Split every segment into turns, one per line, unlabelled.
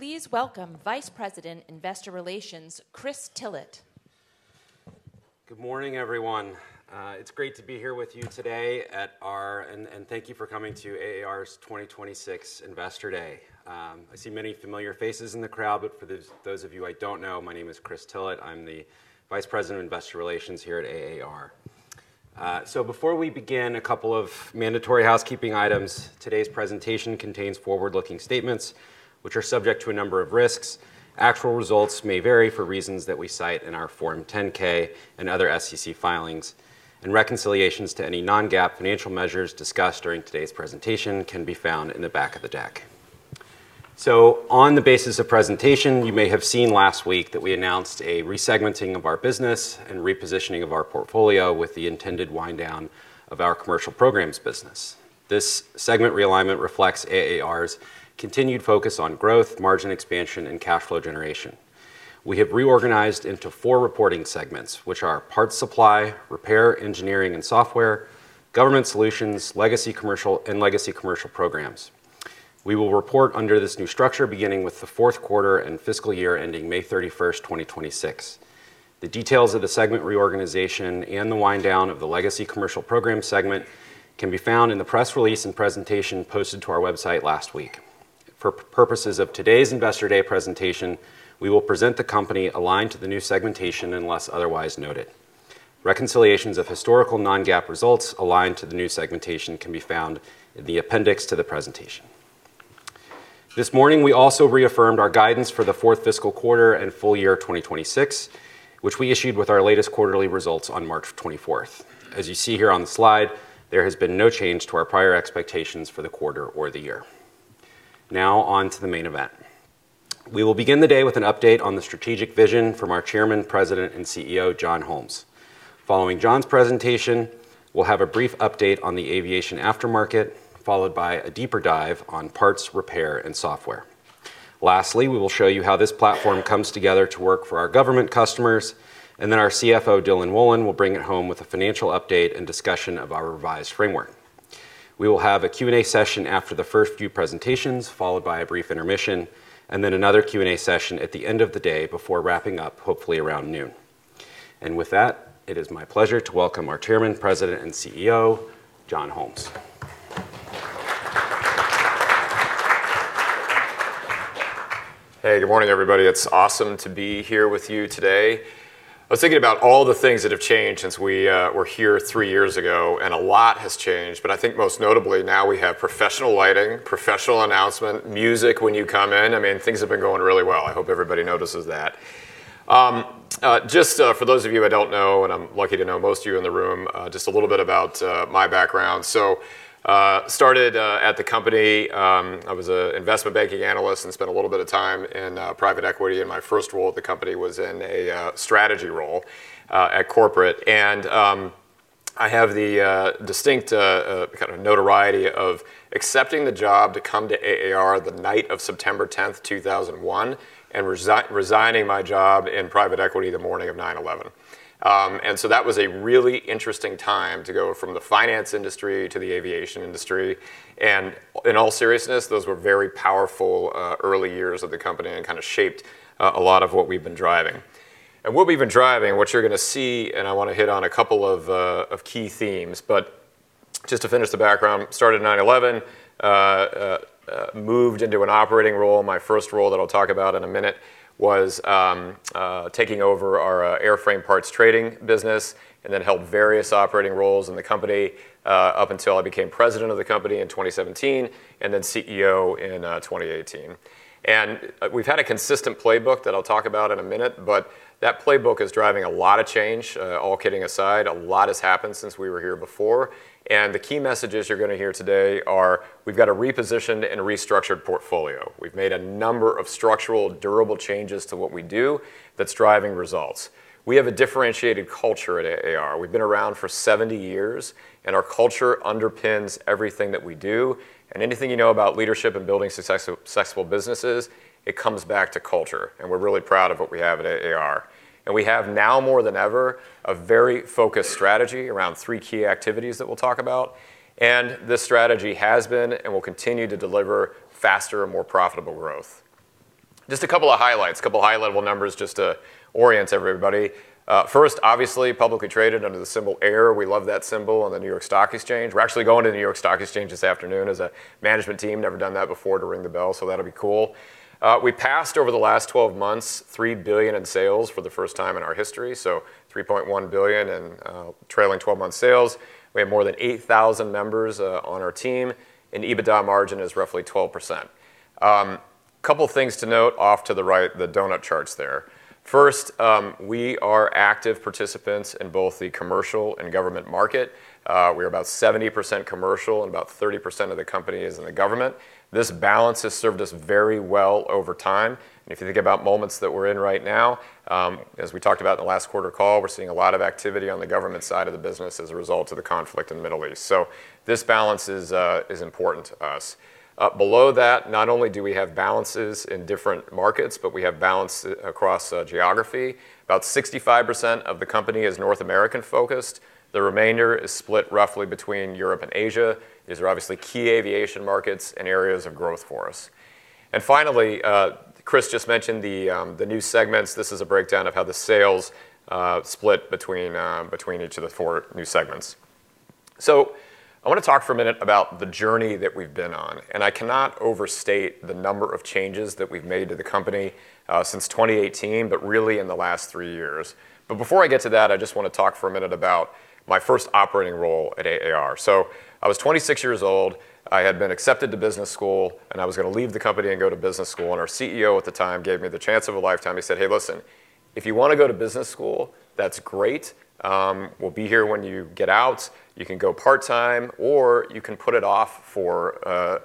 Please welcome Vice President Investor Relations, Chris Tillett.
Good morning, everyone. It's great to be here with you today and thank you for coming to AAR's 2026 Investor Day. I see many familiar faces in the crowd, but for those of you I don't know, my name is Chris Tillett. I'm the Vice President of Investor Relations here at AAR. Before we begin, a couple of mandatory housekeeping items. Today's presentation contains forward-looking statements which are subject to a number of risks. Actual results may vary for reasons that we cite in our Form 10-K and other SEC filings. Reconciliations to any non-GAAP financial measures discussed during today's presentation can be found in the back of the deck. On the basis of presentation, you may have seen last week that we announced a re-segmenting of our business and repositioning of our portfolio with the intended wind down of our commercial programs business. This segment realignment reflects AAR's continued focus on growth, margin expansion, and cash flow generation. We have reorganized into four reporting segments, which are Parts Supply, Repair, Engineering, and Software, Government Solutions, Legacy Commercial, and Legacy Commercial Programs. We will report under this new structure beginning with the fourth quarter and fiscal year ending May 31st, 2026. The details of the segment reorganization and the wind down of the Legacy Commercial Program segment can be found in the press release and presentation posted to our website last week. For purposes of today's Investor Day presentation, we will present the company aligned to the new segmentation unless otherwise noted. Reconciliations of historical non-GAAP results aligned to the new segmentation can be found in the appendix to the presentation. This morning, we also reaffirmed our guidance for the fourth fiscal quarter and full year 2026, which we issued with our latest quarterly results on March 24th. As you see here on the slide, there has been no change to our prior expectations for the quarter or the year. Now on to the main event. We will begin the day with an update on the strategic vision from our Chairman, President, and CEO, John Holmes. Following John's presentation, we'll have a brief update on the aviation aftermarket, followed by a deeper dive on Parts, Repair, and Software. Lastly, we will show you how this platform comes together to work for our government customers, and then our CFO, Dylan Wolin, will bring it home with a financial update and discussion of our revised framework. We will have a Q&A session after the first few presentations, followed by a brief intermission, and then another Q&A session at the end of the day before wrapping up, hopefully around noon. With that, it is my pleasure to welcome our Chairman, President, and CEO, John Holmes.
Hey, good morning, everybody. It's awesome to be here with you today. I was thinking about all the things that have changed since we were here three years ago. A lot has changed. I think most notably now we have professional lighting, professional announcement, music when you come in. I mean, things have been going really well. I hope everybody notices that. Just for those of you I don't know, and I'm lucky to know most of you in the room, just a little bit about my background. Started at the company. I was a investment banking analyst and spent a little bit of time in private equity. My first role at the company was in a strategy role at corporate. I have the distinct kind of notoriety of accepting the job to come to AAR the night of September 10th, 2001, and resigning my job in private equity the morning of 9/11. That was a really interesting time to go from the finance industry to the aviation industry. In all seriousness, those were very powerful early years of the company and kind of shaped a lot of what we've been driving. What we've been driving, what you're going to see, and I want to hit on a couple of key themes. Just to finish the background, started at 9/11, moved into an operating role. My first role that I'll talk about in a minute was taking over our airframe parts trading business and then held various operating roles in the company up until I became President of the company in 2017 and then CEO in 2018. We've had a consistent playbook that I'll talk about in a minute, but that playbook is driving a lot of change. All kidding aside, a lot has happened since we were here before. The key messages you're gonna hear today are we've got a repositioned and restructured portfolio. We've made a number of structural, durable changes to what we do that's driving results. We have a differentiated culture at AAR. We've been around for 70 years, and our culture underpins everything that we do. Anything you know about leadership and building successful businesses, it comes back to culture, and we're really proud of what we have at AAR. We have now more than ever a very focused strategy around three key activities that we'll talk about, and this strategy has been and will continue to deliver faster and more profitable growth. Just a couple of highlights, a couple high-level numbers just to orient everybody. First, obviously, publicly traded under the symbol AIR. We love that symbol on the New York Stock Exchange. We're actually going to the New York Stock Exchange this afternoon as a management team. Never done that before to ring the bell, so that'll be cool. We passed over the last 12 months $3 billion in sales for the first time in our history, so $3.1 billion in trailing 12-month sales. We have more than 8,000 members on our team, and EBITDA margin is roughly 12%. Couple things to note off to the right, the donut charts there. First, we are active participants in both the commercial and government market. We're about 70% commercial and about 30% of the company is in the government. This balance has served us very well over time. If you think about moments that we're in right now, as we talked about in the last quarter call, we're seeing a lot of activity on the government side of the business as a result of the conflict in the Middle East. This balance is important to us. Below that, not only do we have balances in different markets, but we have balance across geography. About 65% of the company is North American focused. The remainder is split roughly between Europe and Asia. These are obviously key aviation markets and areas of growth for us. Finally, Chris just mentioned the new segments. This is a breakdown of how the sales split between each of the four new segments. I wanna talk for a minute about the journey that we've been on, and I cannot overstate the number of changes that we've made to the company since 2018, but really in the last three years. Before I get to that, I just wanna talk for a minute about my first operating role at AAR. I was 26 years old, I had been accepted to business school, and I was gonna leave the company and go to business school, and our CEO at the time gave me the chance of a lifetime. He said, "Hey, listen, if you wanna go to business school, that's great. We'll be here when you get out. You can go part-time, or you can put it off for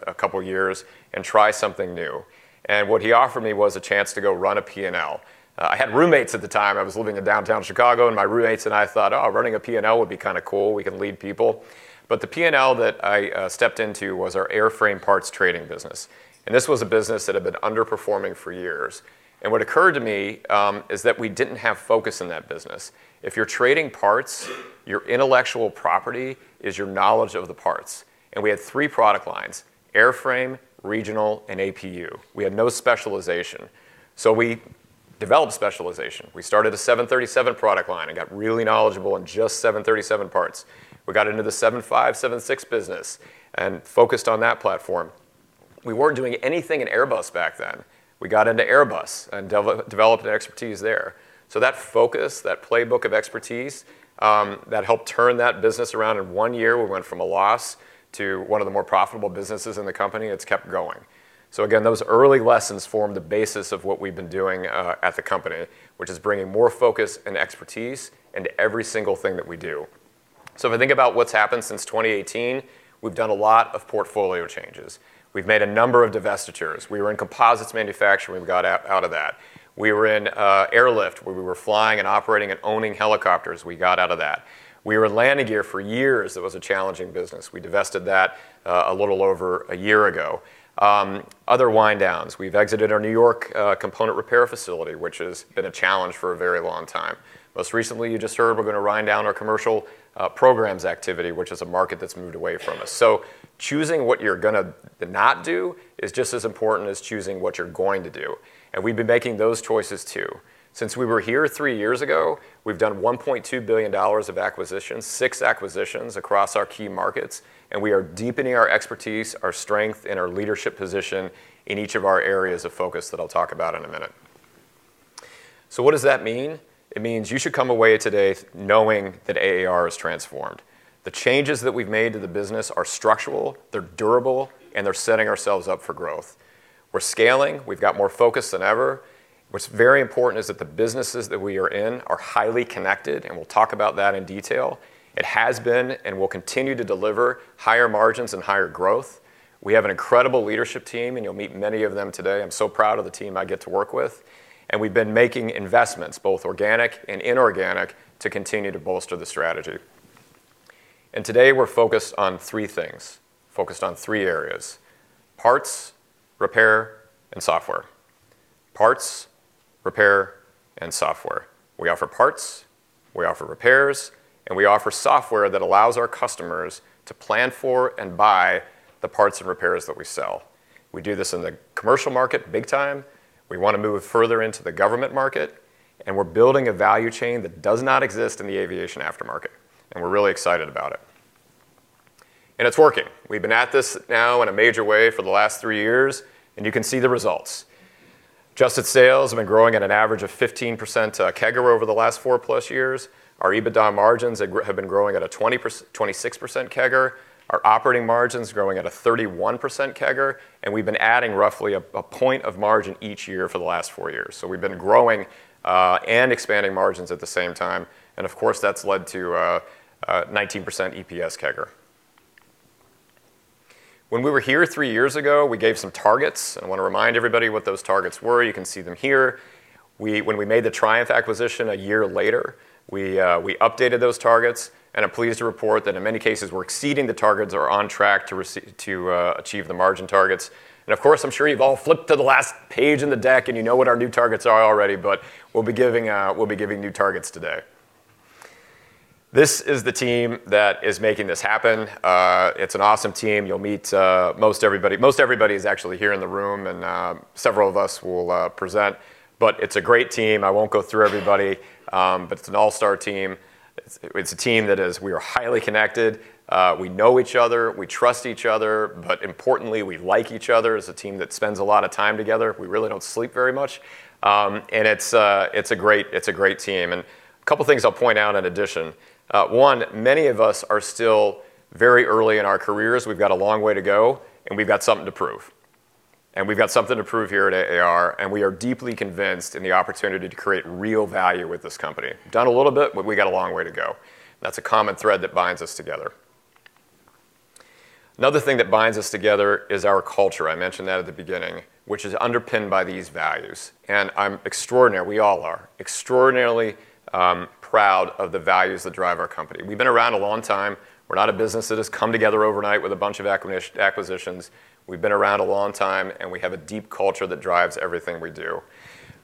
a couple years and try something new." What he offered me was a chance to go run a P&L. I had roommates at the time. I was living in Downtown Chicago. My roommates and I thought, "Oh, running a P&L would be kinda cool. We can lead people." The P&L that I stepped into was our airframe parts trading business, and this was a business that had been underperforming for years. What occurred to me is that we didn't have focus in that business. If you're trading parts, your intellectual property is your knowledge of the parts. We had three product lines: airframe, regional, and APU. We had no specialization, so we developed specialization. We started a 737 product line and got really knowledgeable in just 737 parts. We got into the 757, 767 business and focused on that platform. We weren't doing anything in Airbus back then. We got into Airbus and developed an expertise there. That focus, that playbook of expertise, that helped turn that business around. In one year, we went from a loss to one of the more profitable businesses in the company, and it's kept growing. Again, those early lessons formed the basis of what we've been doing at the company, which is bringing more focus and expertise into every single thing that we do. If I think about what's happened since 2018, we've done a lot of portfolio changes. We've made a number of divestitures. We were in composites manufacturing. We got out of that. We were in airlift, where we were flying and operating and owning helicopters. We got out of that. We were in landing gear for years. It was a challenging business. We divested that a little over a year ago. Other wind downs. We've exited our New York component repair facility, which has been a challenge for a very long time. Most recently, you just heard we're gonna wind down our commercial programs activity, which is a market that's moved away from us. Choosing what you're gonna not do is just as important as choosing what you're going to do, and we've been making those choices too. Since we were here three years ago, we've done $1.2 billion of acquisitions, six acquisitions across our key markets, and we are deepening our expertise, our strength, and our leadership position in each of our areas of focus that I'll talk about in a minute. What does that mean? It means you should come away today knowing that AAR is transformed. The changes that we've made to the business are structural, they're durable, and they're setting ourselves up for growth. We're scaling. We've got more focus than ever. What's very important is that the businesses that we are in are highly connected, and we'll talk about that in detail. It has been and will continue to deliver higher margins and higher growth. We have an incredible leadership team, and you'll meet many of them today. I'm so proud of the team I get to work with. We've been making investments, both organic and inorganic, to continue to bolster the strategy. Today, we're focused on three things, focused on three areas. Parts, Repair, and Software. Parts, Repair, and Software. We offer parts, we offer repairs, and we offer software that allows our customers to plan for and buy the parts and repairs that we sell. We do this in the commercial market big time. We wanna move further into the government market, we're building a value chain that does not exist in the aviation aftermarket, we're really excited about it. It's working. We've been at this now in a major way for the last three years, you can see the results. Adjusted sales have been growing at an average of 15% CAGR over the last four-plus years. Our EBITDA margins have been growing at a 26% CAGR. Our operating margin's growing at a 31% CAGR, we've been adding roughly a point of margin each year for the last four years. We've been growing, expanding margins at the same time, of course, that's led to a 19% EPS CAGR. When we were here three years ago, we gave some targets. I want to remind everybody what those targets were. You can see them here. When we made the Triumph acquisition a year later, we updated those targets, and I'm pleased to report that in many cases, we're exceeding the targets or on track to achieve the margin targets. Of course, I'm sure you've all flipped to the last page in the deck, and you know what our new targets are already, but we'll be giving new targets today. This is the team that is making this happen. It's an awesome team. You'll meet most everybody. Most everybody is actually here in the room, and several of us will present. It's a great team. I won't go through everybody, but it's an all-star team. It's a team that we are highly connected. We know each other. We trust each other. Importantly, we like each other as a team that spends a lot of time together. We really don't sleep very much. It's a great team. A couple things I'll point out in addition. One, many of us are still very early in our careers. We've got a long way to go, and we've got something to prove. We've got something to prove here at AAR, and we are deeply convinced in the opportunity to create real value with this company. Done a little bit, but we got a long way to go. That's a common thread that binds us together. Another thing that binds us together is our culture, I mentioned that at the beginning, which is underpinned by these values. I'm extraordinary, we all are, extraordinarily proud of the values that drive our company. We've been around a long time. We're not a business that has come together overnight with a bunch of acquisitions. We've been around a long time, and we have a deep culture that drives everything we do.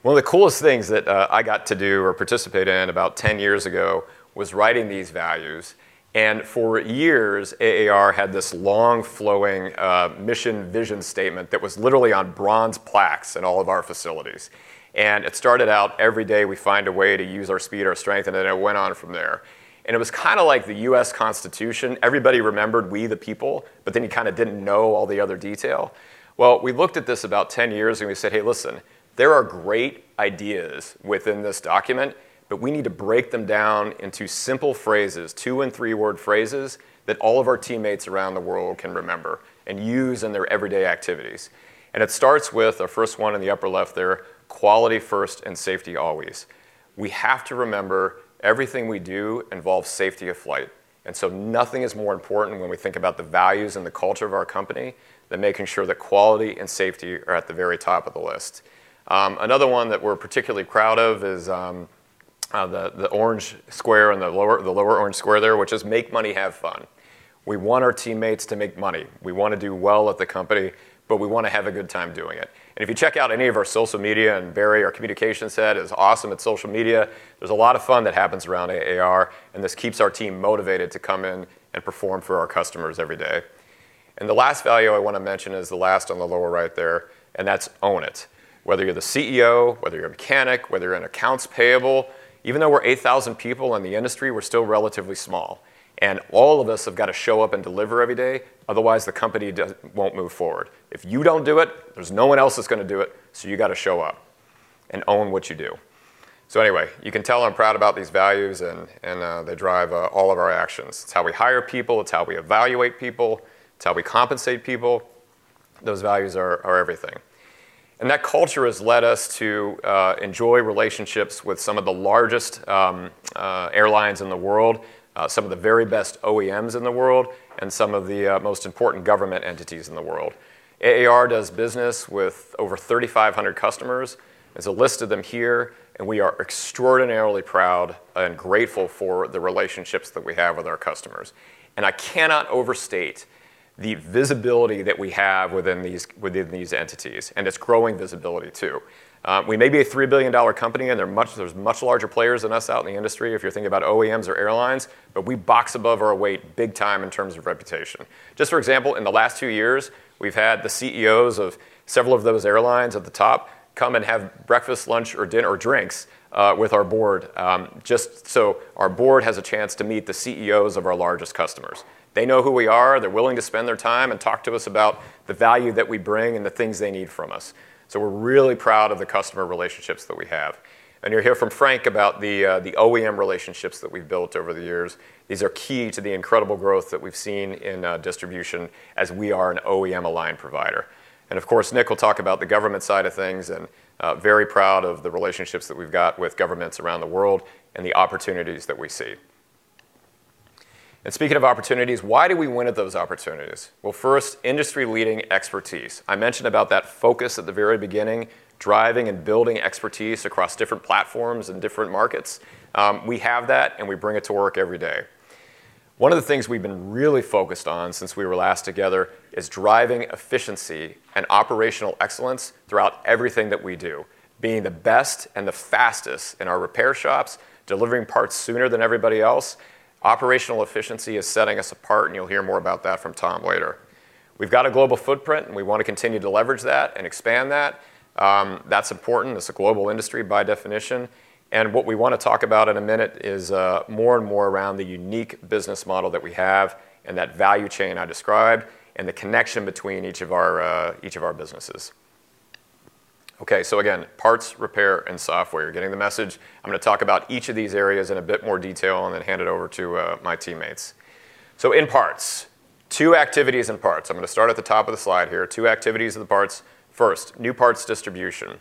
One of the coolest things that I got to do or participate in about 10 years ago was writing these values, and for years AAR had this long flowing mission vision statement that was literally on bronze plaques in all of our facilities. It started out, "Every day we find a way to use our speed, our strength," and then it went on from there. It was kind of like the U.S. Constitution. Everybody remembered, "We the people," but then you kind of didn't know all the other detail. We looked at this about 10 years ago and we said, "Hey, listen, there are great ideas within this document, but we need to break them down into simple phrases, two and three-word phrases, that all of our teammates around the world can remember and use in their everyday activities." It starts with our first one in the upper left there, quality first and safety always. We have to remember everything we do involves safety of flight, and so nothing is more important when we think about the values and the culture of our company than making sure that quality and safety are at the very top of the list. Another one that we're particularly proud of is the orange square in the lower orange square there, which is make money, have fun. We want our teammates to make money. We wanna do well at the company, but we wanna have a good time doing it. If you check out any of our social media, and Barry, our communication set is awesome at social media, there's a lot of fun that happens around AAR, and this keeps our team motivated to come in and perform for our customers every day. The last value I wanna mention is the last on the lower right there, and that's own it. Whether you're the CEO, whether you're a mechanic, whether you're in accounts payable, even though we're 8,000 people in the industry, we're still relatively small, and all of us have gotta show up and deliver every day, otherwise the company won't move forward. If you don't do it, there's no one else that's gonna do it, so you gotta show up and own what you do. Anyway, you can tell I'm proud about these values and they drive all of our actions. It's how we hire people, it's how we evaluate people, it's how we compensate people. Those values are everything. That culture has led us to enjoy relationships with some of the largest airlines in the world, some of the very best OEMs in the world, and some of the most important government entities in the world. AAR does business with over 3,500 customers. There's a list of them here, and we are extraordinarily proud and grateful for the relationships that we have with our customers. I cannot overstate the visibility that we have within these entities, and it's growing visibility too. We may be a $3 billion company, and there are much, there's much larger players than us out in the industry if you're thinking about OEMs or airlines, but we box above our weight big time in terms of reputation. Just for example, in the last two years, we've had the CEOs of several of those airlines at the top come and have breakfast, lunch, or drinks with our Board, just so our Board has a chance to meet the CEOs of our largest customers. They know who we are, they're willing to spend their time and talk to us about the value that we bring and the things they need from us. We're really proud of the customer relationships that we have. You'll hear from Frank about the OEM relationships that we've built over the years. These are key to the incredible growth that we've seen in distribution as we are an OEM-aligned provider. Of course, Nick will talk about the government side of things and very proud of the relationships that we've got with governments around the world and the opportunities that we see. Speaking of opportunities, why do we win at those opportunities? Well, first, industry-leading expertise. I mentioned about that focus at the very beginning, driving and building expertise across different platforms and different markets. We have that, and we bring it to work every day. One of the things we've been really focused on since we were last together is driving efficiency and operational excellence throughout everything that we do. Being the best and the fastest in our repair shops, delivering parts sooner than everybody else. Operational efficiency is setting us apart. You'll hear more about that from Tom later. We've got a global footprint. We want to continue to leverage that and expand that. That's important. It's a global industry by definition. What we want to talk about in a minute is more and more around the unique business model that we have and that value chain I described and the connection between each of our each of our businesses. Again, Parts, Repair, and Software. You're getting the message. I'm going to talk about each of these areas in a bit more detail and then hand it over to my teammates. In parts, two activities in parts. I'm going to start at the top of the slide here. Two activities in the parts. First, new parts Distribution.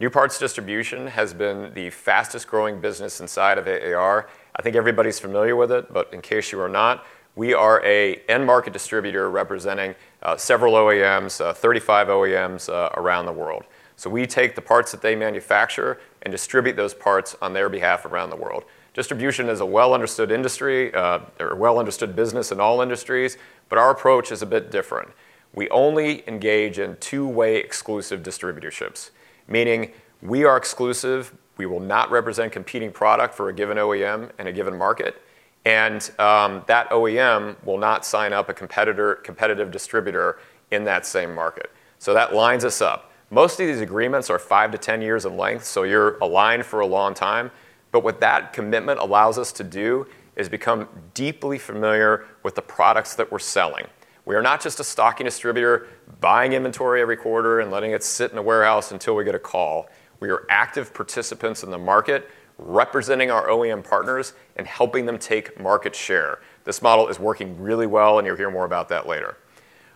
New parts Distribution has been the fastest-growing business inside of AAR. I think everybody's familiar with it, but in case you are not, we are an end-market distributor representing several OEMs, 35 OEMs, around the world. We take the parts that they manufacture and distribute those parts on their behalf around the world. Distribution is a well-understood industry, or a well-understood business in all industries, but our approach is a bit different. We only engage in two-way exclusive distributorships, meaning we are exclusive, we will not represent competing product for a given OEM in a given market, and that OEM will not sign up a competitor, competitive distributor in that same market. That lines us up. Most of these agreements are 5-10 years in length, so you're aligned for a long time, but what that commitment allows us to do is become deeply familiar with the products that we're selling. We are not just a stocking distributor buying inventory every quarter and letting it sit in a warehouse until we get a call. We are active participants in the market representing our OEM partners and helping them take market share. This model is working really well, you'll hear more about that later.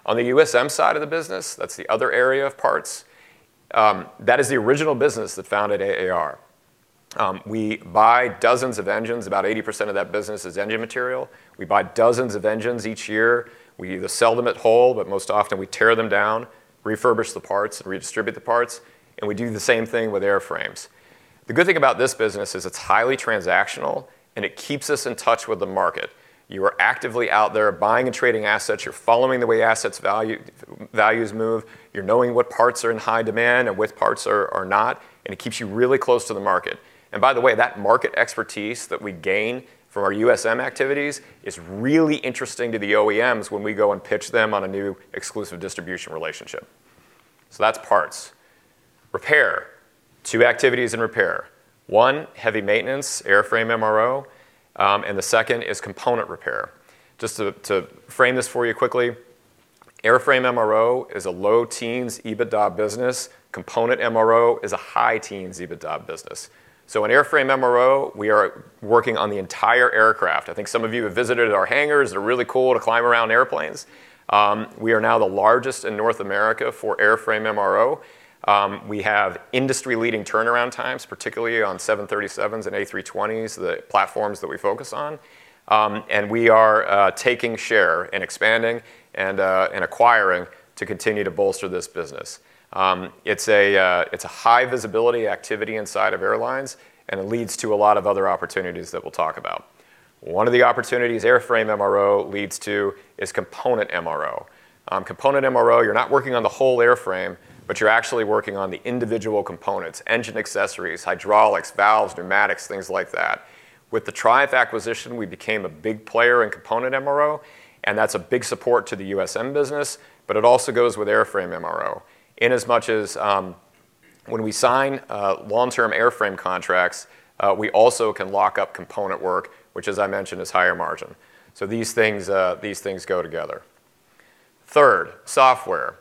On the USM side of the business, that's the other area of parts, that is the original business that founded AAR. We buy dozens of engines. About 80% of that business is engine material. We buy dozens of engines each year. We either sell them at whole, but most often we tear them down, refurbish the parts and redistribute the parts, and we do the same thing with airframes. The good thing about this business is it's highly transactional and it keeps us in touch with the market. You are actively out there buying and trading assets. You're following the way assets values move. You're knowing what parts are in high demand and which parts are not, and it keeps you really close to the market. By the way, that market expertise that we gain from our USM activities is really interesting to the OEMs when we go and pitch them on a new exclusive distribution relationship. That's Parts. Repair. Two activities in Repair. One, heavy maintenance, Airframe MRO, and the second is component repair. Just to frame this for you quickly, Airframe MRO is a low teens EBITDA business. Component MRO is a high teens EBITDA business. In airframe MRO, we are working on the entire aircraft. I think some of you have visited our hangars. They're really cool to climb around airplanes. We are now the largest in North America for Airframe MRO. We have industry-leading turnaround times, particularly on 737s and A320s, the platforms that we focus on. We are taking share and expanding and acquiring to continue to bolster this business. It's a high visibility activity inside of airlines, and it leads to a lot of other opportunities that we'll talk about. One of the opportunities Airframe MRO leads to is Component MRO. Component MRO, you're not working on the whole airframe, but you're actually working on the individual components, engine accessories, hydraulics, valves, pneumatics, things like that. With the Triumph acquisition, we became a big player in Component MRO, and that's a big support to the USM business, but it also goes with Airframe MRO. In as much as, when we sign long-term airframe contracts, we also can lock up component work, which as I mentioned, is higher margin. These things go together. Third, Software.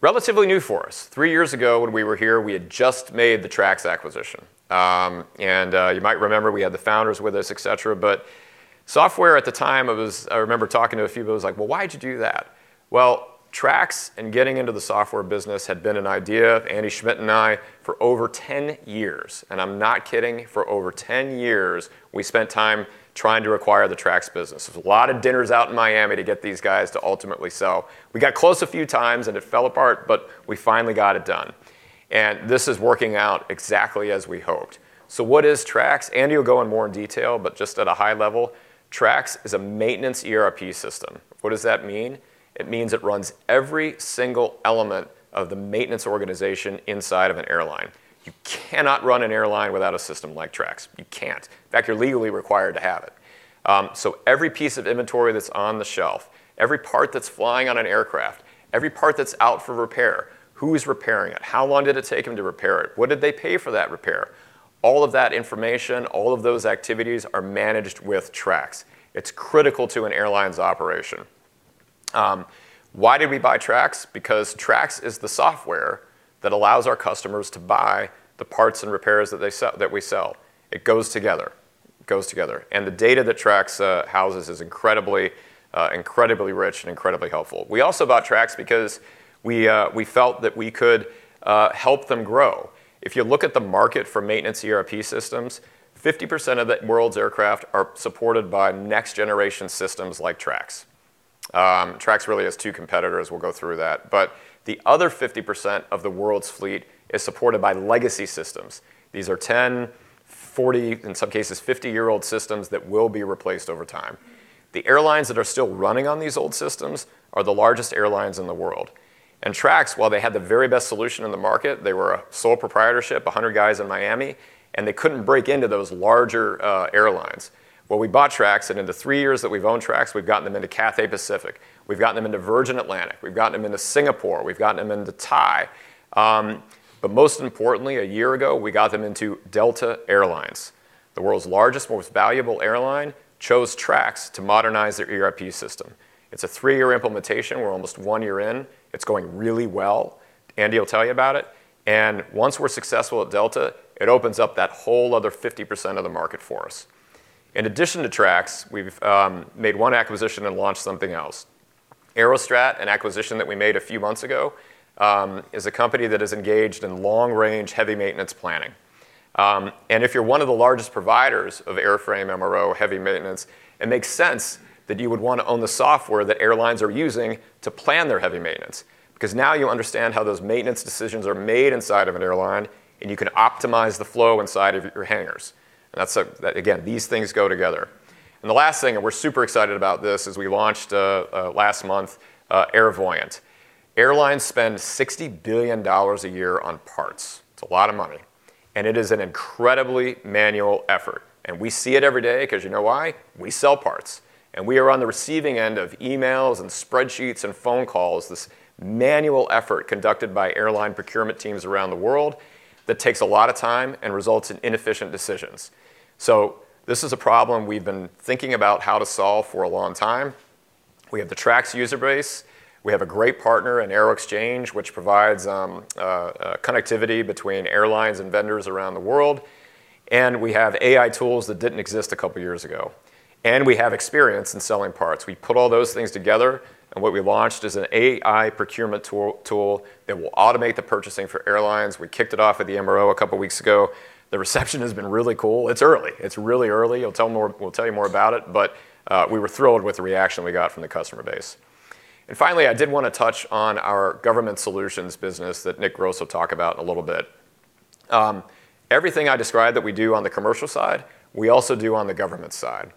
Relatively new for us. Three years ago when we were here, we had just made the Trax acquisition. You might remember we had the founders with us, etc. Software at the time I remember talking to a few of you. It was like, "Well, why'd you do that?" Trax and getting into the software business had been an idea of Andy Schmidt and I for over 10 years, and I'm not kidding. For over 10 years, we spent time trying to acquire the Trax business. There was a lot of dinners out in Miami to get these guys to ultimately sell. We got close a few times, and it fell apart, but we finally got it done. This is working out exactly as we hoped. What is Trax? Andy will go in more in detail, but just at a high level, Trax is a maintenance ERP system. What does that mean? It means it runs every single element of the maintenance organization inside of an airline. You cannot run an airline without a system like Trax. You can't. In fact, you're legally required to have it. Every piece of inventory that's on the shelf, every part that's flying on an aircraft, every part that's out for repair, who's repairing it? How long did it take them to repair it? What did they pay for that repair? All of that information, all of those activities are managed with Trax. It's critical to an airline's operation. Why did we buy Trax? Because Trax is the software that allows our customers to buy the parts and repairs that we sell. It goes together. It goes together. The data that Trax houses is incredibly rich and incredibly helpful. We also bought Trax because we felt that we could help them grow. If you look at the market for maintenance ERP systems, 50% of the world's aircraft are supported by next-generation systems like Trax. Trax really has two competitors. We'll go through that. The other 50% of the world's fleet is supported by legacy systems. These are 10-, 40-, in some cases, 50-year-old systems that will be replaced over time. The airlines that are still running on these old systems are the largest airlines in the world. Trax, while they had the very best solution in the market, they were a sole proprietorship, 100 guys in Miami, and they couldn't break into those larger airlines. We bought Trax, and in the three years that we've owned Trax, we've gotten them into Cathay Pacific. We've gotten them into Virgin Atlantic. We've gotten them into Singapore. We've gotten them into Thai. Most importantly, a year ago, we got them into Delta Air Lines. The world's largest, most valuable airline chose Trax to modernize their ERP system. It's a three-year implementation. We're almost one year in. It's going really well. Andy will tell you about it. Once we're successful at Delta, it opens up that whole other 50% of the market for us. In addition to Trax, we've made one acquisition and launched something else. Aerostrat, an acquisition that we made a few months ago, is a company that is engaged in long-range heavy maintenance planning. If you're one of the largest providers of airframe MRO heavy maintenance, it makes sense that you would want to own the software that airlines are using to plan their heavy maintenance, because now you understand how those maintenance decisions are made inside of an airline, and you can optimize the flow inside of your hangars. That's, again, these things go together. The last thing, and we're super excited about this, is we launched last month, Airvoyant. Airlines spend $60 billion a year on parts. It's a lot of money, and it is an incredibly manual effort, and we see it every day because you know why? We sell parts, and we are on the receiving end of emails and spreadsheets and phone calls, this manual effort conducted by airline procurement teams around the world that takes a lot of time and results in inefficient decisions. This is a problem we've been thinking about how to solve for a long time. We have the Trax user base. We have a great partner in Aeroxchange, which provides connectivity between airlines and vendors around the world. We have AI tools that didn't exist a couple years ago. We have experience in selling parts. We put all those things together, and what we launched is an AI procurement tool that will automate the purchasing for airlines. We kicked it off at the MRO a couple weeks ago. The reception has been really cool. It's early. It's really early. We'll tell you more about it, but we were thrilled with the reaction we got from the customer base. Finally, I did wanna touch on our Government Solutions business that Nick Gross will talk about in a little bit. Everything I described that we do on the commercial side, we also do on the government side.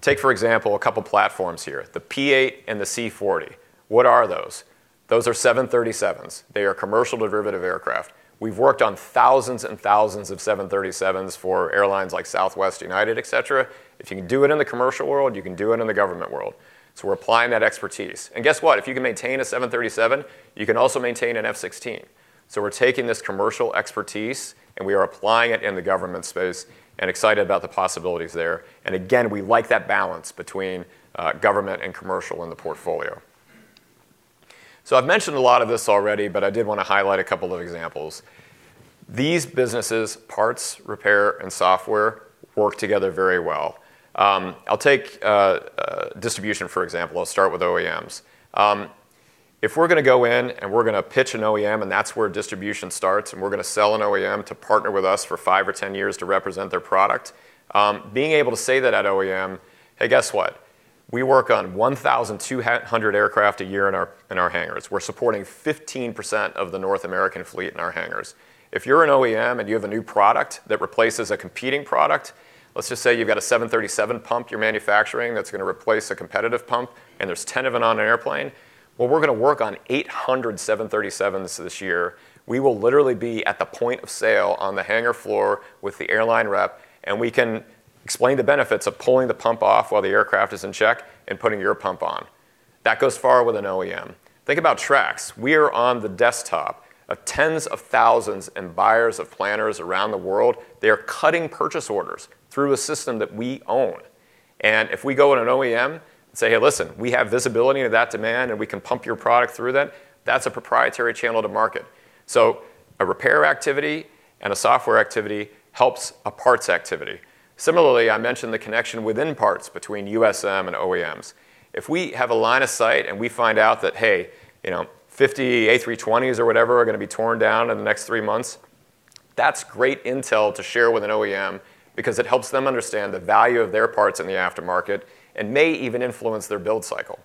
Take, for example, a couple platforms here, the P-8 and the C-40. What are those? Those are 737s. They are commercial derivative aircraft. We've worked on thousands and thousands of 737s for airlines like Southwest, United, etc. If you can do it in the commercial world, you can do it in the government world. So we're applying that expertise. Guess what? If you can maintain a 737, you can also maintain an F-16. We're taking this commercial expertise, and we are applying it in the government space and excited about the possibilities there. Again, we like that balance between government and commercial in the portfolio. I've mentioned a lot of this already, but I did wanna highlight a couple of examples. These businesses, Parts, Repair, and Software, work together very well. I'll take Distribution for example. I'll start with OEMs. If we're gonna go in and we're gonna pitch an OEM, and that's where distribution starts, and we're gonna sell an OEM to partner with us for five or 10 years to represent their product, being able to say that at OEM, "Hey, guess what? We work on 1,200 aircraft a year in our hangars. We're supporting 15% of the North American fleet in our hangars. If you're an OEM and you have a new product that replaces a competing product, let's just say you've got a 737 pump you're manufacturing that's gonna replace a competitive pump, and there's 10 of it on an airplane, well, we're gonna work on 800 737s this year. We will literally be at the point of sale on the hangar floor with the airline rep, and we can explain the benefits of pulling the pump off while the aircraft is in check and putting your pump on. That goes far with an OEM. Think about Trax. We are on the desktop of tens of thousands and buyers of planners around the world. They are cutting purchase orders through a system that we own. If we go in an OEM and say, "Hey, listen, we have visibility to that demand, and we can pump your product through that," that's a proprietary channel to market. A repair activity and a software activity helps a parts activity. Similarly, I mentioned the connection within parts between USM and OEMs. If we have a line of sight and we find out that, hey, you know, 50 A320s or whatever are gonna be torn down in the next three months, that's great intel to share with an OEM because it helps them understand the value of their parts in the aftermarket and may even influence their build cycle.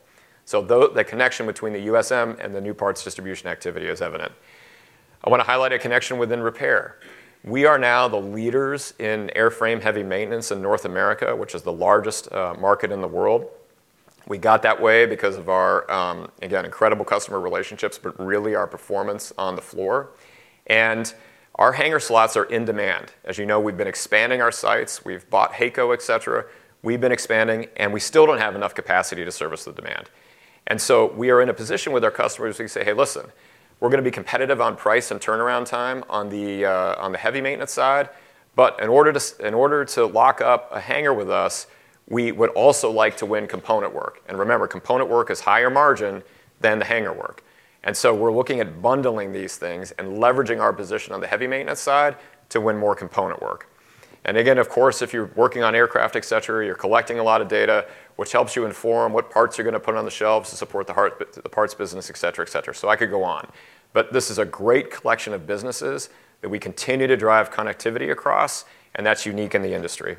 The connection between the USM and the new parts distribution activity is evident. I wanna highlight a connection within repair. We are now the leaders in airframe heavy maintenance in North America, which is the largest market in the world. We got that way because of our, again, incredible customer relationships, but really our performance on the floor. Our hangar slots are in demand. As you know, we've been expanding our sites. We've bought HAECO, etc. We've been expanding, and we still don't have enough capacity to service the demand. We are in a position with our customers, we say, "Hey, listen, we're gonna be competitive on price and turnaround time on the heavy maintenance side." In order to lock up a hangar with us, we would also like to win component work. Remember, component work is higher margin than the hangar work. We're looking at bundling these things and leveraging our position on the heavy maintenance side to win more component work. Again, of course, if you're working on aircraft, etc, you're collecting a lot of data, which helps you inform what parts you're gonna put on the shelves to support the Parts business, etc, etc. I could go on. This is a great collection of businesses that we continue to drive connectivity across, and that's unique in the industry.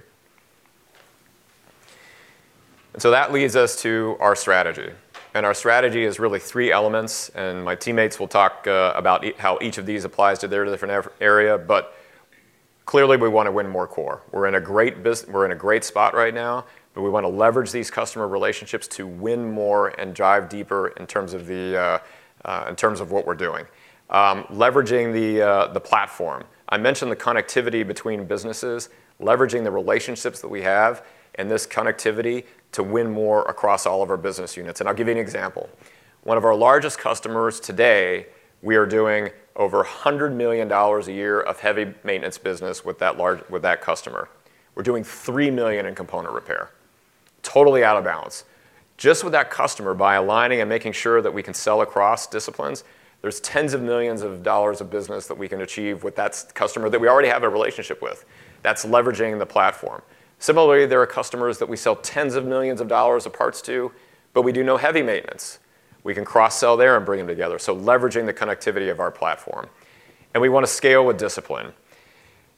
That leads us to our strategy. Our strategy is really three elements, and my teammates will talk about how each of these applies to their different area. Clearly, we wanna win more core. We're in a great spot right now, we wanna leverage these customer relationships to win more and drive deeper in terms of what we're doing. Leveraging the platform. I mentioned the connectivity between businesses, leveraging the relationships that we have and this connectivity to win more across all of our business units. I'll give you an example. One of our largest customers today, we are doing over $100 million a year of heavy maintenance business with that customer. We're doing $3 million in component repair. Totally out of balance. Just with that customer, by aligning and making sure that we can sell across disciplines, there's tens of millions of dollars of business that we can achieve with that customer that we already have a relationship with. That's leveraging the platform. Similarly, there are customers that we sell tens of millions of dollars of parts to, but we do no heavy maintenance. We can cross-sell there and bring them together, leveraging the connectivity of our platform. We wanna scale with discipline.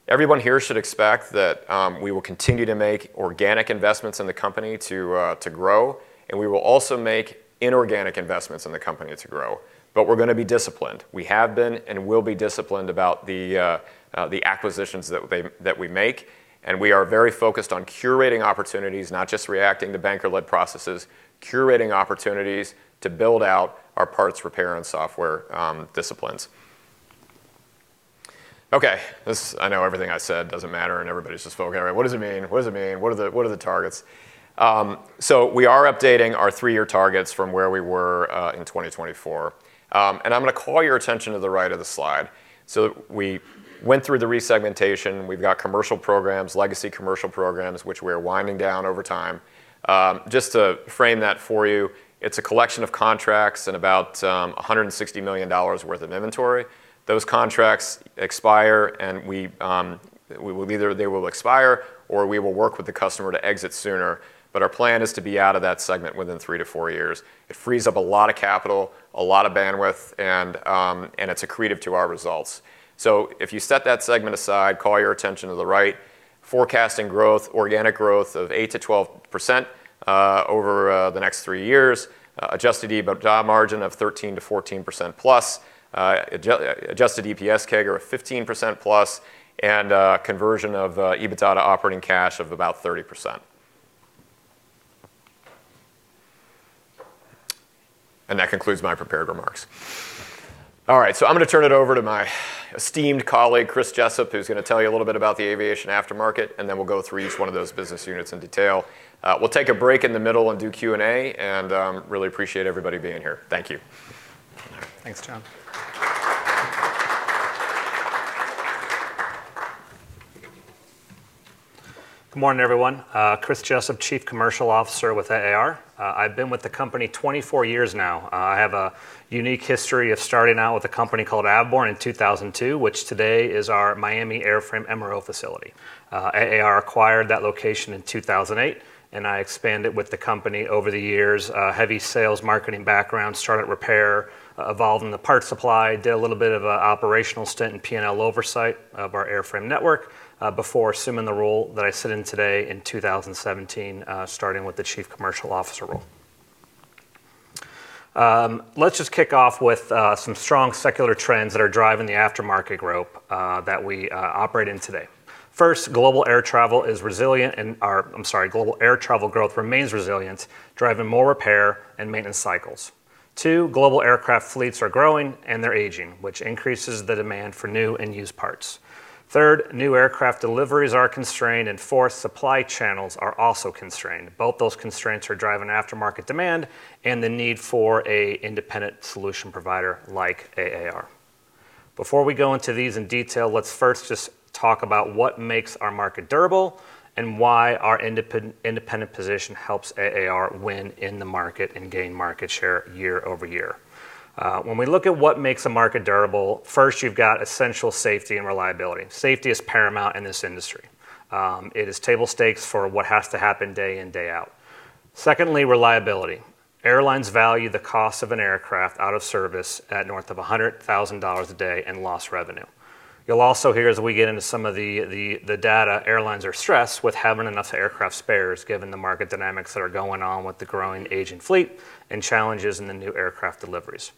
Everyone here should expect that we will continue to make organic investments in the company to grow, and we will also make inorganic investments in the company to grow. We're gonna be disciplined. We have been and will be disciplined about the acquisitions that we make, and we are very focused on curating opportunities, not just reacting to banker-led processes, curating opportunities to build out our parts repair and software disciplines. Okay, I know everything I said doesn't matter, and everybody's just focusing, "All right, what does it mean? What does it mean? What are the targets? We are updating our three-year targets from where we were in 2024. I'm gonna call your attention to the right of the slide. We went through the resegmentation, we've got Commercial Programs, Legacy Commercial Programs, which we're winding down over time. Just to frame that for you, it's a collection of contracts and about $160 million worth of inventory. Those contracts expire, and they will expire, or we will work with the customer to exit sooner. Our plan is to be out of that segment within three to four years. It frees up a lot of capital, a lot of bandwidth, and it's accretive to our results. If you set that segment aside, call your attention to the right, forecasting growth, organic growth of 8%-12% over the next three years, adjusted EBITDA margin of 13%-14%+, adjusted EPS CAGR of 15%+, and conversion of EBITDA to operating cash of about 30%. That concludes my prepared remarks. I'm going to turn it over to my esteemed colleague, Chris Jessup, who's going to tell you a little bit about the aviation aftermarket, then we'll go through each one of those business units in detail. We'll take a break in the middle and do Q&A, really appreciate everybody being here. Thank you.
Thanks, John. Good morning, everyone. Chris Jessup, Chief Commercial Officer with AAR. I've been with the company 24 years now. I have a unique history of starting out with a company called Avborne in 2002, which today is our Miami Airframe MRO facility. AAR acquired that location in 2008, I expanded with the company over the years. Heavy sales, marketing background, started repair, evolved in the parts supply, did a little bit of a operational stint in P&L oversight of our airframe network, before assuming the role that I sit in today in 2017, starting with the Chief Commercial Officer role. Let's just kick off with some strong secular trends that are driving the aftermarket growth that we operate in today. First, global air travel is resilient, I'm sorry, global air travel growth remains resilient, driving more repair and maintenance cycles. Two, global aircraft fleets are growing and they're aging, which increases the demand for new and used parts. Third, new aircraft deliveries are constrained, fourth, supply channels are also constrained. Both those constraints are driving aftermarket demand and the need for an independent solution provider like AAR. Before we go into these in detail, let's first just talk about what makes our market durable and why our independent position helps AAR win in the market and gain market share year-over-year. When we look at what makes a market durable, first, you've got essential safety and reliability. Safety is paramount in this industry. It is table stakes for what has to happen day in, day out. Secondly, reliability. Airlines value the cost of an aircraft out of service at north of $100,000 a day in lost revenue. You'll also hear as we get into some of the data, airlines are stressed with having enough aircraft spares given the market dynamics that are going on with the growing aging fleet and challenges in the new aircraft deliveries.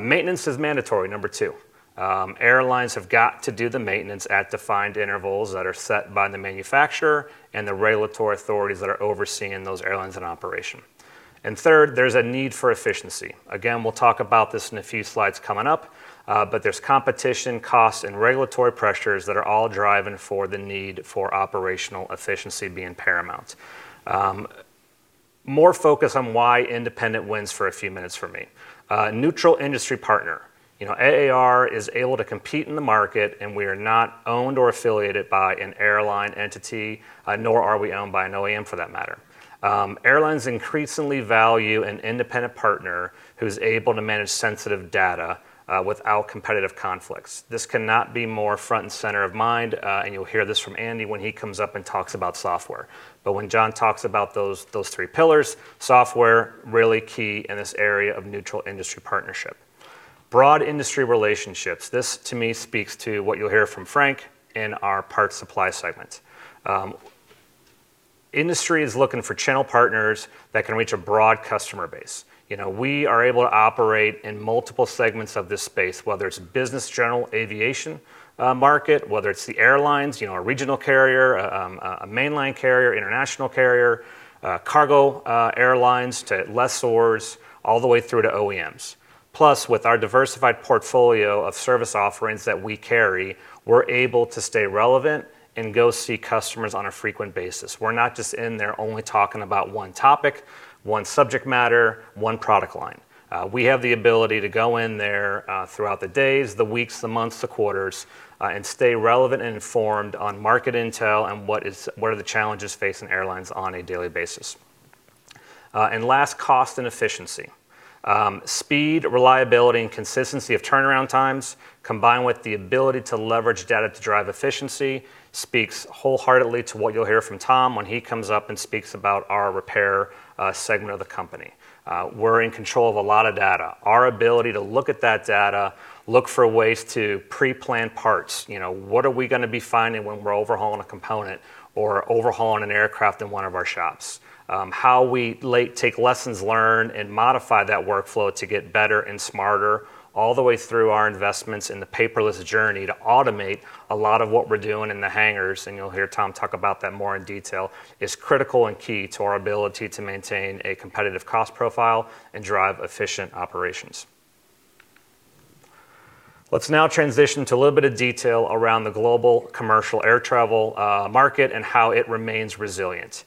Maintenance is mandatory, number two. Airlines have got to do the maintenance at defined intervals that are set by the manufacturer and the regulatory authorities that are overseeing those airlines in operation. Third, there's a need for efficiency. Again, we'll talk about this in a few slides coming up, there's competition, cost, and regulatory pressures that are all driving for the need for operational efficiency being paramount. More focus on why independent wins for a few minutes for me. Neutral industry partner. You know, AAR is able to compete in the market, we are not owned or affiliated by an airline entity, nor are we owned by an OEM for that matter. Airlines increasingly value an independent partner who's able to manage sensitive data, without competitive conflicts. This cannot be more front and center of mind, and you'll hear this from Andy when he comes up and talks about software. When John talks about those three pillars, software really key in this area of neutral industry partnership. Broad industry relationships. This, to me, speaks to what you'll hear from Frank in our Parts Supply segment. Industry is looking for channel partners that can reach a broad customer base. You know, we are able to operate in multiple segments of this space, whether it's business general aviation market, whether it's the airlines, you know, a regional carrier, a mainline carrier, international carrier, cargo airlines to lessors, all the way through to OEMs. Plus, with our diversified portfolio of service offerings that we carry, we're able to stay relevant and go see customers on a frequent basis. We're not just in there only talking about one topic, one subject matter, one product line. We have the ability to go in there throughout the days, the weeks, the months, the quarters, and stay relevant and informed on market intel and what are the challenges facing airlines on a daily basis. Last, cost and efficiency. Speed, reliability, and consistency of turnaround times, combined with the ability to leverage data to drive efficiency, speaks wholeheartedly to what you'll hear from Tom when he comes up and speaks about our Repair segment of the company. We're in control of a lot of data. Our ability to look at that data, look for ways to preplan parts, you know, what are we gonna be finding when we're overhauling a component or overhauling an aircraft in one of our shops? How we take lessons learned and modify that workflow to get better and smarter all the way through our investments in the paperless journey to automate a lot of what we're doing in the hangars? And you'll hear Tom talk about that more in detail, is critical and key to our ability to maintain a competitive cost profile and drive efficient operations. Let's now transition to a little bit of detail around the global commercial air travel market and how it remains resilient.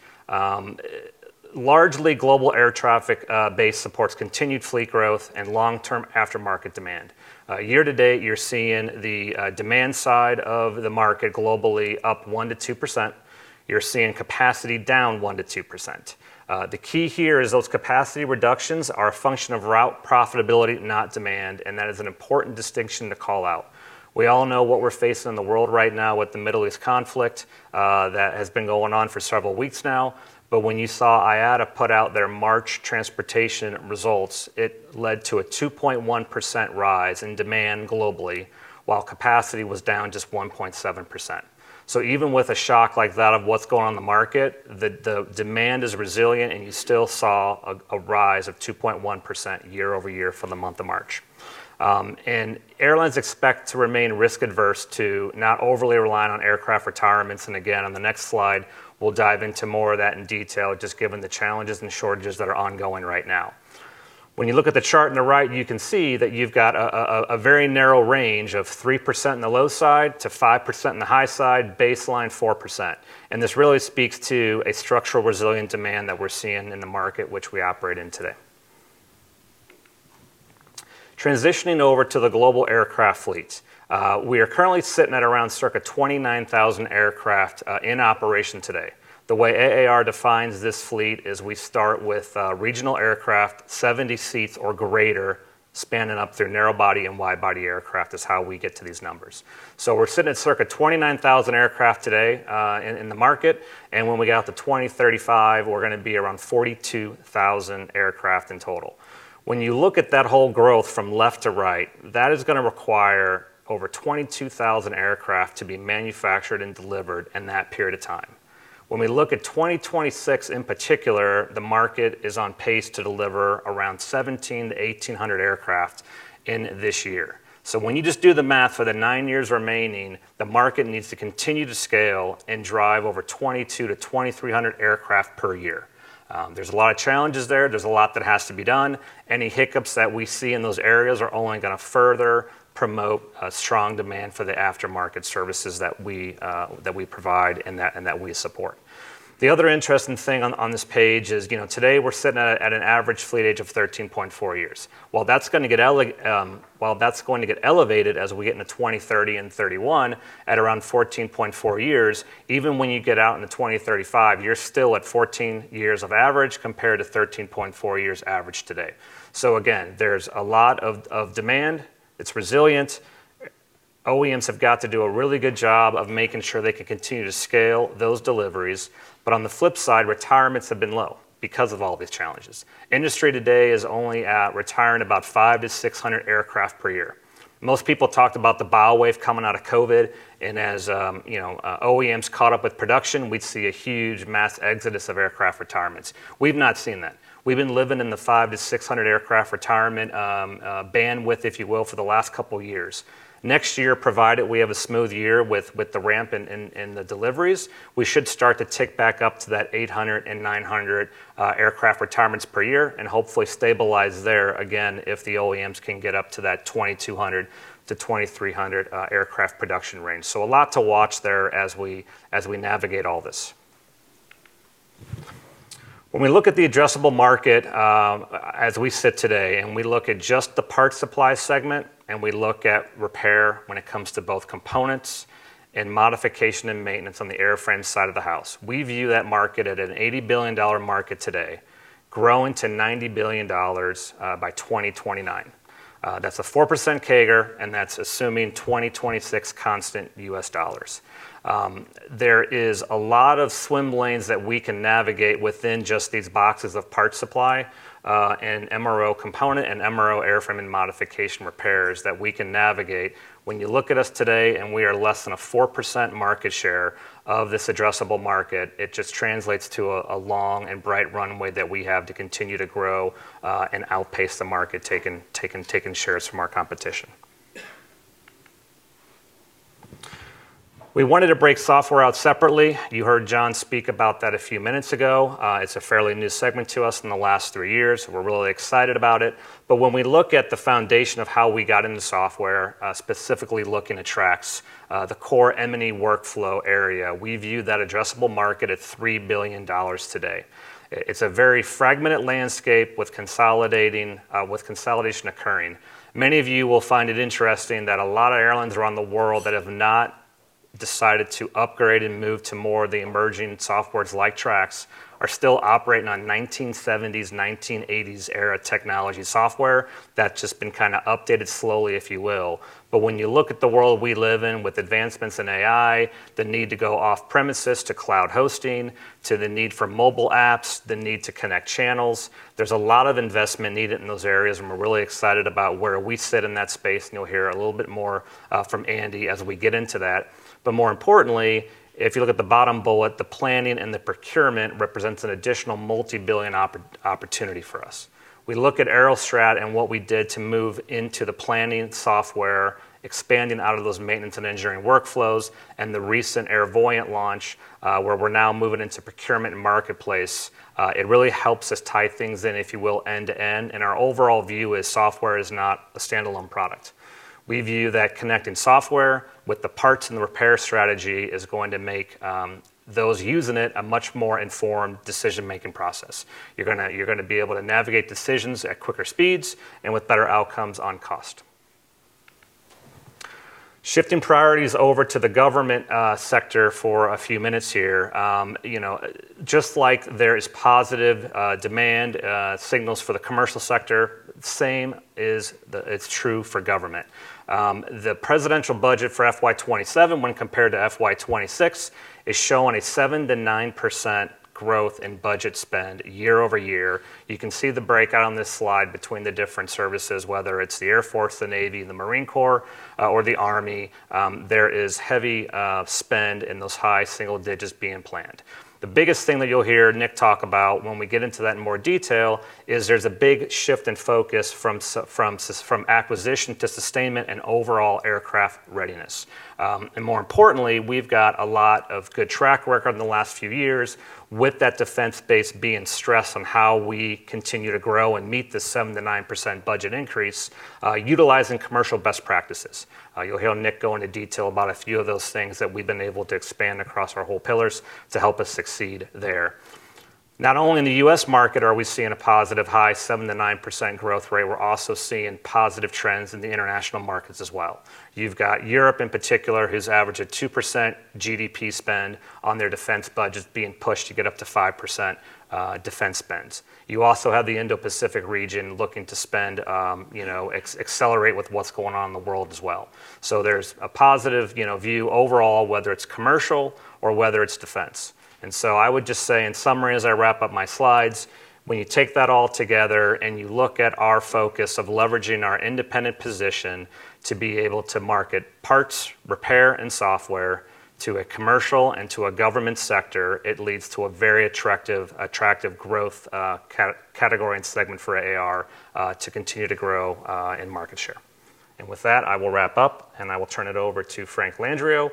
Largely global air traffic base supports continued fleet growth and long-term aftermarket demand. Year to date, you're seeing the demand side of the market globally up 1%-2%. You're seeing capacity down 1%-2%. The key here is those capacity reductions are a function of route profitability, not demand. That is an important distinction to call out. We all know what we're facing in the world right now with the Middle East conflict that has been going on for several weeks now. When you saw IATA put out their March transportation results, it led to a 2.1% rise in demand globally while capacity was down just 1.7%. Even with a shock like that of what's going on in the market, the demand is resilient, you still saw a rise of 2.1% year-over-year for the month of March. Airlines expect to remain risk-averse to not overly relying on aircraft retirements, and again, on the next slide, we'll dive into more of that in detail, just given the challenges and shortages that are ongoing right now. When you look at the chart on the right, you can see that you've got a very narrow range of 3% in the low side to 5% in the high side, baseline 4%. This really speaks to a structural resilient demand that we're seeing in the market which we operate in today. Transitioning over to the global aircraft fleet. We are currently sitting at around circa 29,000 aircraft in operation today. The way AAR defines this fleet is we start with regional aircraft, 70 seats or greater, spanning up through narrow body and wide body aircraft is how we get to these numbers. We're sitting at circa 29,000 aircraft today in the market, and when we get out to 2035, we're gonna be around 42,000 aircraft in total. When you look at that whole growth from left to right, that is gonna require over 22,000 aircraft to be manufactured and delivered in that period of time. When we look at 2026 in particular, the market is on pace to deliver around 1,700-1,800 aircraft in this year. When you just do the math for the nine years remaining, the market needs to continue to scale and drive over 2,200-2,300 aircraft per year. There's a lot of challenges there. There's a lot that has to be done. Any hiccups that we see in those areas are only gonna further promote a strong demand for the aftermarket services that we provide and that, and that we support. The other interesting thing on this page is, you know, today we're sitting at an average fleet age of 13.4 years. While that's gonna get elevated as we get into 2030 and 2031 at around 14.4 years, even when you get out into 2035, you're still at 14 years of average compared to 13.4 years average today. Again, there's a lot of demand. It's resilient. OEMs have got to do a really good job of making sure they can continue to scale those deliveries. On the flip side, retirements have been low because of all these challenges. Industry today is only at retiring about 500-600 aircraft per year. Most people talked about the bow wave coming out of COVID, and as OEMs caught up with production, we'd see a huge mass exodus of aircraft retirements. We've not seen that. We've been living in the 500-600 aircraft retirement bandwidth, if you will, for the last couple years. Next year, provided we have a smooth year with the ramp in the deliveries, we should start to tick back up to that 800-900 aircraft retirements per year and hopefully stabilize there again if the OEMs can get up to that 2,200-2,300 aircraft production range. A lot to watch there as we, as we navigate all this. When we look at the addressable market, as we sit today, and we look at just the Parts Supply segment, and we look at Repair when it comes to both components and modification and maintenance on the airframe side of the house, we view that market at an $80 billion market today, growing to $90 billion by 2029. That's a 4% CAGR, and that's assuming 2026 constant U.S. dollars. There is a lot of swim lanes that we can navigate within just these boxes of Parts Supply, and MRO Component and MRO Airframe and modification repairs that we can navigate. When you look at us today, we are less than a 4% market share of this addressable market, it just translates to a long and bright runway that we have to continue to grow and outpace the market taking shares from our competition. We wanted to break Software out separately. You heard John speak about that a few minutes ago. It's a fairly new segment to us in the last three years. We're really excited about it. When we look at the foundation of how we got into software, specifically looking at Trax, the core M&E workflow area, we view that addressable market at $3 billion today. It's a very fragmented landscape with consolidation occurring. Many of you will find it interesting that a lot of airlines around the world that have not decided to upgrade and move to more of the emerging softwares like Trax are still operating on 1970s-, 1980s-era technology software that's just been kinda updated slowly, if you will. When you look at the world we live in with advancements in AI, the need to go off premises to cloud hosting, to the need for mobile apps, the need to connect channels, there's a lot of investment needed in those areas, and we're really excited about where we sit in that space, and you'll hear a little bit more from Andy as we get into that. More importantly, if you look at the bottom bullet, the planning and the procurement represents an additional multi-billion opportunity for us. We look at Aerostrat and what we did to move into the planning software, expanding out of those maintenance and engineering workflows. The recent Airvoyant launch, where we're now moving into procurement and marketplace. It really helps us tie things in, if you will, end to end. Our overall view is software is not a standalone product. We view that connecting software with the parts and the repair strategy is going to make those using it a much more informed decision-making process. You're going to be able to navigate decisions at quicker speeds and with better outcomes on cost. Shifting priorities over to the government sector for a few minutes here. You know, just like there is positive demand signals for the commercial sector, same is true for government. The presidential budget for FY 2027 when compared to FY 2026 is showing a 7%-9% growth in budget spend year-over-year. You can see the breakout on this slide between the different services, whether it's the Air Force, the Navy, the Marine Corps, or the Army. There is heavy spend in those high single digits being planned. The biggest thing that you'll hear Nick talk about when we get into that in more detail is there's a big shift in focus from acquisition to sustainment and overall aircraft readiness. More importantly, we've got a lot of good track record in the last few years with that defense base being stressed on how we continue to grow and meet the 7%-9% budget increase utilizing commercial best practices. You'll hear Nick go into detail about a few of those things that we've been able to expand across our whole pillars to help us succeed there. Not only in the U.S. market are we seeing a positive high 7%-9% growth rate, we're also seeing positive trends in the international markets as well. You've got Europe in particular, whose average of 2% GDP spend on their defense budget being pushed to get up to 5%, defense spends. You also have the Indo-Pacific region looking to spend, accelerate with what's going on in the world as well. There's a positive view overall, whether it's commercial or whether it's defense. I would just say, in summary, as I wrap up my slides, when you take that all together and you look at our focus of leveraging our independent position to be able to market Parts, Repair, and Software to a commercial and to a government sector, it leads to a very attractive growth, category and segment for AAR, to continue to grow in market share. With that, I will wrap up, and I will turn it over to Frank Landrio,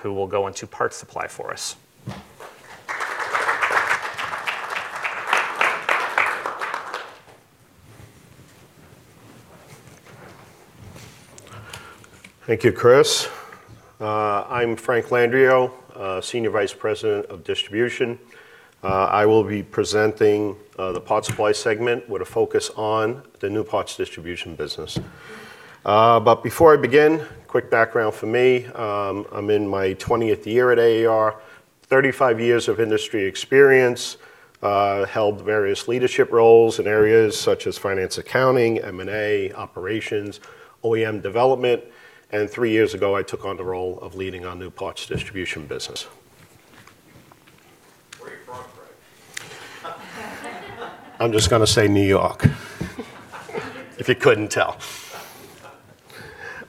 who will go into Parts Supply for us.
Thank you, Chris. I'm Frank Landrio, Senior Vice President of Distribution. I will be presenting the Parts Supply segment with a focus on the new parts Distribution business. Before I begin, quick background for me. I'm in my 20th year at AAR, 35 years of industry experience, held various leadership roles in areas such as finance, accounting, M&A, operations, OEM development, and three years ago, I took on the role of leading our new parts Distribution business.
Where are you from, Frank?
I'm just gonna say New York. If you couldn't tell.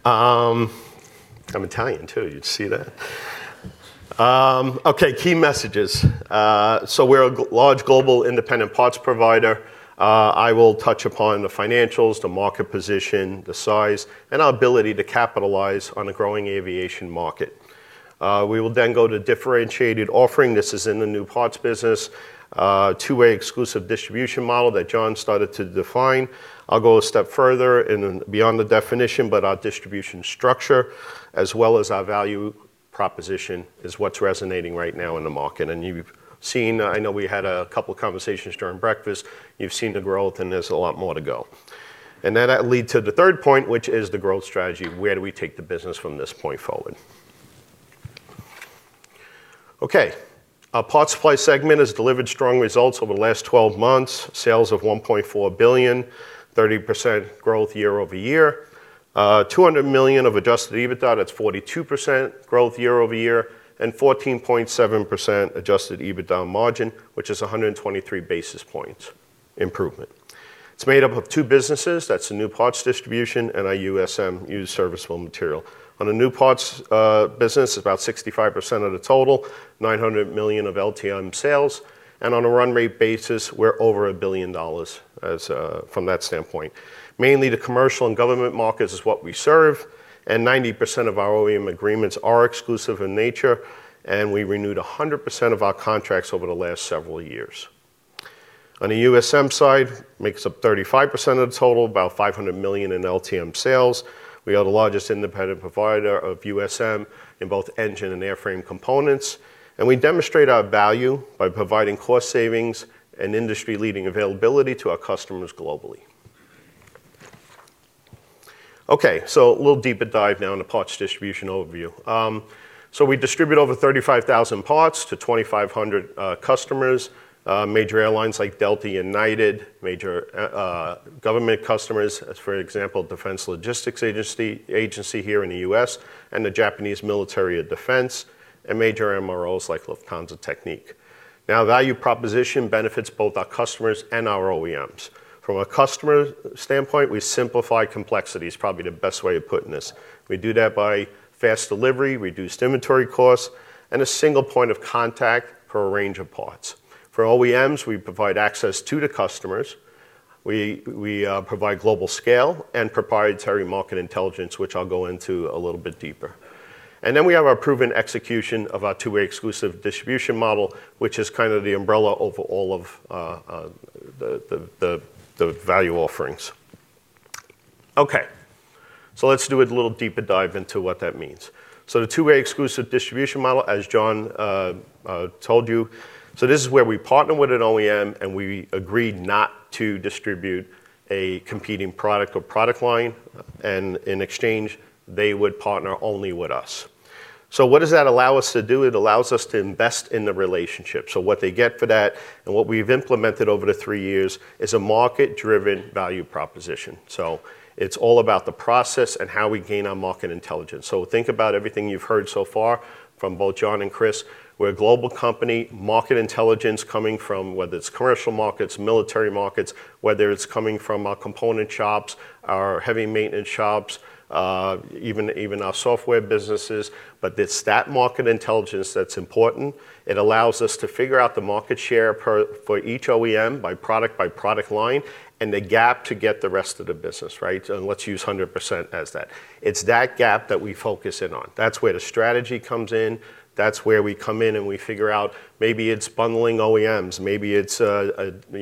I'm Italian, too. You'd see that. Okay, key messages. We're a large global independent parts provider. I will touch upon the financials, the market position, the size, and our ability to capitalize on a growing aviation market. We will then go to differentiated offering. This is in the new parts business, two-way exclusive distribution model that John started to define. I'll go a step further beyond the definition, but our distribution structure, as well as our value proposition, is what's resonating right now in the market. You've seen. I know we had a couple conversations during breakfast. You've seen the growth, and there's a lot more to go. That lead to the third point, which is the growth strategy. Where do we take the business from this point forward? Okay. Our Parts Supply segment has delivered strong results over the last 12 months. Sales of $1.4 billion, 30% growth year-over-year. $200 million of adjusted EBITDA, that's 42% growth year-over-year, and 14.7% adjusted EBITDA margin, which is 123 basis points improvement. It's made up of two businesses. That's the new parts Distribution and our USM, used serviceable material. On the new parts business, about 65% of the total, $900 million of LTM sales. On a run-rate basis, we're over $1 billion from that standpoint. Mainly the commercial and government markets is what we serve. 90% of our OEM agreements are exclusive in nature, and we renewed 100% of our contracts over the last several years. On the USM side, makes up 35% of the total, about $500 million in LTM sales. We are the largest independent provider of USM in both engine and airframe components, and we demonstrate our value by providing cost savings and industry-leading availability to our customers globally. We'll deeper dive now into parts Distribution overview. We distribute over 35,000 parts to 2,500 customers, major airlines like Delta, United, major government customers, as for example, Defense Logistics Agency here in the U.S., and the Japanese Ministry of Defense, and major MROs like Lufthansa Technik. Value proposition benefits both our customers and our OEMs. From a customer standpoint, we simplify complexity is probably the best way of putting this. We do that by fast delivery, reduced inventory costs, and a single point of contact for a range of parts. For OEMs, we provide access to the customers. We provide global scale and proprietary market intelligence, which I'll go into a little bit deeper. We have our proven execution of our two-way exclusive distribution model, which is kind of the umbrella over all of the value offerings. Let's do a little deeper dive into what that means. The two-way exclusive distribution model, as John told you. This is where we partner with an OEM, and we agree not to distribute a competing product or product line, and in exchange, they would partner only with us. What does that allow us to do? It allows us to invest in the relationship. What they get for that, and what we've implemented over the three years, is a market-driven value proposition. It's all about the process and how we gain our market intelligence. Think about everything you've heard so far from both John and Chris. We're a global company, market intelligence coming from whether it's commercial markets, military markets, whether it's coming from our component shops, our heavy maintenance shops, even our Software businesses. It's that market intelligence that's important. It allows us to figure out the market share for each OEM by product, by product line, and the gap to get the rest of the business, right? Let's use 100% as that. It's that gap that we focus in on. That's where the strategy comes in. That's where we come in and we figure out maybe it's bundling OEMs, maybe it's, you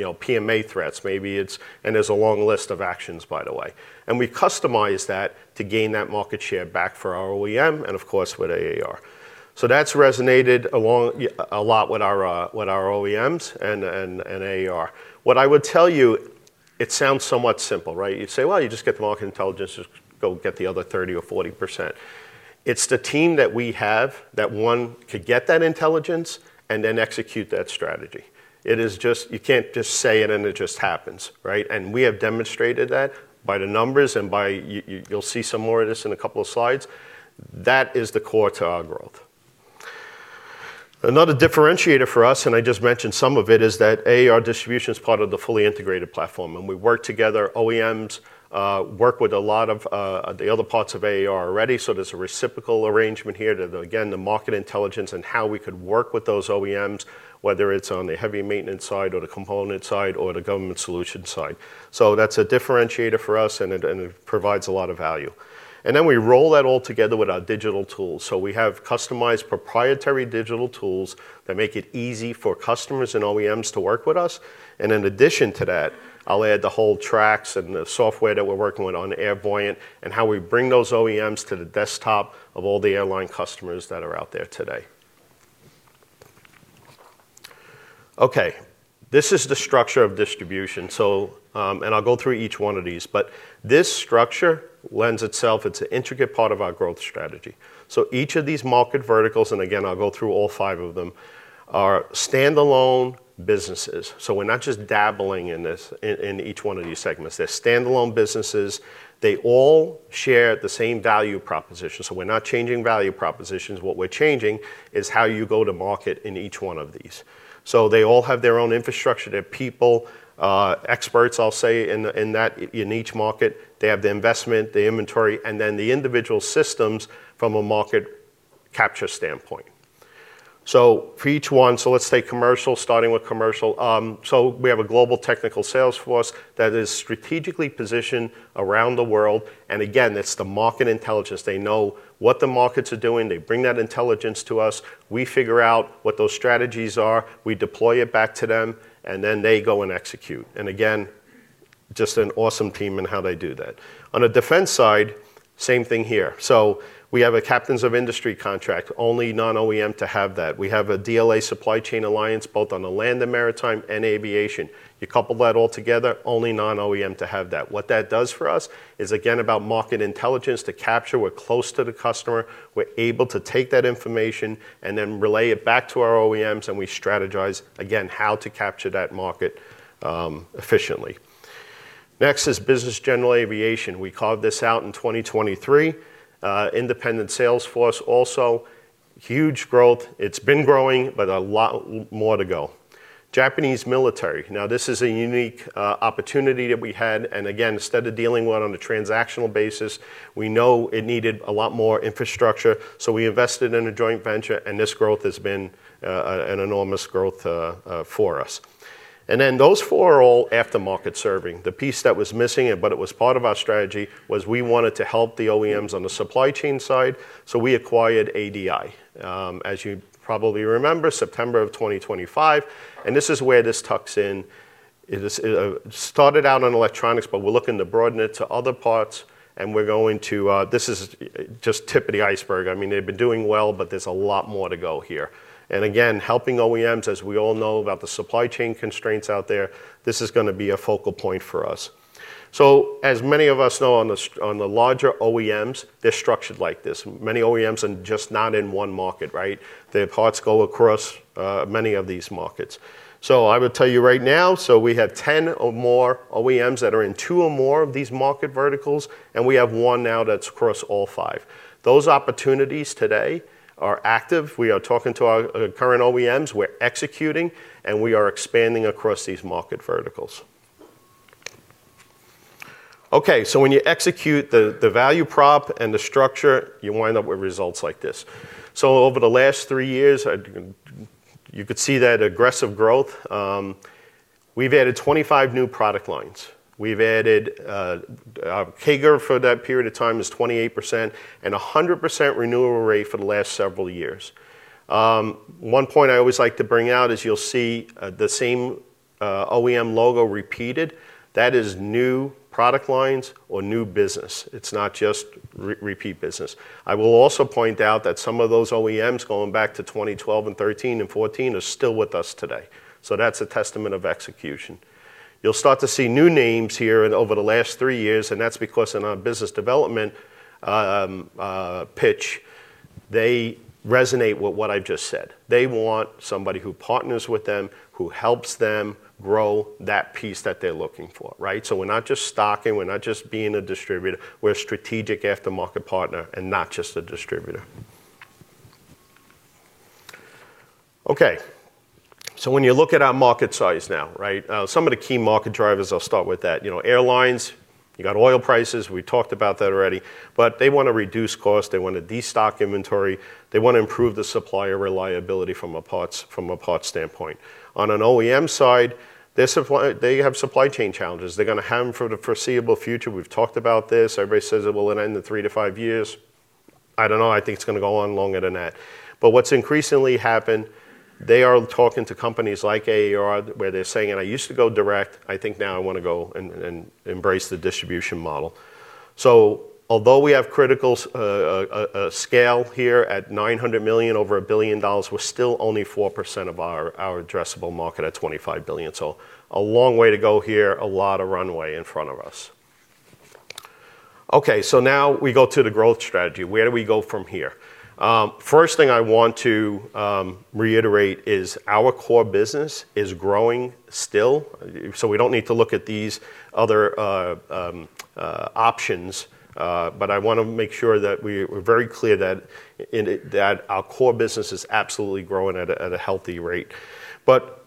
know, PMA threats. There's a long list of actions, by the way. We customize that to gain that market share back for our OEM and of course, with AAR. That's resonated a lot with our OEMs and AAR. What I would tell you, it sounds somewhat simple, right? You'd say, well, you just get the market intelligence, just go get the other 30% or 40%. It's the team that we have that, one, could get that intelligence and then execute that strategy. You can't just say it and it just happens, right? We have demonstrated that by the numbers and you'll see some more of this in a couple of slides. That is the core to our growth. Another differentiator for us, and I just mentioned some of it, is that AAR distribution is part of the fully integrated platform, and we work together. OEMs work with a lot of the other parts of AAR already, there's a reciprocal arrangement here that, again, the market intelligence and how we could work with those OEMs, whether it's on the heavy maintenance side or the component side or the government solution side. That's a differentiator for us, and it provides a lot of value. Then we roll that all together with our digital tools. We have customized proprietary digital tools that make it easy for customers and OEMs to work with us. In addition to that, I'll add the whole Trax and the software that we're working with on Airvoyant and how we bring those OEMs to the desktop of all the airline customers that are out there today. This is the structure of distribution. I'll go through each one of these. This structure lends itself. It's an intricate part of our growth strategy. Each of these market verticals, and again, I'll go through all five of them, are standalone businesses. We're not just dabbling in this, in each one of these segments. They're standalone businesses. They all share the same value proposition, so we're not changing value propositions. What we're changing is how you go to market in each one of these. They all have their own infrastructure. They have people, experts, I'll say, in that, in each market. They have the investment, the inventory, and then the individual systems from a market capture standpoint. For each one, so let's take commercial, starting with commercial. We have a global technical sales force that is strategically positioned around the world. Again, it's the market intelligence. They know what the markets are doing. They bring that intelligence to us. We figure out what those strategies are. We deploy it back to them, and then they go and execute. Again, just an awesome team in how they do that. On the defense side, same thing here. We have a Captains of Industry contract, only non-OEM to have that. We have a DLA Supply Chain Alliance, both on the land and maritime and aviation. You couple that all together, only non-OEM to have that. What that does for us is again about market intelligence to capture. We're close to the customer. We're able to take that information and then relay it back to our OEMs, and we strategize again how to capture that market efficiently. Next is business general aviation. We called this out in 2023. Independent sales force also. Huge growth. It's been growing, but a lot more to go. Japanese military. This is a unique opportunity that we had. Again, instead of dealing with it on a transactional basis, we know it needed a lot more infrastructure. We invested in a joint venture, and this growth has been an enormous growth for us. Those four are all aftermarket serving. The piece that was missing, but it was part of our strategy, was, we wanted to help the OEMs on the supply chain side. We acquired ADI, as you probably remember, September of 2025. This is where this tucks in. It started out on electronics, but we're looking to broaden it to other parts. This is just tip of the iceberg. I mean, they've been doing well, there's a lot more to go here. Again, helping OEMs, as we all know, about the supply chain constraints out there, this is going to be a focal point for us. As many of us know on the larger OEMs, they're structured like this. Many OEMs just not in one market, right? Their parts go across many of these markets. I would tell you right now, we have 10 or more OEMs that are in two or more of these market verticals, and we have one now that's across all five. Those opportunities today are active. We are talking to our current OEMs, we're executing, and we are expanding across these market verticals. When you execute the value prop and the structure, you wind up with results like this. Over the last three years, you could see that aggressive growth. We've added 25 new product lines. We've added CAGR for that period of time is 28% and a 100% renewal rate for the last several years. One point I always like to bring out is you'll see the same OEM logo repeated. That is new product lines or new business. It's not just repeat business. I will also point out that some of those OEMs going back to 2012 and 2013 and 2014 are still with us today. That's a testament of execution. You'll start to see new names here over the last three years, and that's because in our business development pitch They resonate with what I've just said. They want somebody who partners with them, who helps them grow that piece that they're looking for, right? We're not just stocking, we're not just being a distributor, we're a strategic aftermarket partner and not just a distributor. When you look at our market size now, right? Some of the key market drivers, I'll start with that. You know, airlines, you got oil prices, we talked about that already. They wanna reduce cost, they wanna de-stock inventory, they wanna improve the supplier reliability from a parts standpoint. On an OEM side, they have supply chain challenges. They're gonna have them for the foreseeable future. We've talked about this. Everybody says it will end in three to five years. I don't know, I think it's gonna go on longer than that. What's increasingly happened, they are talking to companies like AAR where they're saying, "I used to go direct, I think now I want to go and embrace the distribution model." Although we have critical scale here at $900 million, over $1 billion, we're still only 4% of our addressable market at $25 billion. A long way to go here, a lot of runway in front of us. Now we go to the growth strategy. Where do we go from here? First thing I want to reiterate is our core business is growing still. We don't need to look at these other options. I want to make sure that we're very clear that our core business is absolutely growing at a healthy rate.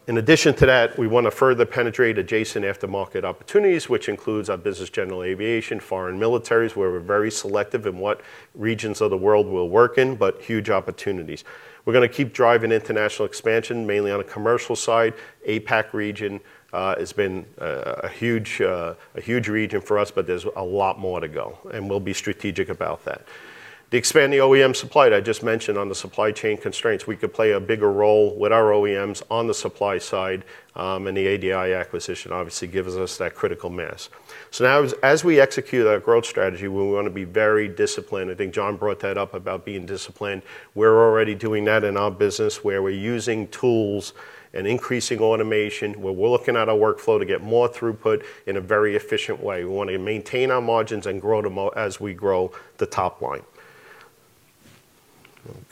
In addition to that, we wanna further penetrate adjacent aftermarket opportunities, which includes our business general aviation, foreign militaries, where we're very selective in what regions of the world we'll work in, but huge opportunities. We're gonna keep driving international expansion, mainly on a commercial side. APAC region has been a huge region for us, but there's a lot more to go, and we'll be strategic about that. To expand the OEM supply, I just mentioned on the supply chain constraints, we could play a bigger role with our OEMs on the supply side, and the ADI acquisition obviously gives us that critical mass. Now as we execute our growth strategy, we wanna be very disciplined. I think John brought that up about being disciplined. We're already doing that in our business, where we're using tools and increasing automation. We're looking at our workflow to get more throughput in a very efficient way. We wanna maintain our margins and grow them as we grow the top line.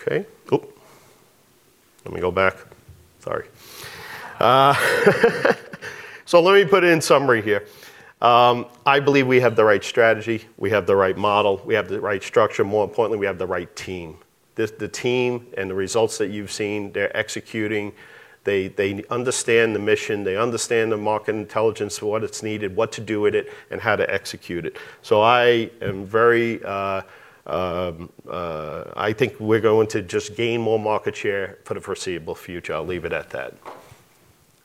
Okay. Let me go back. Sorry. Let me put it in summary here. I believe we have the right strategy, we have the right model, we have the right structure. More importantly, we have the right team. The team and the results that you've seen, they're executing. They understand the mission, they understand the market intelligence, what it's needed, what to do with it, and how to execute it. I am very, I think we're going to just gain more market share for the foreseeable future. I'll leave it at that.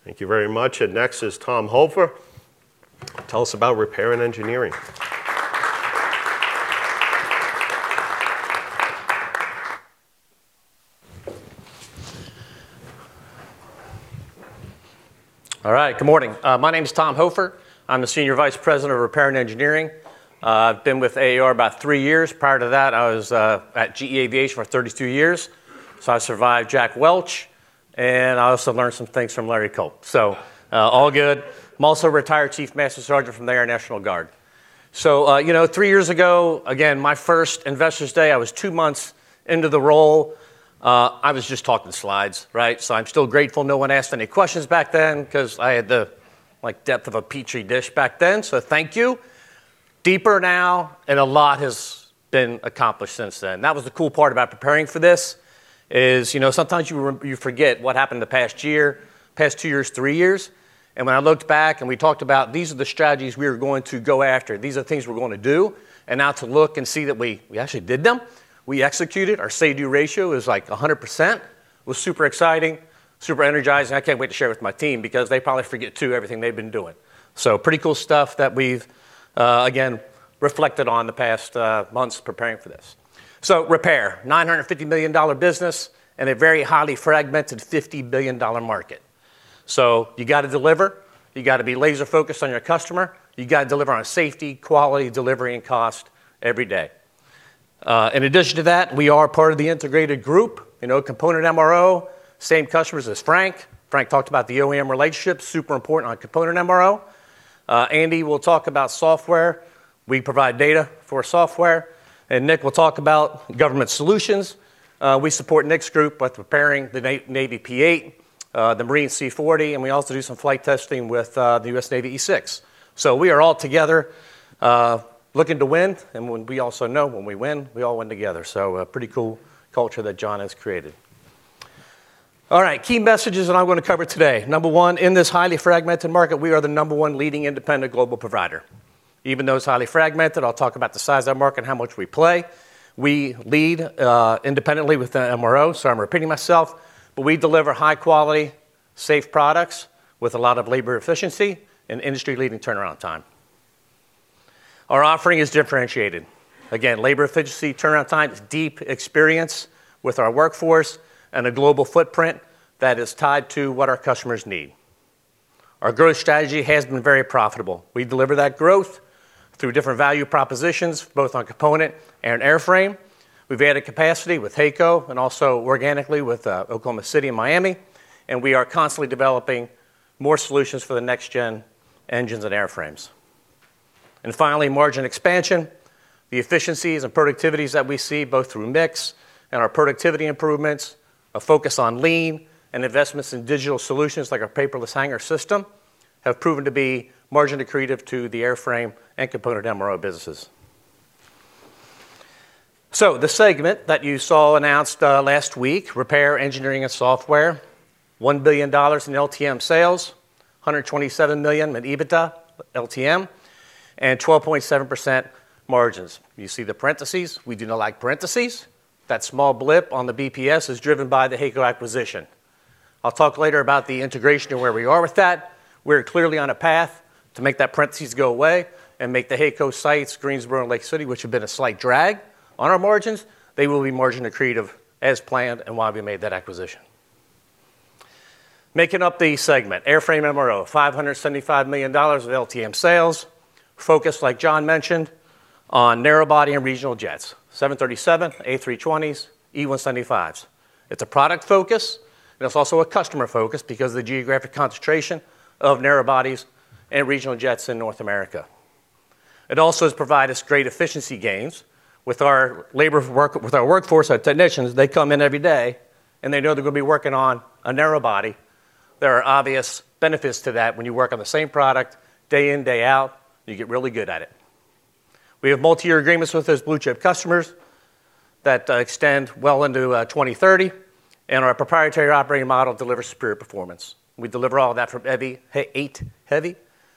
Thank you very much. Next is Tom Hoferer. Tell us about Repair & Engineering.
All right, good morning. My name is Tom Hoferer. I'm the Senior Vice President of Repair and Engineering. I've been with AAR about three years. Prior to that, I was at GE Aviation for 32 years. I survived Jack Welch, and I also learned some things from Larry Culp. All good. I'm also a retired Chief Master Sergeant from the Air National Guard. You know, three years ago, again, my first Investors Day, I was two months into the role. I was just talking slides, right? I'm still grateful no one asked any questions back then, 'cause I had the, like, depth of a petri dish back then. Thank you. Deeper now, and a lot has been accomplished since then. That was the cool part about preparing for this, is, you know, sometimes you forget what happened in the past year, past two years, three years. When I looked back and we talked about, "These are the strategies we're going to go after. These are the things we're gonna do." Now to look and see that we actually did them, we executed. Our say-do ratio is, like, 100%. It was super exciting, super energizing. I can't wait to share with my team because they probably forget too everything they've been doing. Pretty cool stuff that we've again reflected on the past months preparing for this. Repair, $950 million business in a very highly fragmented $50 billion market. You gotta deliver, you gotta be laser-focused on your customer, you gotta deliver on safety, quality, delivery, and cost every day. In addition to that, we are part of the integrated group. You know, Component MRO, same customers as Frank. Frank talked about the OEM relationship, super important on Component MRO. Andy will talk about Software. We provide data for software. Nick will talk about Government Solutions. We support Nick's group with repairing the Navy P-8, the Marine C-40, and we also do some flight testing with the U.S. Navy E-6. We are all together, looking to win, and we also know when we win, we all win together. A pretty cool culture that John has created. All right, key messages that I'm gonna cover today. Number one, in this highly fragmented market, we are the number one leading independent global provider. Even though it's highly fragmented, I'll talk about the size of that market and how much we play. We lead independently with the MRO, so I'm repeating myself, but we deliver high quality, safe products with a lot of labor efficiency and industry-leading turnaround time. Our offering is differentiated. Again, labor efficiency, turnaround time, deep experience with our workforce, and a global footprint that is tied to what our customers need. Our growth strategy has been very profitable. We deliver that growth through different value propositions, both on Component and Airframe. We've added capacity with HAECO and also organically with Oklahoma City and Miami. We are constantly developing more solutions for the next-gen engines and airframes. Finally, margin expansion. The efficiencies and productivities that we see both through mix and our productivity improvements, a focus on lean, and investments in digital solutions like our paperless hangar system, have proven to be margin accretive to the Airframe and Component MRO businesses. The segment that you saw announced last week, Repair, Engineering, and Software, $1 billion in LTM sales, $127 million in EBITDA LTM, and 12.7% margins. You see the parentheses, we do not like parentheses. That small blip on the BPS is driven by the HAECO acquisition. I'll talk later about the integration and where we are with that. We're clearly on a path to make that parentheses go away and make the HAECO sites, Greensboro and Lake City, which have been a slight drag on our margins, they will be margin accretive as planned and why we made that acquisition. Making up the segment, Airframe MRO, $575 million of LTM sales. Focused, like John mentioned, on narrow body and regional jets, 737, A320s, E175s. It's a product focus, and it's also a customer focus because of the geographic concentration of narrow bodies and regional jets in North America. It also has provided us great efficiency gains with our workforce, our technicians, they come in every day and they know they're gonna be working on a narrow body. There are obvious benefits to that when you work on the same product day in, day out, you get really good at it. We have multi-year agreements with those blue-chip customers that extend well into 2030. Our proprietary operating model delivers superior performance. We deliver all of that from eight heavy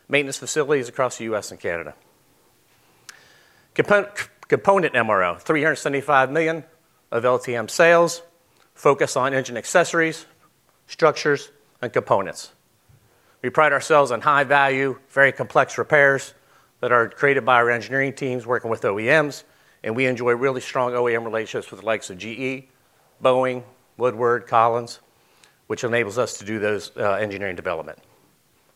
maintenance facilities across the U.S. and Canada. Component MRO, $375 million of LTM sales, focus on engine accessories, structures, and components. We pride ourselves on high value, very complex repairs that are created by our engineering teams working with OEMs, and we enjoy really strong OEM relationships with the likes of GE, Boeing, Woodward, Collins, which enables us to do those engineering development.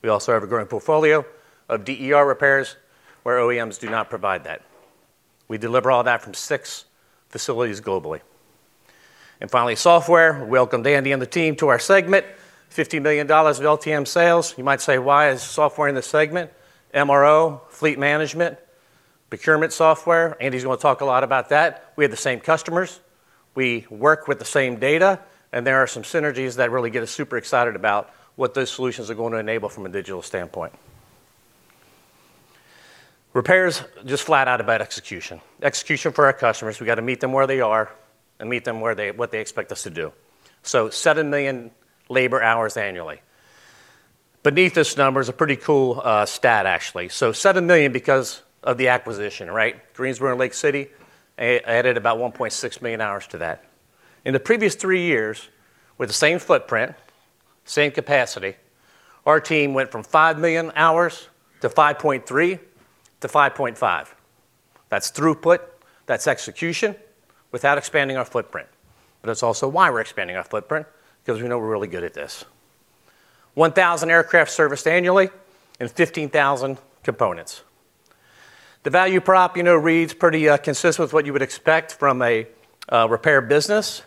We also have a growing portfolio of DER repairs where OEMs do not provide that. We deliver all that from six facilities globally. Finally, Software. Welcome Andy and the team to our segment. $50 million of LTM sales. You might say, "Why is Software in this segment?" MRO, fleet management, procurement software. Andy's gonna talk a lot about that. We have the same customers. We work with same data. There are some synergies that really get us super excited about what those solutions are going to enable from a digital standpoint. Repairs, just flat out about execution. Execution for our customers, we got to meet them where they are and meet them where what they expect us to do. 7 million labor hours annually. Beneath this number is a pretty cool stat, actually. 7 million because of the acquisition, right? Greensboro and Lake City added about 1.6 million hours to that. In the previous three years with the same footprint, same capacity, our team went from 5 million hours to 5.3 million hours to 5.5 million hours. That's throughput, that's execution without expanding our footprint. It's also why we're expanding our footprint, because we know we're really good at this. 1,000 aircraft serviced annually and 15,000 components. The value prop, you know, reads pretty consistent with what you would expect from a repair business.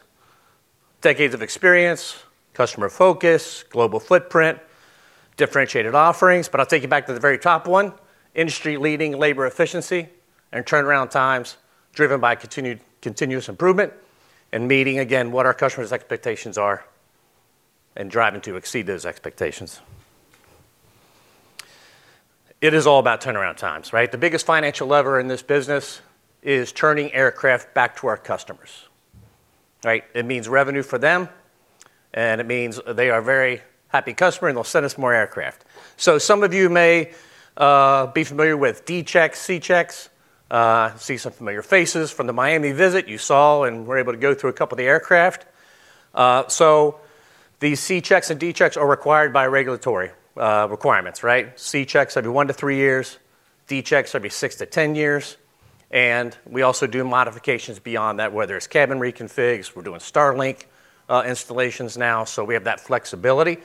Decades of experience, customer focus, global footprint, differentiated offerings. I'll take you back to the very top one, industry-leading labor efficiency and turnaround times driven by continuous improvement and meeting again what our customers' expectations are and driving to exceed those expectations. It is all about turnaround times, right? The biggest financial lever in this business is turning aircraft back to our customers. Right? It means revenue for them, and it means they are very happy customer, and they'll send us more aircraft. Some of you may be familiar with D-checks, C-checks. I see some familiar faces from the Miami visit you saw and were able to go through a couple of the aircraft. These C-checks and D-checks are required by regulatory requirements, right? C-checks every one to three years, D checks every 6-10 years. We also do modifications beyond that, whether it's cabin reconfigs, we're doing Starlink installations now, so we have that flexibility.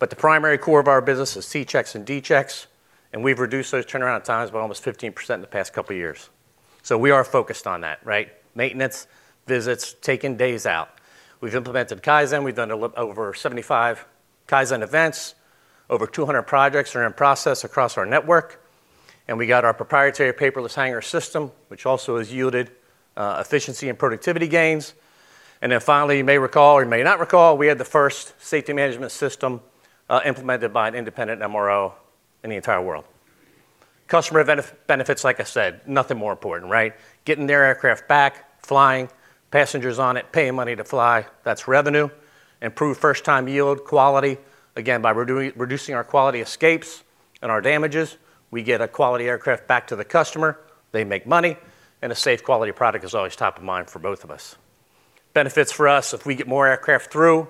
The primary core of our business is C-checks and D-checks. We've reduced those turnaround times by almost 15% in the past couple of years. We are focused on that, right? Maintenance, visits, taking days out. We've implemented Kaizen. We've done over 75 Kaizen events. Over 200 projects are in process across our network, we got our proprietary paperless hangar system, which also has yielded efficiency and productivity gains. Finally, you may recall or you may not recall, we had the first safety management system implemented by an independent MRO in the entire world. Customer benefits, like I said, nothing more important, right? Getting their aircraft back, flying, passengers on it, paying money to fly, that's revenue. Improved first-time yield quality. Again, by reducing our quality escapes and our damages, we get a quality aircraft back to the customer, they make money, and a safe quality product is always top of mind for both of us. Benefits for us, if we get more aircraft through,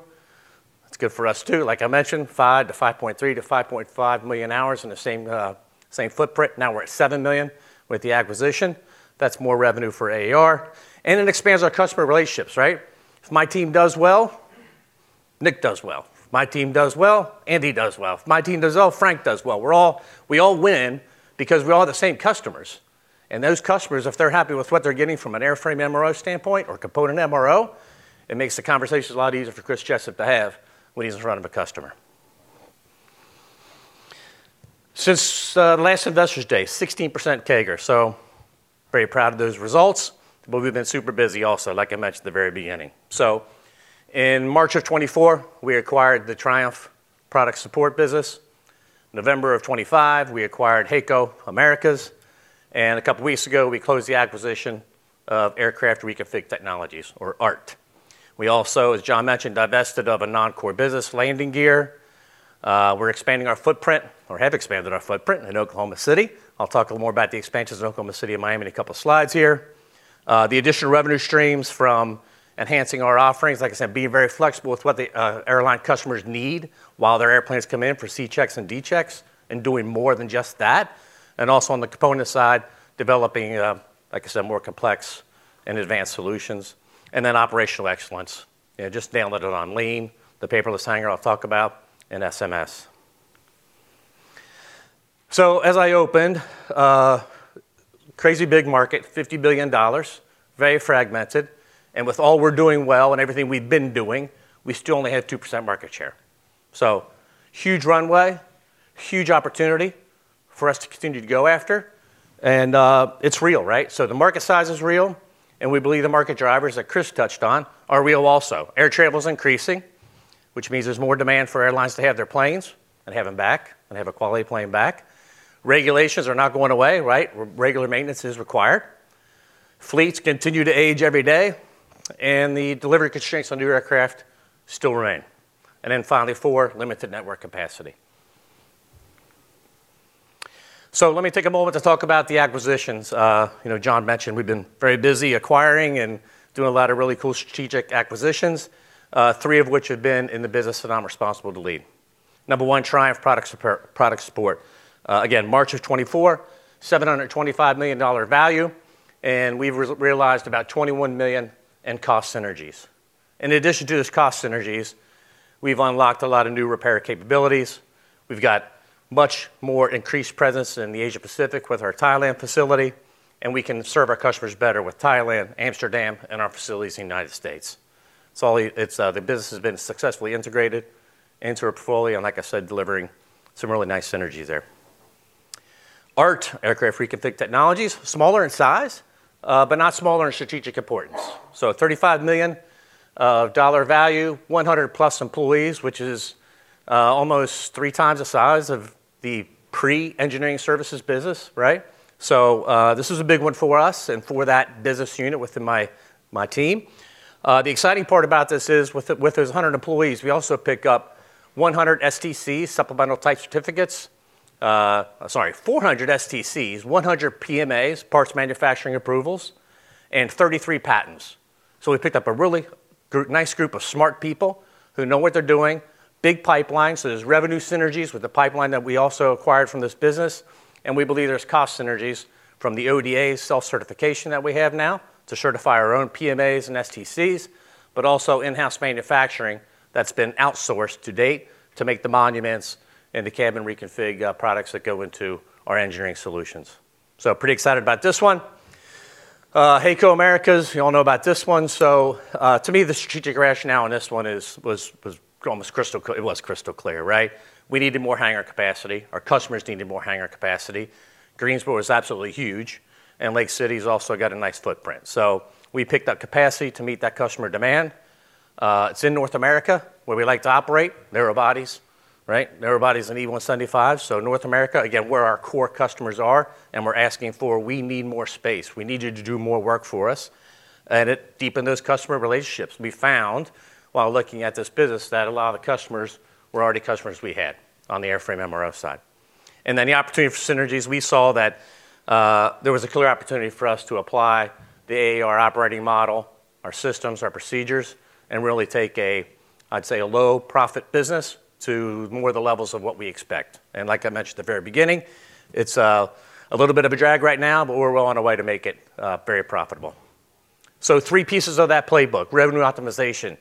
that's good for us too. Like I mentioned, 5 million hours to 5.3 million hours to 5.5 million hours in the same footprint. Now we're at 7 million with the acquisition. That's more revenue for AAR, it expands our customer relationships, right? If my team does well, Nick does well. If my team does well, Andy does well. If my team does well, Frank does well. We all win because we all have the same customers. Those customers, if they're happy with what they're getting from an Airframe MRO standpoint or a Component MRO, it makes the conversation a lot easier for Chris Jessup to have when he's in front of a customer. Since last Investors Day, 16% CAGR. Very proud of those results, but we've been super busy also, like I mentioned at the very beginning. In March of 2024, we acquired the Triumph Product Support business. November of 2025, we acquired HAECO Americas. A couple of weeks ago, we closed the acquisition of Aircraft Reconfig Technologies, or ART. We also, as John mentioned, divested of a non-core business, landing gear. We're expanding our footprint, or have expanded our footprint in Oklahoma City. I'll talk a little more about the expansions in Oklahoma City and Miami in two slides here. The additional revenue streams from enhancing our offerings, like I said, being very flexible with what the airline customers need while their airplanes come in for C-checks and D-checks, and doing more than just that. Also on the component side, developing, like I said, more complex and advanced solutions and operational excellence, you know, just nailing it on lean, the paperless hangar I'll talk about, and SMS. As I opened, crazy big market, $50 billion, very fragmented, and with all we're doing well and everything we've been doing, we still only have 2% market share. Huge runway, huge opportunity for us to continue to go after, and it's real, right? The market size is real, and we believe the market drivers that Chris touched on are real also. Air travel's increasing, which means there's more demand for airlines to have their planes and have them back, and have a quality plane back. Regulations are not going away, right? Regular maintenance is required. Fleets continue to age every day, and the delivery constraints on new aircraft still remain. Finally, four, limited network capacity. Let me take a moment to talk about the acquisitions. You know, John mentioned we've been very busy acquiring and doing a lot of really cool strategic acquisitions, three of which have been in the business that I'm responsible to lead. Number one, Triumph Product Support. Again, March of 2024, $725 million value, and we've realized about $21 million in cost synergies. In addition to those cost synergies, we've unlocked a lot of new repair capabilities. We've got much more increased presence in the Asia-Pacific with our Thailand facility, and we can serve our customers better with Thailand, Amsterdam, and our facilities in the United States. The business has been successfully integrated into our portfolio, and like I said, delivering some really nice synergies there. ART, Aircraft Reconfig Technologies, smaller in size, but not smaller in strategic importance. A $35 million value, 100+ employees, which is almost three times the size of the pre-engineering services business, right? This is a big one for us and for that business unit within my team. The exciting part about this is with those 100 employees, we also pick up 100 STCs, supplemental type certificates. Sorry, 400 STCs, 100 PMAs, Parts Manufacturing Approvals, and 33 patents. We picked up a really nice group of smart people who know what they're doing. Big pipeline. There's revenue synergies with the pipeline that we also acquired from this business, and we believe there's cost synergies from the ODA self-certification that we have now to certify our own PMAs and STCs, but also in-house manufacturing that's been outsourced to date to make the monuments and the cabin reconfig products that go into our engineering solutions. Pretty excited about this one. HAECO Americas, you all know about this one. to me, the strategic rationale on this one was almost crystal clear, it was crystal clear, right? We needed more hangar capacity. Our customers needed more hangar capacity. Greensboro is absolutely huge, and Lake City's also got a nice footprint. We picked up capacity to meet that customer demand. It's in North America, where we like to operate, narrow bodies, right? Narrow bodies in E175. North America, again, where our core customers are, and we're asking for, "We need more space. We need you to do more work for us." It deepened those customer relationships. We found, while looking at this business, that a lot of the customers were already customers we had on the Airframe MRO side. The opportunity for synergies, we saw that, there was a clear opportunity for us to apply the AAR operating model, our systems, our procedures, and really take a, I'd say, a low-profit business to more the levels of what we expect. Like I mentioned at the very beginning, it's a little bit of a drag right now, but we're well on our way to make it very profitable. Three pieces of that playbook, revenue optimization.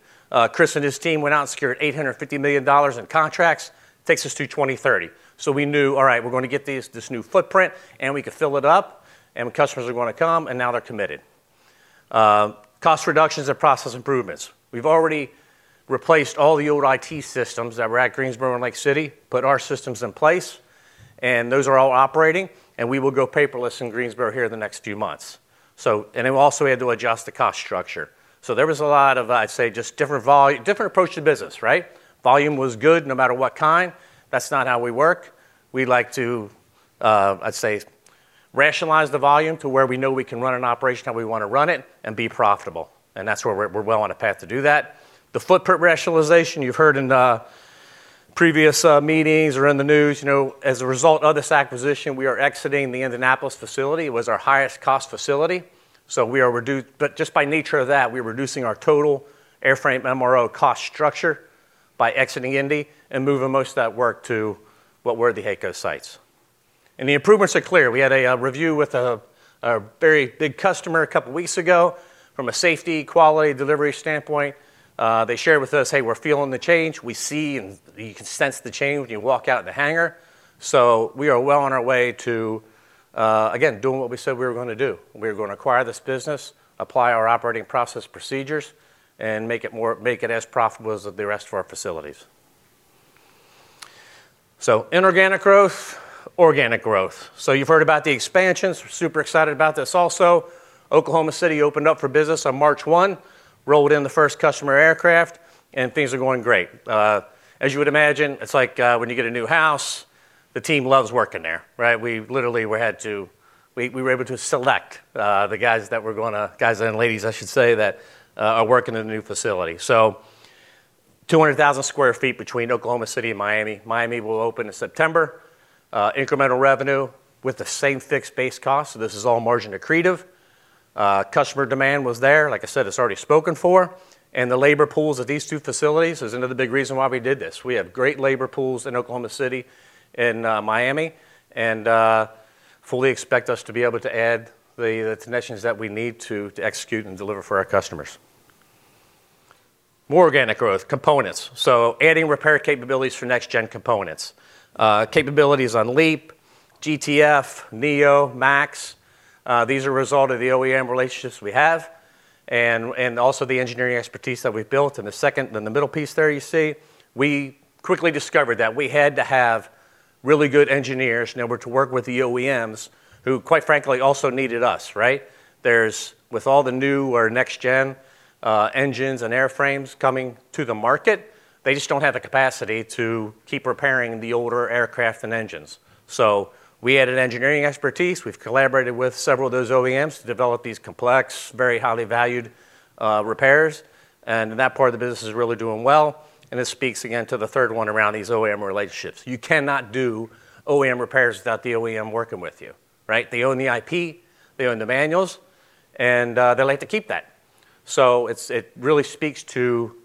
Chris and his team went out and secured $850 million in contracts. Takes us to 2030. We knew, all right, we're gonna get this new footprint, and we can fill it up, and customers are gonna come, and now they're committed. Cost reductions and process improvements. We've already replaced all the old IT systems that were at Greensboro and Lake City, put our systems in place, and those are all operating, and we will go paperless in Greensboro here in the next few months. We also had to adjust the cost structure. There was a lot of, I'd say, just different approach to business, right? Volume was good no matter what kind. That's not how we work. We like to, I'd say, rationalize the volume to where we know we can run an operation how we wanna run it and be profitable. That's where we're well on a path to do that. The footprint rationalization, you know, as a result of this acquisition, we are exiting the Indianapolis facility. It was our highest cost facility. But just by nature of that, we're reducing our total Airframe MRO cost structure by exiting Indy and moving most of that work to what were the HAECO sites. The improvements are clear. We had a review with a very big customer a couple weeks ago from a safety, quality, delivery standpoint. They shared with us, "Hey, we're feeling the change. We see and you can sense the change when you walk out of the hangar." We are well on our way to again, doing what we said we were going to do. We were going to acquire this business, apply our operating process procedures, and make it as profitable as the rest of our facilities. Inorganic growth, organic growth. You've heard about the expansions. We're super excited about this also. Oklahoma City opened up for business on March 1, rolled in the first customer aircraft, and things are going great. As you would imagine, it's like when you get a new house, the team loves working there, right? We were able to select the guys that were going to, guys and ladies, I should say, that are working in the new facility. 200,000 sq ft between Oklahoma City and Miami. Miami will open in September. Incremental revenue with the same fixed base cost, this is all margin accretive. Customer demand was there. Like I said, it's already spoken for. The labor pools at these two facilities is another big reason why we did this. We have great labor pools in Oklahoma City and Miami, and fully expect us to be able to add the technicians that we need to execute and deliver for our customers. More organic growth, components. Adding repair capabilities for next-gen components. Capabilities on LEAP, GTF, NEO, MAX. These are a result of the OEM relationships we have and also the engineering expertise that we've built. The second, the middle piece there you see, we quickly discovered that we had to have really good engineers in order to work with the OEMs who, quite frankly, also needed us, right? With all the new or next-gen engines and airframes coming to the market, they just don't have the capacity to keep repairing the older aircraft and engines. We added engineering expertise. We've collaborated with several of those OEMs to develop these complex, very highly valued repairs, and that part of the business is really doing well. This speaks again to the third one around these OEM relationships. You cannot do OEM repairs without the OEM working with you, right? They own the IP, they own the manuals, and they'd like to keep that. It really speaks to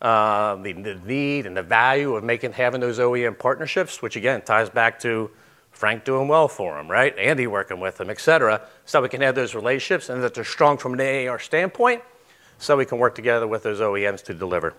the need and the value of having those OEM partnerships, which again ties back to Frank doing well for them, right? Andy working with them, etc, so we can have those relationships and that they're strong from an AAR standpoint, so we can work together with those OEMs to deliver.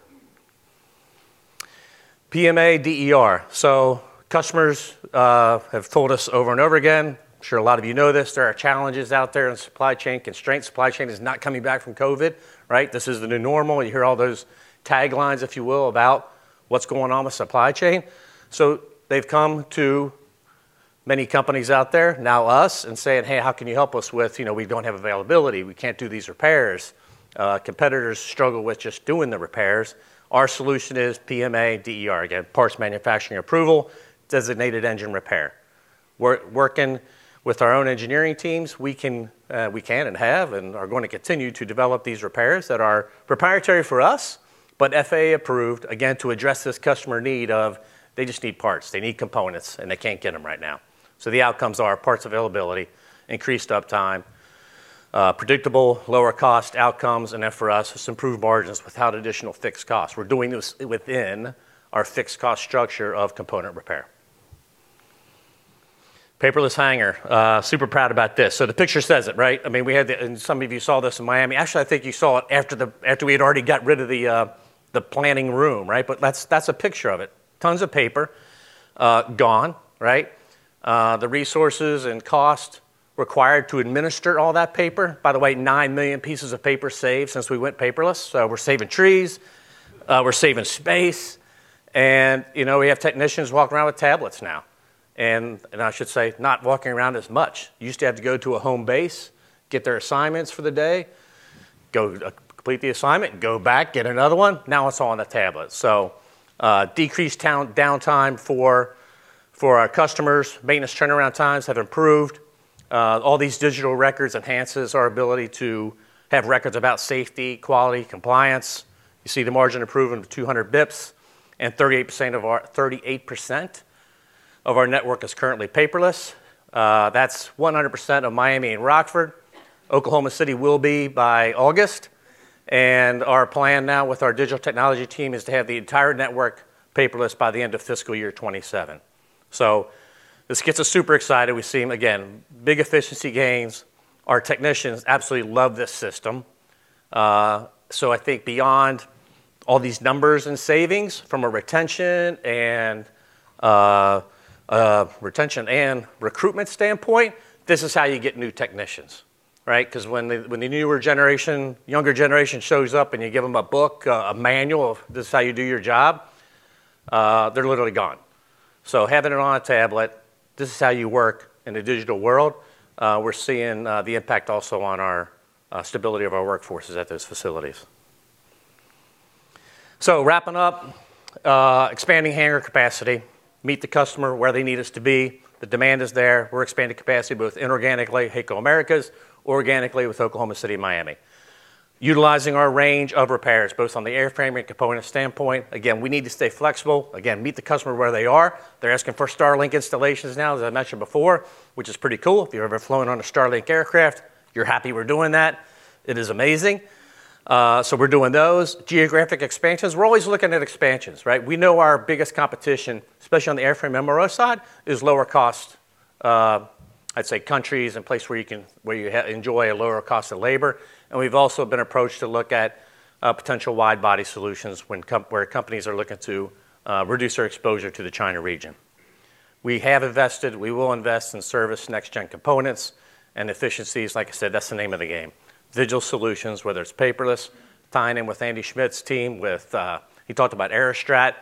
PMA/DER. Customers have told us over and over again, I'm sure a lot of you know this, there are challenges out there and supply chain constraints. Supply chain is not coming back from COVID, right? This is the new normal. You hear all those taglines, if you will, about what's going on with supply chain. They've come to many companies out there, now us, and saying, "Hey, how can you help us with You know, we don't have availability. We can't do these repairs. Competitors struggle with just doing the repairs. Our solution is PMA/DER. Again, Parts Manufacturing Approval/Designated Engineering repair. We're working with our own engineering teams. We can and have and are going to continue to develop these repairs that are proprietary for us, but FAA-approved, again, to address this customer need of they just need parts, they need components, and they can't get them right now. The outcomes are parts availability, increased uptime, predictable lower cost outcomes, and then for us, some improved margins without additional fixed costs. We're doing this within our fixed cost structure of component repair. Paperless hangar. Super proud about this. The picture says it, right? I mean, and some of you saw this in Miami. Actually, I think you saw it after we had already got rid of the planning room, right? That's a picture of it. Tons of paper gone, right? The resources and cost required to administer all that paper. By the way, 9 million pieces of paper saved since we went paperless. We're saving trees, we're saving space, and you know, we have technicians walking around with tablets now. I should say, not walking around as much. Used to have to go to a home base, get their assignments for the day, go complete the assignment, go back, get another one. Now it's all on the tablet. Decreased downtime for our customers. Maintenance turnaround times have improved. All these digital records enhances our ability to have records about safety, quality, compliance. You see the margin improvement of 200 basis points. 38% of our network is currently paperless. That's 100% of Miami and Rockford. Oklahoma City will be by August. Our plan now with our digital technology team is to have the entire network paperless by the end of FY 2027. This gets us super excited. We're seeing, again, big efficiency gains. Our technicians absolutely love this system. I think beyond all these numbers and savings from a retention and retention and recruitment standpoint, this is how you get new technicians, right? 'Cause when the newer generation, younger generation shows up and you give them a book, a manual of this is how you do your job, they're literally gone. Having it on a tablet, this is how you work in a digital world. We're seeing the impact also on our stability of our workforces at those facilities. Wrapping up, expanding hangar capacity. Meet the customer where they need us to be. The demand is there. We're expanding capacity both inorganically at HAECO Americas, organically with Oklahoma City and Miami. Utilizing our range of repairs, both on the airframe and component standpoint. Again, we need to stay flexible. Again, meet the customer where they are. They're asking for Starlink installations now, as I mentioned before, which is pretty cool. If you've ever flown on a Starlink aircraft, you're happy we're doing that. It is amazing. We're doing those. Geographic expansions. We're always looking at expansions, right? We know our biggest competition, especially on the Airframe MRO side, is lower cost, I'd say countries and places where you enjoy a lower cost of labor. We've also been approached to look at potential wide-body solutions where companies are looking to reduce their exposure to the China region. We have invested, we will invest in service next-gen components and efficiencies. Like I said, that's the name of the game. Digital solutions, whether it's paperless, tying in with Andrew Schmidt's team, with, he talked about Aerostrat.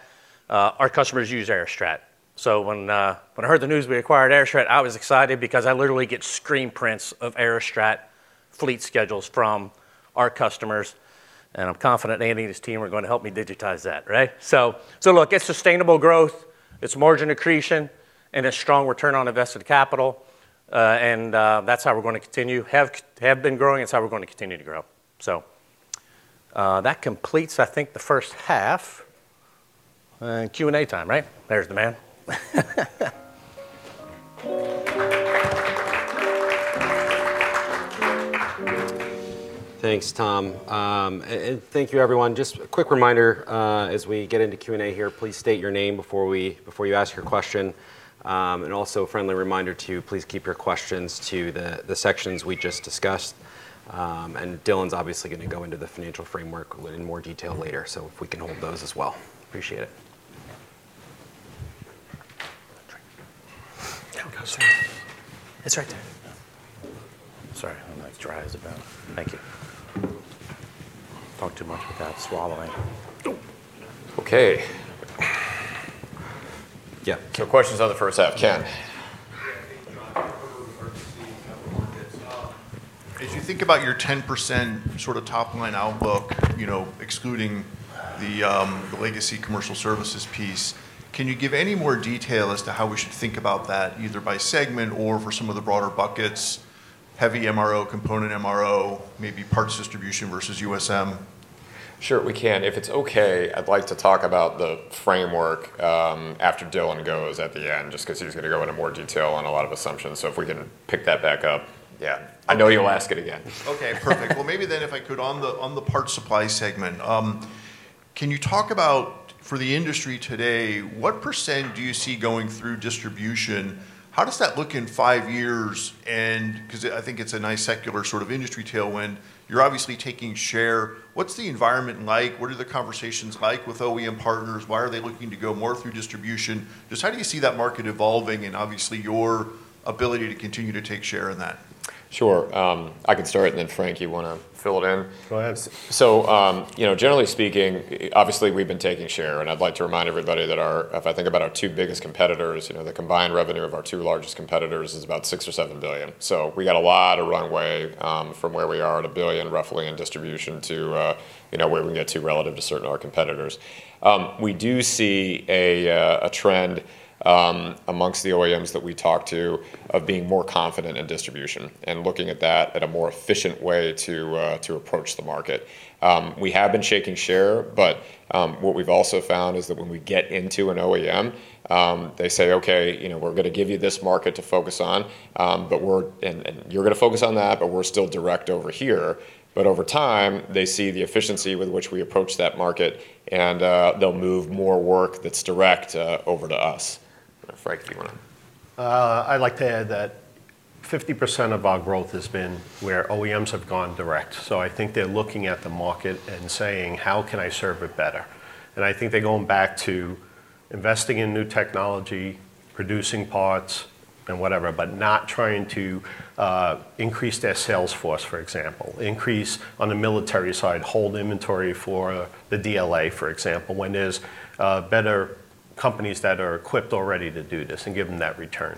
Our customers use Aerostrat. When I heard the news we acquired Aerostrat, I was excited because I literally get screen prints of Aerostrat fleet schedules from our customers, and I'm confident Andy and his team are gonna help me digitize that, right? Look, it's sustainable growth, it's margin accretion, and a strong return on invested capital. That's how we're gonna continue, have been growing. It's how we're gonna continue to grow. That completes, I think, the first half. Q&A time, right? There's the man.
Thanks, Tom. Thank you everyone. Just a quick reminder, as we get into Q&A here, please state your name before you ask your question. Also a friendly reminder to please keep your questions to the sections we just discussed. Dylan's obviously gonna go into the financial framework in more detail later, so if we can hold those as well. Appreciate it.
Drink.
There we go.
It's right there. Sorry, my mouth's dry as a bone. Thank you. Talk too much without swallowing. Oh.
Okay. Yeah. Questions on the first half. Ken.
Yeah, thank you, John.
Yeah.
As you think about your 10% sort of top line outlook, you know, excluding the legacy commercial services piece, can you give any more detail as to how we should think about that, either by segment or for some of the broader buckets, heavy MRO, Component MRO, maybe parts Distribution versus USM?
Sure, we can. If it's okay, I'd like to talk about the framework, after Dylan goes at the end, just 'cause he was gonna go into more detail on a lot of assumptions. If we can pick that back up.
Yeah.
I know you'll ask it again.
Okay, perfect. Well, maybe if I could, on the Parts Supply segment, can you talk about, for the industry today, what percent do you see going through distribution? How does that look in five years? Because I think it's a nice secular sort of industry tailwind. You're obviously taking share. What's the environment like? What are the conversations like with OEM partners? Why are they looking to go more through distribution? How do you see that market evolving, and obviously, your ability to continue to take share in that?
Sure. I can start. Then Frank, you wanna fill it in?
Go ahead.
You know, generally speaking, obviously, we've been taking share, and I'd like to remind everybody that I think about our two biggest competitors, you know, the combined revenue of our two largest competitors is about $6 billion or $7 billion. We got a lot of runway from where we are at $1 billion, roughly, in distribution to, you know, where we can get to relative to certain of our competitors. We do see a trend amongst the OEMs that we talk to of being more confident in distribution and looking at that at a more efficient way to approach the market. We have been shaking share, but what we've also found is that when we get into an OEM, they say, "Okay, you know, we're gonna give you this market to focus on, and you're gonna focus on that, but we're still direct over here." Over time, they see the efficiency with which we approach that market, and they'll move more work that's direct over to us. Frank, do you wanna?
I'd like to add that 50% of our growth has been where OEMs have gone direct. I think they're looking at the market and saying, "How can I serve it better?" I think they're going back to investing in new technology, producing parts and whatever, but not trying to increase their sales force, for example. Increase on the military side, hold inventory for the DLA, for example, when there's better companies that are equipped already to do this and give them that return.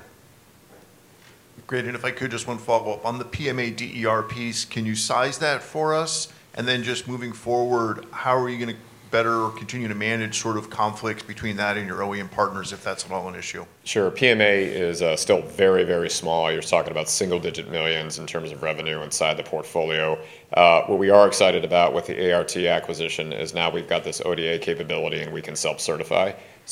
Great. If I could, just one follow-up. On the PMA/DER piece, can you size that for us? Then just moving forward, how are you gonna better continue to manage sort of conflict between that and your OEM partners, if that's at all an issue?
Sure. PMA is still very small. You're talking about single digit millions in terms of revenue inside the portfolio. What we are excited about with the ART acquisition is now we've got this ODA capability, and we can self-certify,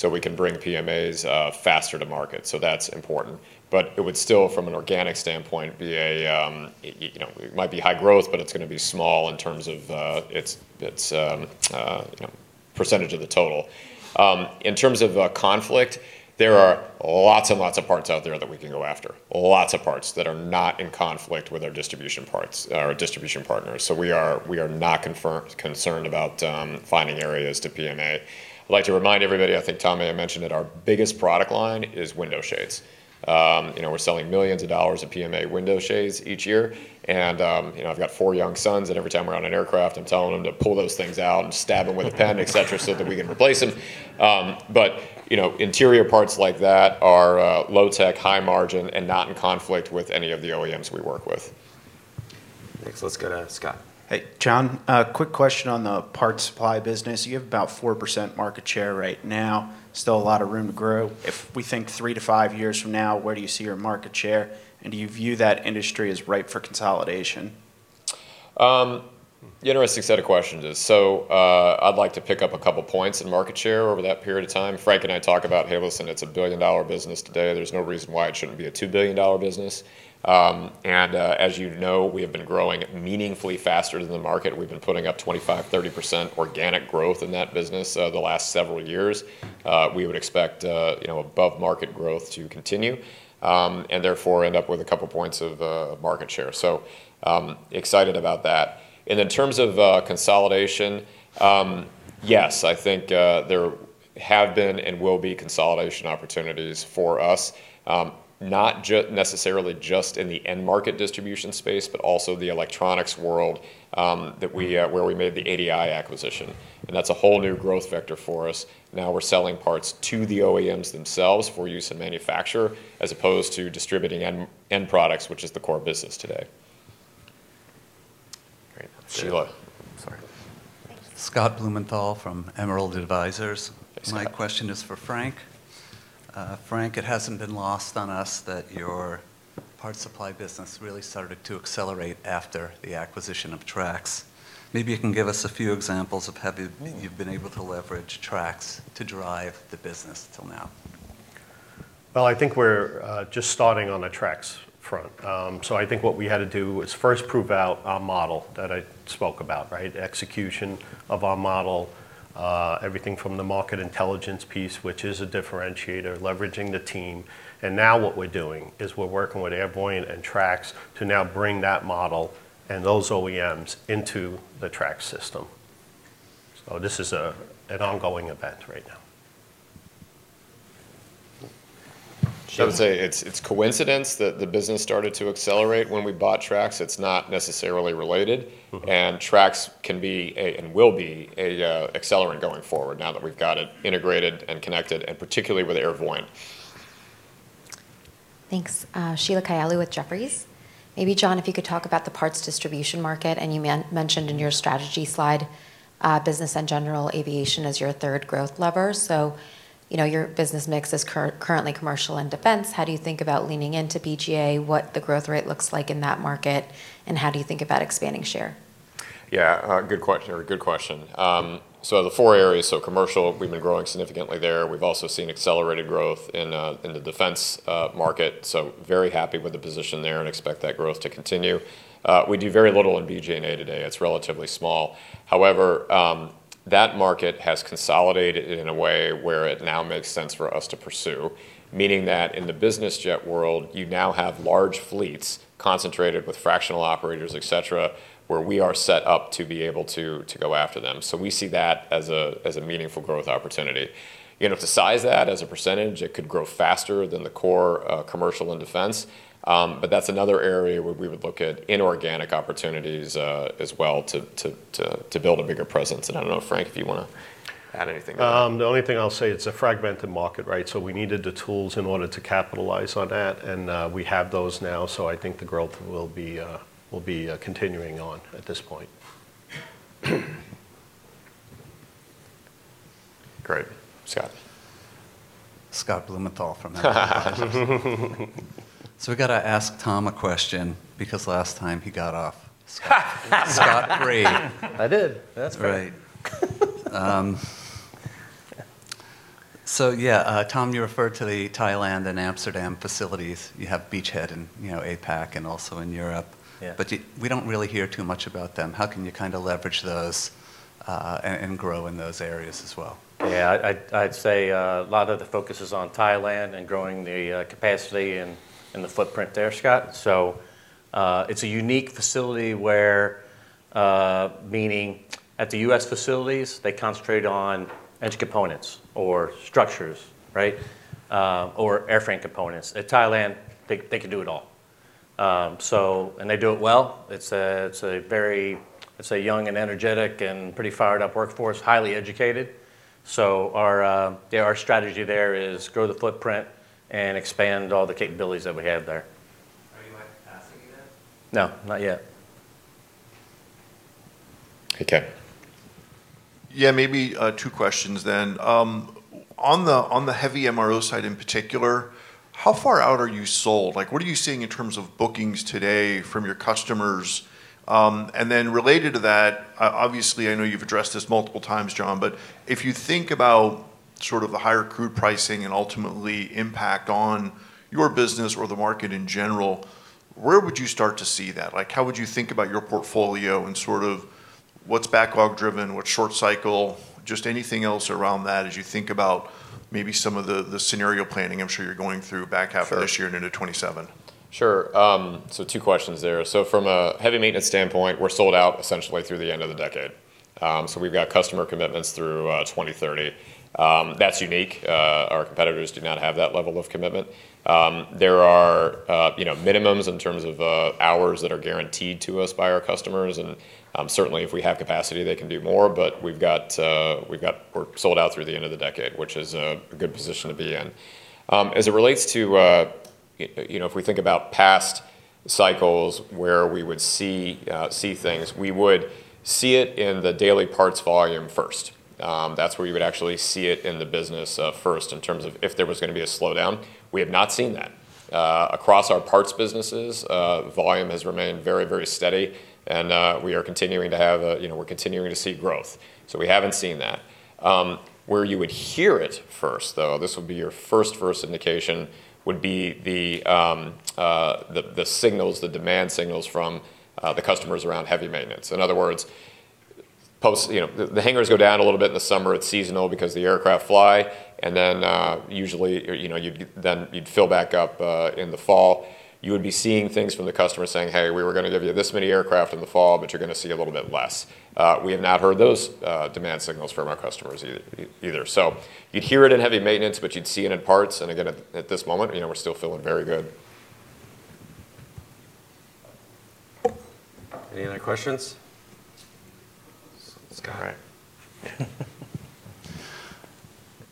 we can bring PMAs faster to market. That's important. It would still, from an organic standpoint, be a, you know, it might be high growth, but it's gonna be small in terms of its, you know, percentage of the total. In terms of conflict, there are lots of parts out there that we can go after, lots of parts that are not in conflict with our distribution partners. We are not concerned about finding areas to PMA. I'd like to remind everybody, I think Tom may have mentioned it, our biggest product line is window shades. You know, we're selling millions of dollars of PMA window shades each year. You know, I've got four young sons, and every time we're on an aircraft, I'm telling them to pull those things out and stab them with a pen, etc, so that we can replace them. You know, interior parts like that are low tech, high margin, and not in conflict with any of the OEMs we work with.
Thanks. Let's go to Scott.
Hey, John. Quick question on the Parts Supply business. You have about 4% market share right now. Still a lot of room to grow. If we think three to five years from now, where do you see your market share, and do you view that industry as ripe for consolidation?
Interesting set of questions. I'd like to pick up a couple points in market share over that period of time. Frank and I talk about, hey, listen, it's a $1 billion business today. There's no reason why it shouldn't be a $2 billion business. As you know, we have been growing meaningfully faster than the market. We've been putting up 25%, 30% organic growth in that business the last several years. We would expect, you know, above-market growth to continue and therefore end up with a couple points of market share. Excited about that. In terms of consolidation, yes, I think there have been and will be consolidation opportunities for us, not necessarily just in the end-market distribution space, but also the electronics world that we, where we made the ADI acquisition, and that's a whole new growth vector for us. Now we're selling parts to the OEMs themselves for use in manufacture as opposed to distributing end products, which is the core business today.
Great.
Sheila.
Sorry.
Thank you.
Scott Blumenthal from Emerald Advisers.
Hey, Scott.
My question is for Frank. Frank, it hasn't been lost on us that your Parts Supply business really started to accelerate after the acquisition of Trax. Maybe you can give us a few examples of how you've been able to leverage Trax to drive the business till now.
Well, I think we're just starting on a Trax front. I think what we had to do is first prove out our model that I spoke about, right? Execution of our model, everything from the market intelligence piece, which is a differentiator, leveraging the team. Now what we're doing is we're working with Airvoyant and Trax to now bring that model and those OEMs into the Trax system. This is an ongoing event right now.
I would say it's coincidence that the business started to accelerate when we bought Trax. It's not necessarily related. Trax can be a, and will be a, accelerant going forward now that we've got it integrated and connected, and particularly with Airvoyant.
Thanks. Sheila Kahyaoglu with Jefferies. Maybe, John, if you could talk about the parts distribution market, and you mentioned in your strategy slide, business and general aviation as your third growth lever. You know, your business mix is currently commercial and defense. How do you think about leaning into BG&A, what the growth rate looks like in that market, and how do you think about expanding share?
Yeah, good question. The four areas, commercial, we've been growing significantly there. We've also seen accelerated growth in the defense market, very happy with the position there and expect that growth to continue. We do very little in BG&A today. It's relatively small. That market has consolidated in a way where it now makes sense for us to pursue, meaning that in the business jet world, you now have large fleets concentrated with fractional operators, etc, where we are set up to be able to go after them. We see that as a meaningful growth opportunity. You know, to size that as a percentage, it could grow faster than the core, commercial and defense, but that's another area where we would look at inorganic opportunities, as well to build a bigger presence. I don't know, Frank, if you wanna add anything there.
The only thing I'll say, it's a fragmented market, right? We needed the tools in order to capitalize on that, and we have those now, I think the growth will be continuing on at this point.
Great. Scott.
Scott Blumenthal from Emerald Advisers. We gotta ask Tom a question because last time he got off scott-free.
I did. That's right.
Right. Yeah, Tom, you referred to the Thailand and Amsterdam facilities. You have beachhead in, you know, APAC and also in Europe.
Yeah.
We don't really hear too much about them. How can you kinda leverage those and grow in those areas as well?
Yeah. I'd say a lot of the focus is on Thailand and growing the capacity and the footprint there, Scott. It's a unique facility where, meaning at the U.S. facilities, they concentrate on edge components or structures, right? Or airframe components. At Thailand, they can do it all and so they do it well. It's a very young and energetic and pretty fired up workforce, highly educated. Our, yeah, our strategy there is grow the footprint and expand all the capabilities that we have there.
Are you at capacity then?
No, not yet.
Hey, Ken.
Maybe two questions then. On the heavy MRO side in particular, how far out are you sold? Like, what are you seeing in terms of bookings today from your customers? Related to that, obviously, I know you've addressed this multiple times, John, but if you think about sort of the higher crude pricing and ultimately impact on your business or the market in general, where would you start to see that? Like, how would you think about your portfolio and sort of what's backlog driven, what's short cycle? Just anything else around that as you think about some of the scenario planning I'm sure you're going through back half of this year and into 2027.
Sure. Two questions there. From a heavy maintenance standpoint, we're sold out essentially through the end of the decade. We've got customer commitments through 2030. That's unique. Our competitors do not have that level of commitment. There are, you know, minimums in terms of hours that are guaranteed to us by our customers, and certainly, if we have capacity, they can do more. We've got, we're sold out through the end of the decade, which is a good position to be in. As it relates to, you know, if we think about past cycles where we would see things, we would see it in the daily parts volume first. That's where you would actually see it in the business first in terms of if there was gonna be a slowdown. We have not seen that. Across our Parts businesses, volume has remained very, very steady, and, you know, we're continuing to see growth. We haven't seen that. Where you would hear it first, though, this would be your first indication, would be the signals, the demand signals from the customers around heavy maintenance. In other words, you know, the hangars go down a little bit in the summer. It's seasonal because the aircraft fly. Then, usually, you know, then you'd fill back up in the fall. You would be seeing things from the customer saying, "Hey, we were gonna give you this many aircraft in the fall, but you're gonna see a little bit less." We have not heard those demand signals from our customers either. You'd hear it in heavy maintenance, but you'd see it in Parts. Again, at this moment, you know, we're still feeling very good.
Any other questions? Scott.
All right.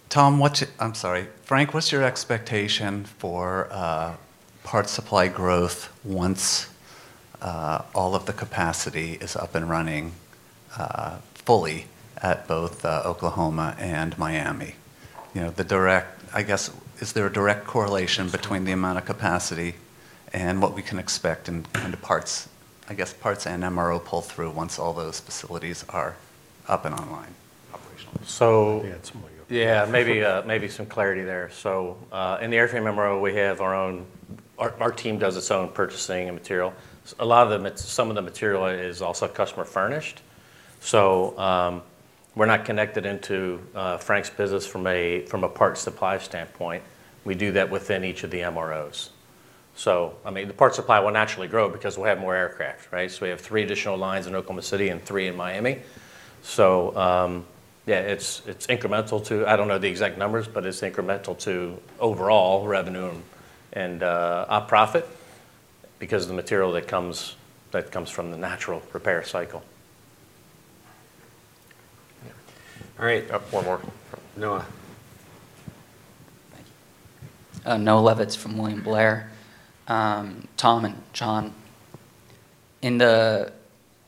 Tom, I'm sorry. Frank, what's your expectation for part supply growth once all of the capacity is up and running fully at both Oklahoma and Miami? You know, I guess, is there a direct correlation between the amount of capacity and what we can expect in, kind of, I guess parts and MRO pull through once all those facilities are up and online?
Operationally.
So-
Yeah, it's more-
...maybe some clarity there. In the Airframe MRO, our team does its own purchasing and material. A lot of them, some of the material is also customer furnished. We're not connected into Frank's business from a part supply standpoint. We do that within each of the MROs. I mean, the Part Supply will naturally grow because we'll have more aircraft, right? We have three additional lines in Oklahoma City and three in Miami. It's incremental to I don't know the exact numbers, but it's incremental to overall revenue and our profit because the material that comes from the natural repair cycle.
Yeah.
All right. Got one more. Noah?
Thank you. Noah Levitz from William Blair. Tom and John, in the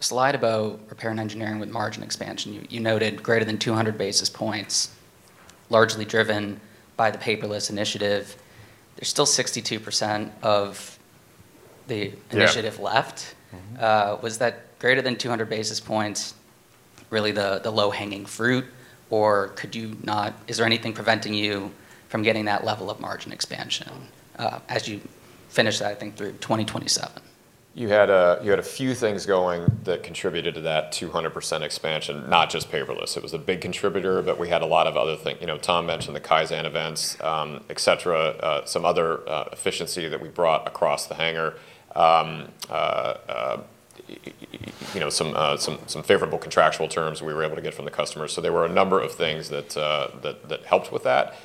slide about Repair & Engineering with margin expansion, you noted greater than 200 basis points, largely driven by the paperless initiative. There's still 62% of the initiative-
Yeah
...left. Was that greater than 200 basis points really the low-hanging fruit? Is there anything preventing you from getting that level of margin expansion, as you finish that, I think through 2027?
You had a few things going that contributed to that 200% expansion, not just paperless. It was a big contributor, but we had a lot of. You know, Tom mentioned the Kaizen events, etc, some other efficiency that we brought across the hangar. You know, some favorable contractual terms we were able to get from the customers. There were a number of things that helped with that.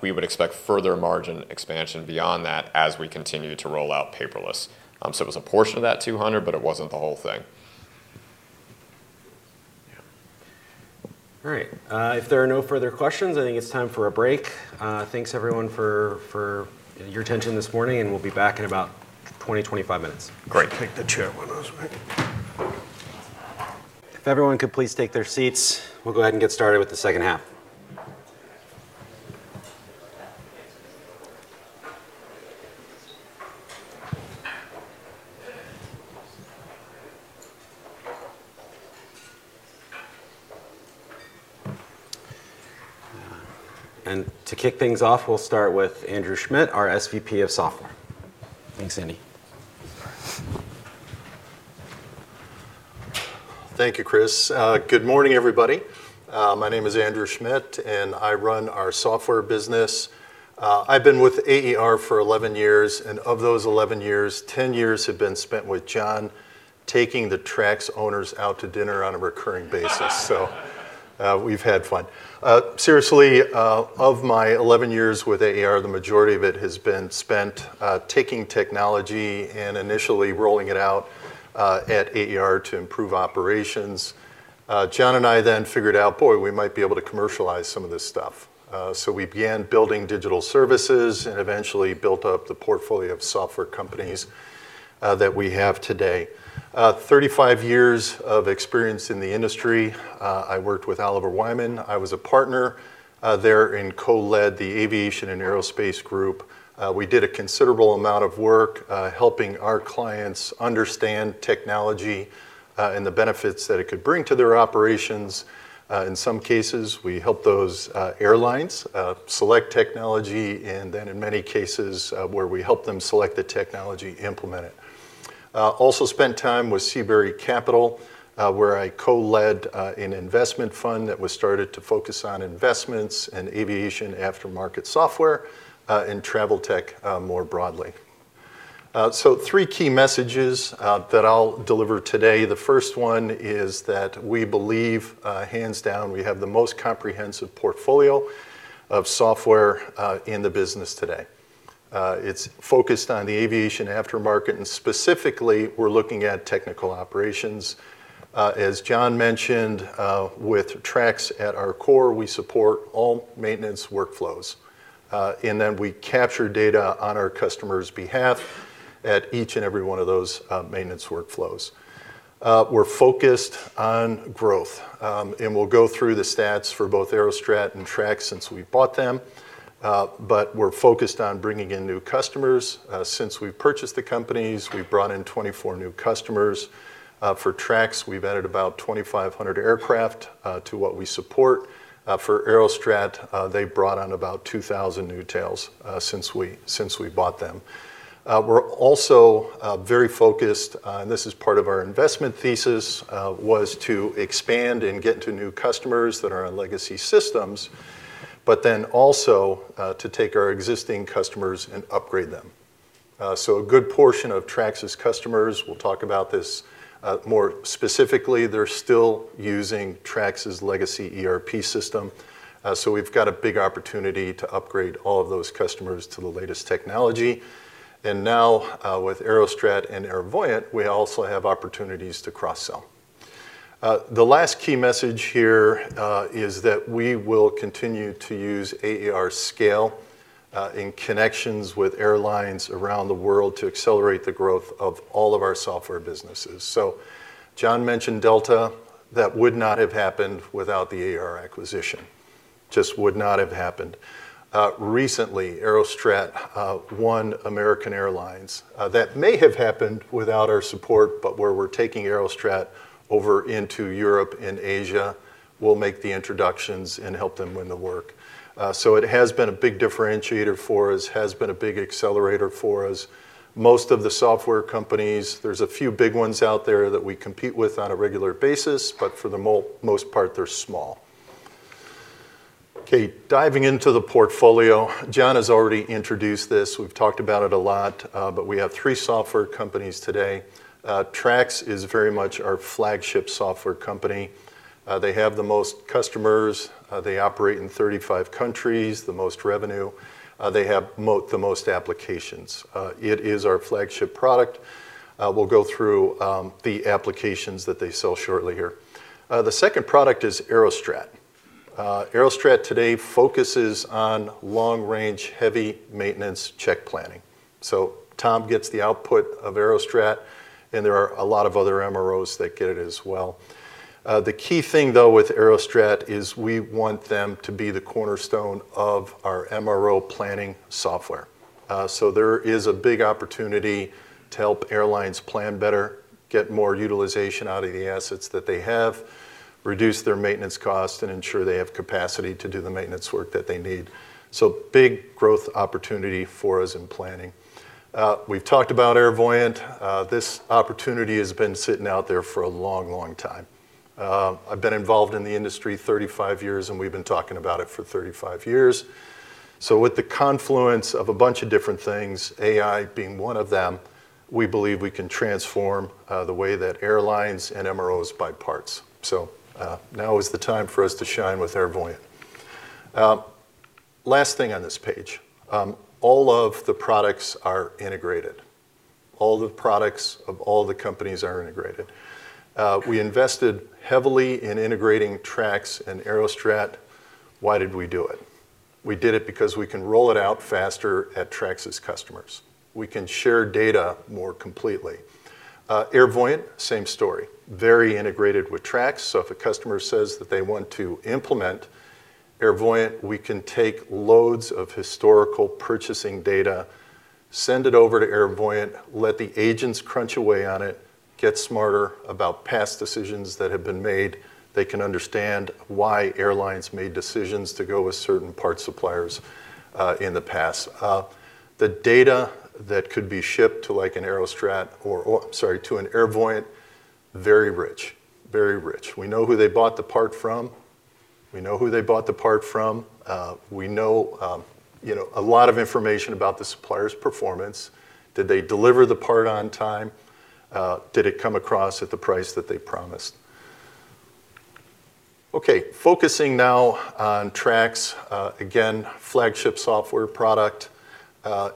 We would expect further margin expansion beyond that as we continue to roll out paperless. It was a portion of that 200, but it wasn't the whole thing.
Yeah. All right. If there are no further questions, I think it's time for a break. Thanks everyone for your attention this morning, and we'll be back in about 20-25 minutes.
Great. Take the chair with us, right?
If everyone could please take their seats, we'll go ahead and get started with the second half. To kick things off, we'll start with Andrew Schmidt, our SVP of Software. Thanks, Andy.
Thank you, Chris. Good morning, everybody. My name is Andrew Schmidt, and I run our Software business. I've been with AAR for 11 years, and of those 11 years, 10 years have been spent with John taking the Trax owners out to dinner on a recurring basis. We've had fun. Seriously, of my 11 years with AAR, the majority of it has been spent taking technology and initially rolling it out at AAR to improve operations. John and I then figured out, boy, we might be able to commercialize some of this stuff. We began building digital services and eventually built up the portfolio of software companies that we have today. 35 years of experience in the industry. I worked with Oliver Wyman. I was a partner there and co-led the Aviation and Aerospace Group. We did a considerable amount of work helping our clients understand technology and the benefits that it could bring to their operations. In some cases, we helped those airlines select technology, and then in many cases, where we helped them select the technology, implement it. Also spent time with Seabury Capital, where I co-led an investment fund that was started to focus on investments in aviation aftermarket software and travel tech more broadly. Three key messages that I'll deliver today. The first one is that we believe, hands down, we have the most comprehensive portfolio of software in the business today. It's focused on the aviation aftermarket, and specifically, we're looking at technical operations. As John mentioned, with Trax at our core, we support all maintenance workflows, and then we capture data on our customers' behalf at each and every one of those maintenance workflows. We're focused on growth, and we'll go through the stats for both Aerostrat and Trax since we bought them. We're focused on bringing in new customers. Since we purchased the companies, we've brought in 24 new customers. For Trax, we've added about 2,500 aircraft to what we support. For Aerostrat, they brought on about 2,000 new tails since we bought them. We're also very focused, and this is part of our investment thesis, was to expand and get to new customers that are on legacy systems, but then also to take our existing customers and upgrade them. A good portion of Trax's customers, we'll talk about this more specifically, they're still using Trax's legacy ERP system. We've got a big opportunity to upgrade all of those customers to the latest technology. Now, with Aerostrat and Airvoyant, we also have opportunities to cross-sell. The last key message here is that we will continue to use AAR's scale in connections with airlines around the world to accelerate the growth of all of our Software businesses. John mentioned Delta, that would not have happened without the AAR acquisition. Just would not have happened. Recently, Aerostrat won American Airlines. That may have happened without our support, where we're taking Aerostrat over into Europe and Asia, we'll make the introductions and help them win the work. It has been a big differentiator for us, has been a big accelerator for us. Most of the software companies, there's a few big ones out there that we compete with on a regular basis, but for the most part, they're small. Okay, diving into the portfolio. John has already introduced this. We've talked about it a lot, we have three software companies today. Trax is very much our flagship software company. They have the most customers. They operate in 35 countries, the most revenue. They have the most applications. It is our flagship product. We'll go through the applications that they sell shortly here. The second product is Aerostrat. Aerostrat today focuses on long-range heavy maintenance check planning. Tom gets the output of Aerostrat, and there are a lot of other MROs that get it as well. The key thing, though, with Aerostrat is we want them to be the cornerstone of our MRO planning software. There is a big opportunity to help airlines plan better, get more utilization out of the assets that they have, reduce their maintenance cost, and ensure they have capacity to do the maintenance work that they need. Big growth opportunity for us in planning. We've talked about Airvoyant. This opportunity has been sitting out there for a long, long time. I've been involved in the industry 35 years, and we've been talking about it for 35 years. With the confluence of a bunch of different things, AI being one of them, we believe we can transform the way that airlines and MROs buy parts. Now is the time for us to shine with Airvoyant. Last thing on this page. All of the products are integrated. All the products of all the companies are integrated. We invested heavily in integrating Trax and Aerostrat. Why did we do it? We did it because we can roll it out faster at Trax's customers. We can share data more completely. Airvoyant, same story. Very integrated with Trax. If a customer says that they want to implement Airvoyant, we can take loads of historical purchasing data, send it over to Airvoyant, let the agents crunch away on it, get smarter about past decisions that have been made. They can understand why airlines made decisions to go with certain part suppliers in the past. The data that could be shipped to like an Aerostrat or to an Airvoyant, very rich. We know who they bought the part from. We know, you know, a lot of information about the supplier's performance. Did they deliver the part on time? Did it come across at the price that they promised? Focusing now on Trax, again, flagship software product.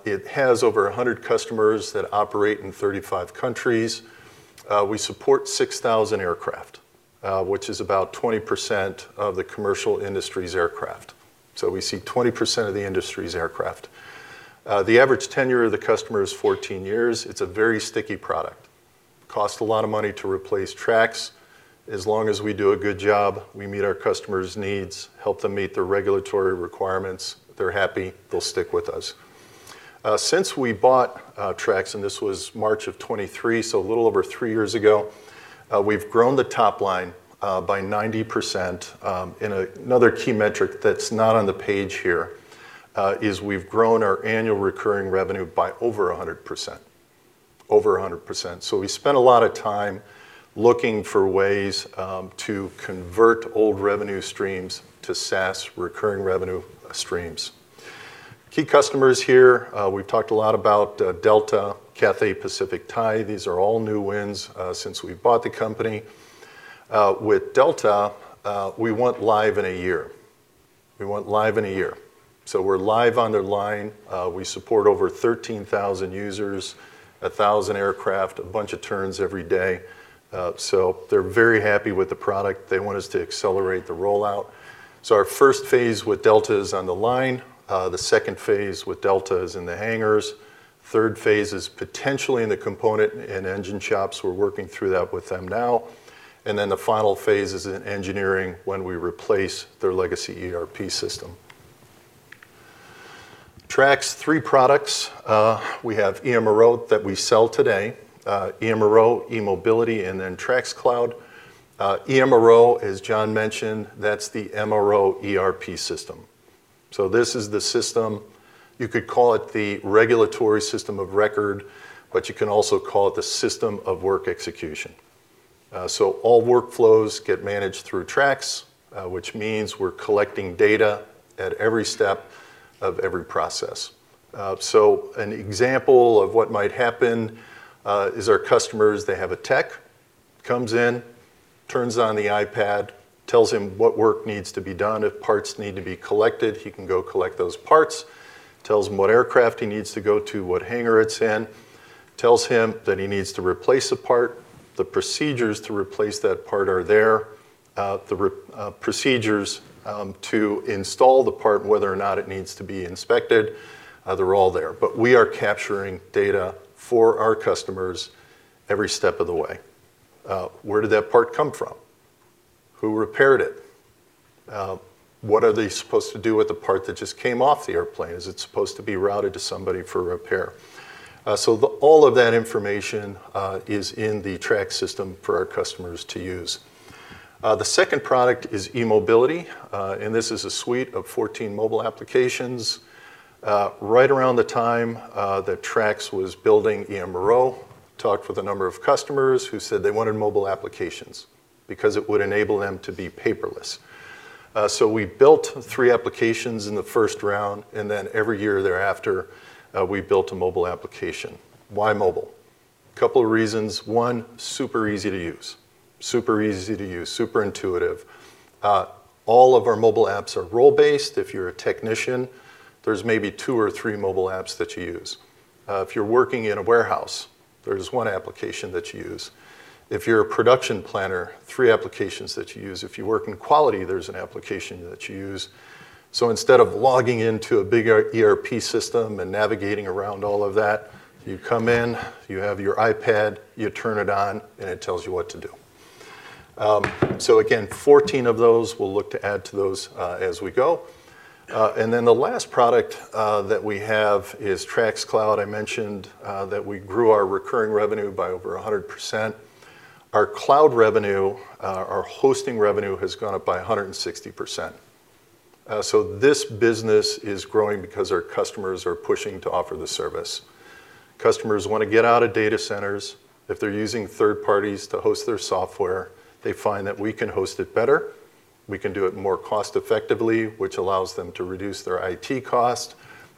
It has over 100 customers that operate in 35 countries. We support 6,000 aircraft, which is about 20% of the commercial industry's aircraft. We see 20% of the industry's aircraft. The average tenure of the customer is 14 years. It's a very sticky product. Costs a lot of money to replace Trax. As long as we do a good job, we meet our customers' needs, help them meet their regulatory requirements, they're happy, they'll stick with us. Since we bought Trax, and this was March of 2023, so a little over three years ago, we've grown the top line by 90%. And another key metric that's not on the page here, is we've grown our annual recurring revenue by over 100%. Over 100%. We spent a lot of time looking for ways to convert old revenue streams to SaaS recurring revenue streams. Key customers here, we've talked a lot about Delta, Cathay Pacific, Thai. These are all new wins since we bought the company. With Delta, we went live in a year. We went live in a year. We're live on their line. We support over 13,000 users, 1,000 aircraft, a bunch of turns every day. They're very happy with the product. They want us to accelerate the rollout. Our first phase with Delta is on the line. The second phase with Delta is in the hangars. Third phase is potentially in the component and engine shops. We're working through that with them now. The final phase is in engineering when we replace their legacy ERP system. Trax, three products. We have eMRO that we sell today, eMRO, eMobility, and Trax Cloud. eMRO, as John mentioned, that's the MRO ERP system. This is the system, you could call it the regulatory system of record, but you can also call it the system of work execution. All workflows get managed through Trax, which means we're collecting data at every step of every process. An example of what might happen is our customers, they have a tech, comes in, turns on the iPad, tells him what work needs to be done. If parts need to be collected, he can go collect those parts. Tells him what aircraft he needs to go to, what hangar it's in. Tells him that he needs to replace a part. The procedures to replace that part are there. The procedures to install the part, whether or not it needs to be inspected, they're all there. We are capturing data for our customers every step of the way. Where did that part come from? Who repaired it? What are they supposed to do with the part that just came off the airplane? Is it supposed to be routed to somebody for repair? All of that information is in the Trax system for our customers to use. The second product is eMobility, and this is a suite of 14 mobile applications. Right around the time that Trax was building eMRO, talked with a number of customers who said they wanted mobile applications because it would enable them to be paperless. We built three applications in the first round, and then every year thereafter, we built a mobile application. Why mobile? Couple of reasons. One, super easy to use. Super easy to use, super intuitive. All of our mobile apps are role-based. If you're a technician, there's maybe two or three mobile apps that you use. If you're working in a warehouse, there's one application that you use. If you're a production planner, three applications that you use. If you work in quality, there's an application that you use. Instead of logging into a bigger ERP system and navigating around all of that, you come in, you have your iPad, you turn it on, and it tells you what to do. Again, 14 of those. We'll look to add to those as we go. The last product that we have is Trax Cloud. I mentioned that we grew our recurring revenue by over 100%. Our cloud revenue, our hosting revenue has gone up by 160%. This business is growing because our customers are pushing to offer the service. Customers wanna get out of data centers. If they're using third parties to host their software, they find that we can host it better, we can do it more cost-effectively, which allows them to reduce their IT cost,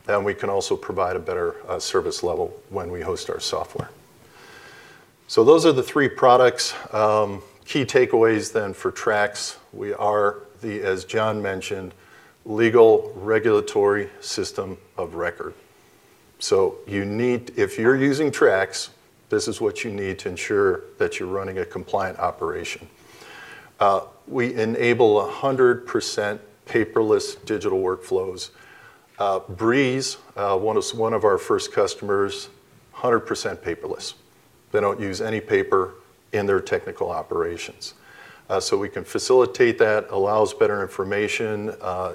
and we can also provide a better service level when we host our software. Those are the three products. Key takeaways for Trax, we are the, as John mentioned, legal regulatory system of record. If you're using Trax, this is what you need to ensure that you're running a compliant operation. We enable 100% paperless digital workflows. Breeze, one of our first customers, 100% paperless. They don't use any paper in their technical operations. We can facilitate that, allows better information,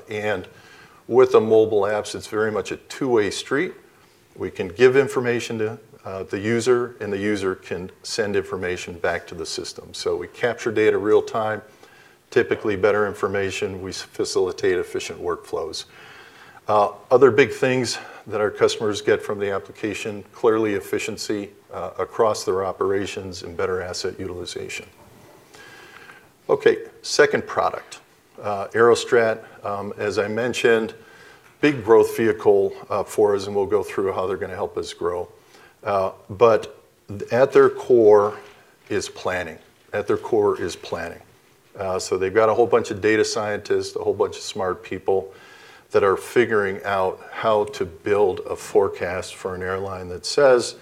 and with the mobile apps, it's very much a two-way street. We can give information to the user, and the user can send information back to the system. We capture data real-time, typically better information. We facilitate efficient workflows. Other big things that our customers get from the application, clearly efficiency across their operations and better asset utilization. Okay, second product. Aerostrat, as I mentioned, big growth vehicle for us, and we'll go through how they're gonna help us grow. But at their core is planning. They've got a whole bunch of data scientists, a whole bunch of smart people that are figuring out how to build a forecast for an airline that says,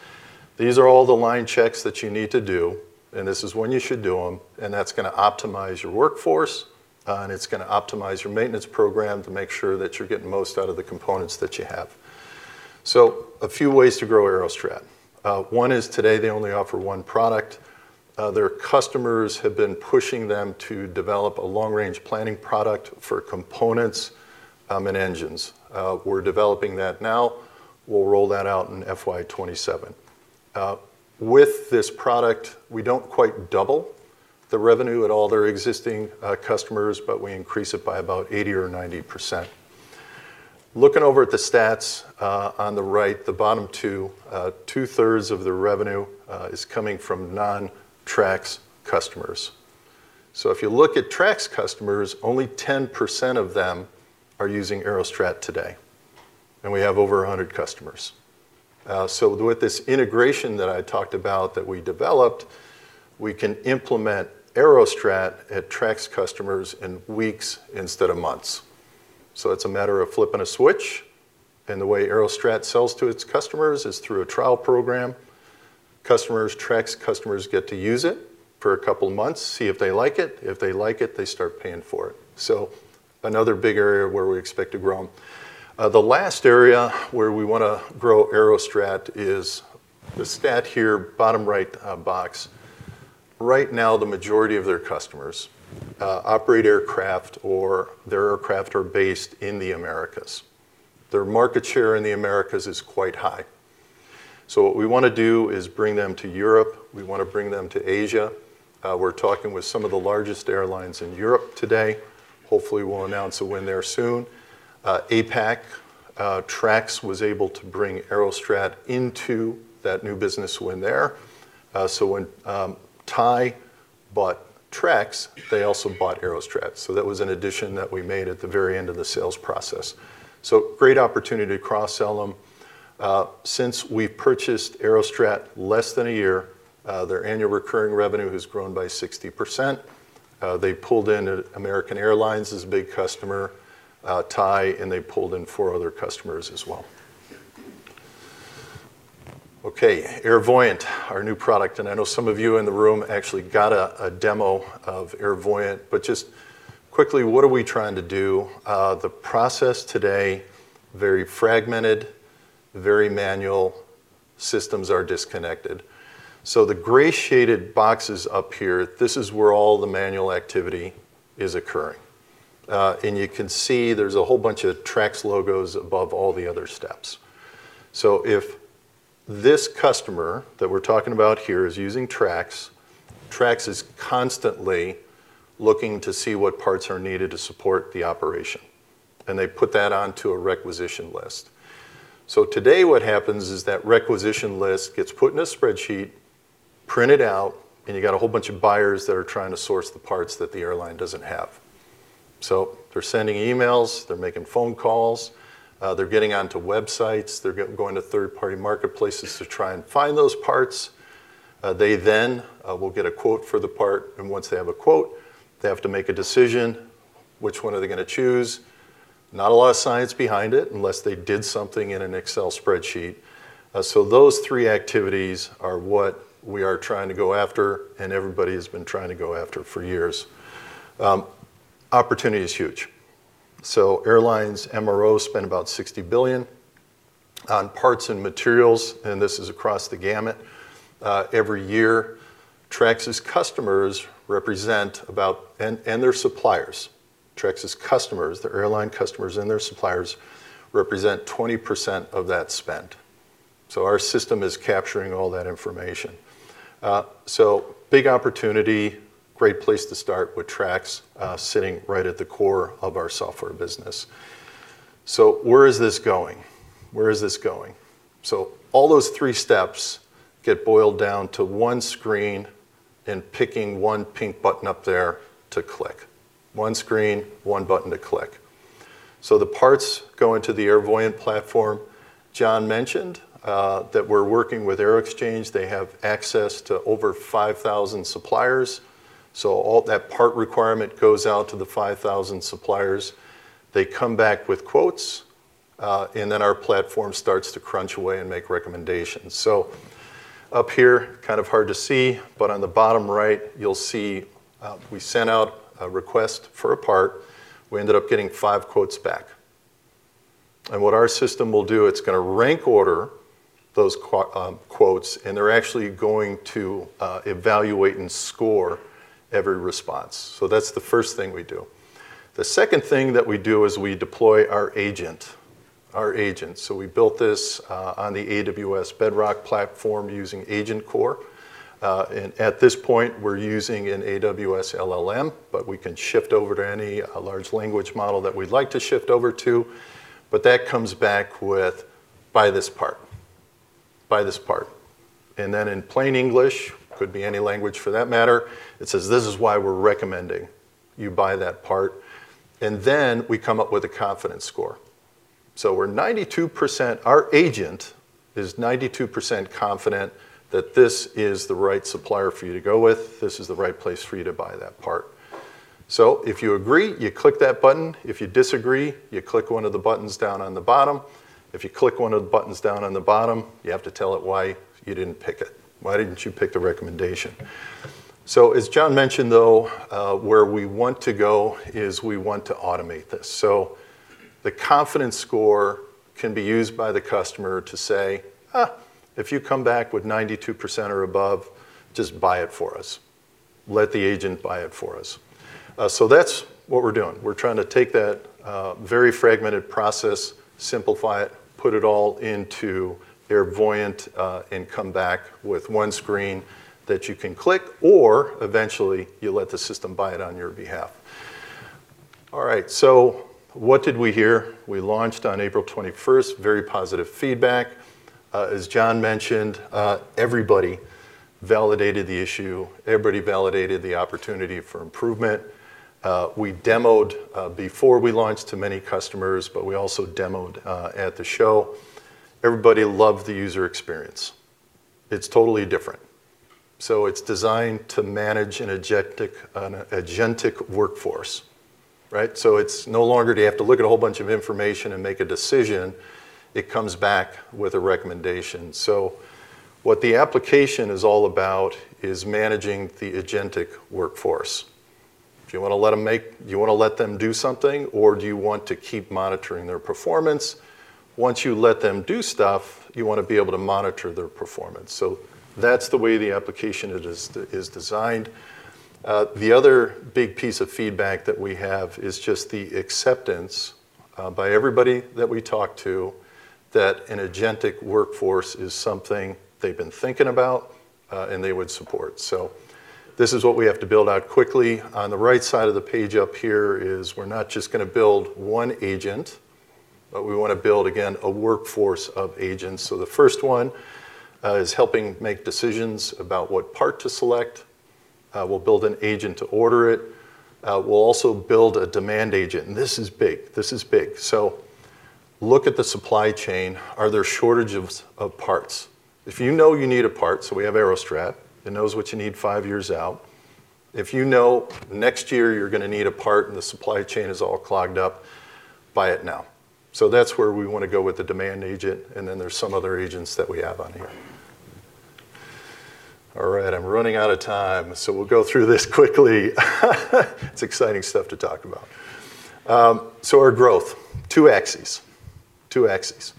"These are all the line checks that you need to do, and this is when you should do them." That's gonna optimize your workforce, and it's gonna optimize your maintenance program to make sure that you're getting the most out of the components that you have. A few ways to grow Aerostrat. One is today, they only offer one product. Their customers have been pushing them to develop a long-range planning product for components and engines. We're developing that now. We'll roll that out in FY 2027. With this product, we don't quite double the revenue at all their existing customers, but we increase it by about 80% or 90%. Looking over at the stats, on the right, the bottom two-thirds of the revenue, is coming from non-Trax customers. If you look at Trax customers, only 10% of them are using Aerostrat today, and we have over 100 customers. With this integration that I talked about that we developed, we can implement Aerostrat at Trax customers in weeks instead of months. It's a matter of flipping a switch, and the way Aerostrat sells to its customers is through a trial program. Customers, Trax customers get to use it for a couple of months, see if they like it. If they like it, they start paying for it. Another big area where we expect to grow. The last area where we wanna grow Aerostrat is the stat here, bottom right, box. Right now, the majority of their customers operate aircraft or their aircraft are based in the Americas. Their market share in the Americas is quite high. What we wanna do is bring them to Europe. We wanna bring them to Asia. We're talking with some of the largest airlines in Europe today. Hopefully we'll announce a win there soon. APAC, Trax was able to bring Aerostrat into that new business win there. When Thai bought Trax, they also bought Aerostrat. That was an addition that we made at the very end of the sales process. Great opportunity to cross-sell them. Since we purchased Aerostrat less than a year, their annual recurring revenue has grown by 60%. They pulled in American Airlines as a big customer, Thai, and they pulled in four other customers as well. Airvoyant, our new product. I know some of you in the room actually got a demo of Airvoyant, but just quickly, what are we trying to do? The process today is very fragmented, very manual, systems are disconnected. The gray shaded boxes up here, this is where all the manual activity is occurring. You can see there's a whole bunch of Trax logos above all the other steps. If this customer that we're talking about here is using Trax is constantly looking to see what parts are needed to support the operation. They put that onto a requisition list. Today what happens is that requisition list gets put in a spreadsheet, printed out, and you got a whole bunch of buyers that are trying to source the parts that the airline doesn't have. They're sending emails, they're making phone calls, they're getting onto websites, they're going to third-party marketplaces to try and find those parts. They then will get a quote for the part, and once they have a quote, they have to make a decision, which one are they gonna choose? Not a lot of science behind it unless they did something in an Excel spreadsheet. Those three activities are what we are trying to go after, and everybody has been trying to go after for years. Opportunity is huge. Airlines, MRO spend about $60 billion on parts and materials, and this is across the gamut every year. Trax's customers represent about and their suppliers. Trax's customers, the airline customers and their suppliers, represent 20% of that spend. Our system is capturing all that information. Big opportunity, great place to start with Trax, sitting right at the core of our Software business. Where is this going? Where is this going? All those three steps get boiled down to one screen and picking one pink button up there to click. One screen, one button to click. The parts go into the Airvoyant platform. John mentioned that we're working with Aeroxchange. They have access to over 5,000 suppliers. All that part requirement goes out to the 5,000 suppliers. They come back with quotes, and then our platform starts to crunch away and make recommendations. Up here, kind of hard to see, but on the bottom right, you'll see, we sent out a request for a part. We ended up getting five quotes back. What our system will do, it's gonna rank order those quotes, and they're actually going to evaluate and score every response. That's the first thing we do. The second thing that we do is we deploy our agent. We built this on the AWS Bedrock platform using AgentCore. At this point, we're using an AWS LLM, but we can shift over to any large language model that we'd like to shift over to. That comes back with, "Buy this part. Buy this part." Then in plain English, could be any language for that matter, it says, "This is why we're recommending you buy that part." Then we come up with a confidence score. Our agent is 92% confident that this is the right supplier for you to go with. This is the right place for you to buy that part. If you agree, you click that button. If you disagree, you click one of the buttons down on the bottom. If you click one of the buttons down on the bottom, you have to tell it why you didn't pick it. Why didn't you pick the recommendation? As John mentioned, though, where we want to go is we want to automate this. The confidence score can be used by the customer to say, "Eh, if you come back with 92% or above, just buy it for us. Let the agent buy it for us." That's what we're doing. We're trying to take that very fragmented process, simplify it, put it all into Airvoyant, and come back with one screen that you can click, or eventually, you let the system buy it on your behalf. All right. What did we hear? We launched on April 21st. Very positive feedback. As John mentioned, everybody validated the issue. Everybody validated the opportunity for improvement. We demoed before we launched to many customers, but we also demoed at the show. Everybody loved the user experience. It's totally different. It's designed to manage an agentic workforce, right? It's no longer do you have to look at a whole bunch of information and make a decision. It comes back with a recommendation. What the application is all about is managing the agentic workforce. Do you want to let them do something or do you want to keep monitoring their performance? Once you let them do stuff, you want to be able to monitor their performance. That's the way the application it is designed. The other big piece of feedback that we have is just the acceptance by everybody that we talk to, that an agentic workforce is something they've been thinking about, and they would support. This is what we have to build out quickly. On the right side of the page up here is we're not just going to build one agent, but we want to build, again, a workforce of agents. The first one is helping make decisions about what part to select. We'll build an agent to order it. We'll also build a demand agent, and this is big. This is big. Look at the supply chain. Are there shortage of parts? If you know you need a part, we have Aerostrat, it knows what you need five years out. If you know next year you're going to need a part and the supply chain is all clogged up, buy it now. That's where we want to go with the demand agent, and then there's some other agents that we have on here. I'm running out of time, we'll go through this quickly. It's exciting stuff to talk about. Our growth, 2xs. 2xs. We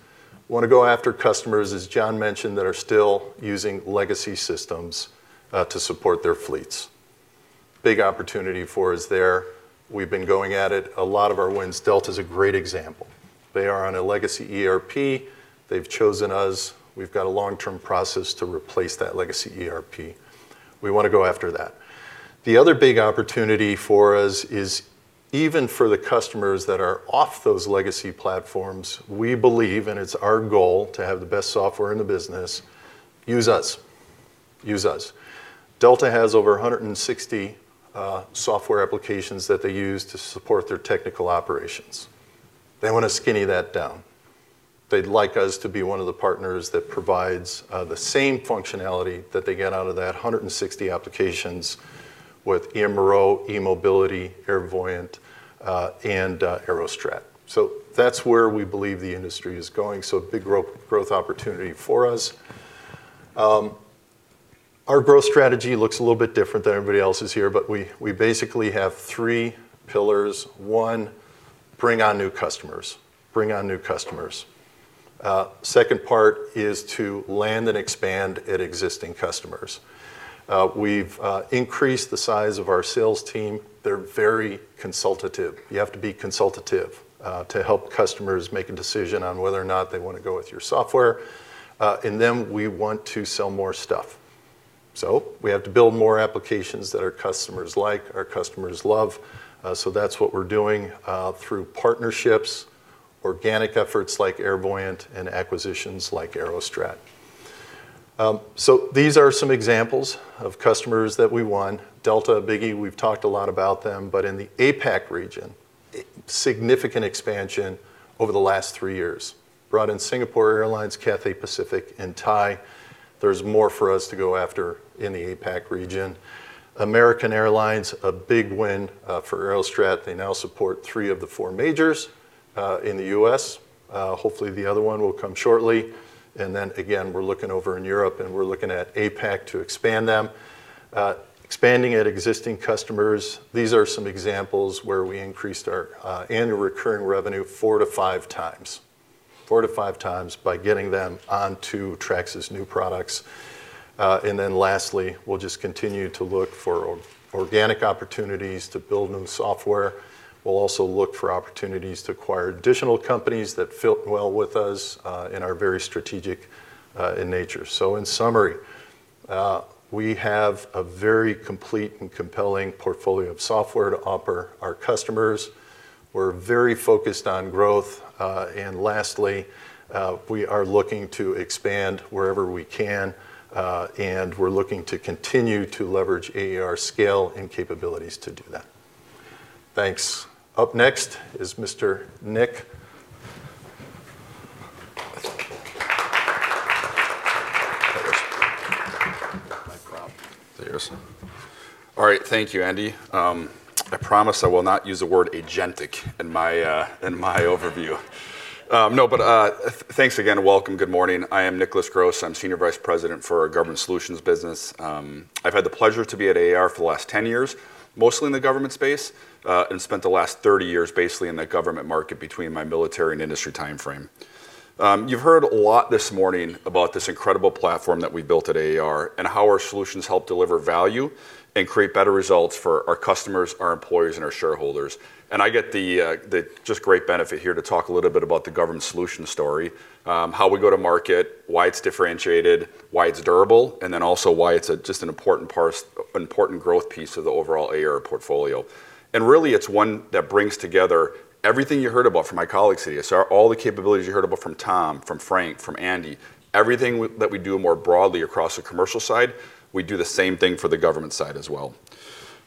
want to go after customers, as John mentioned, that are still using legacy systems to support their fleets. Big opportunity for us there. We've been going at it. A lot of our wins, Delta's a great example. They are on a legacy ERP. They've chosen us. We've got a long-term process to replace that legacy ERP. We wanna go after that. The other big opportunity for us is even for the customers that are off those legacy platforms, we believe, and it's our goal to have the best software in the business, use us. Use us. Delta has over 160 software applications that they use to support their technical operations. They wanna skinny that down. They'd like us to be one of the partners that provides the same functionality that they get out of that 160 applications with eMRO, eMobility, Airvoyant, and AeroStrat. That's where we believe the industry is going, so a big growth opportunity for us. Our growth strategy looks a little bit different than everybody else's here, but we basically have three pillars. One, bring on new customers. Bring on new customers. Second part is to land and expand at existing customers. We've increased the size of our sales team. They're very consultative. You have to be consultative to help customers make a decision on whether or not they want to go with your software. And then we want to sell more stuff. We have to build more applications that our customers like, our customers love, so that's what we're doing through partnerships, organic efforts like Airvoyant, and acquisitions like Aerostrat. These are some examples of customers that we won. Delta, biggie, we've talked a lot about them, but in the APAC region, significant expansion over the last 3 years. Brought in Singapore Airlines, Cathay Pacific, and Thai. There's more for us to go after in the APAC region. American Airlines, a big win for Aerostrat. They now support three of the four majors in the U.S. Hopefully the other one will come shortly. Again, we're looking over in Europe, and we're looking at APAC to expand them. Expanding at existing customers, these are some examples where we increased our annual recurring revenue four to five times. Four to five times by getting them onto Trax's new products. Lastly, we'll just continue to look for organic opportunities to build new software. We'll also look for opportunities to acquire additional companies that fit well with us and are very strategic in nature. In summary, we have a very complete and compelling portfolio of software to offer our customers. We're very focused on growth. Lastly, we are looking to expand wherever we can, and we're looking to continue to leverage AAR scale and capabilities to do that. Thanks. Up next is Mr. Nick.
Mic drop. There. All right. Thank you, Andy. I promise I will not use the word agentic in my in my overview. No, thanks again. Welcome. Good morning. I am Nicholas Gross. I'm Senior Vice President for our Government Solutions business. I've had the pleasure to be at AAR for the last 10 years, mostly in the government space, and spent the last 30 years basically in the government market between my military and industry timeframe. You've heard a lot this morning about this incredible platform that we built at AAR and how our solutions help deliver value and create better results for our customers, our employees, and our shareholders. I get the just great benefit here to talk a little bit about the government solution story, how we go to market, why it's differentiated, why it's durable, and then also why it's a just an important growth piece of the overall AAR portfolio. Really, it's one that brings together everything you heard about from my colleagues here. All the capabilities you heard about from Tom, from Frank, from Andy, everything that we do more broadly across the commercial side, we do the same thing for the government side as well.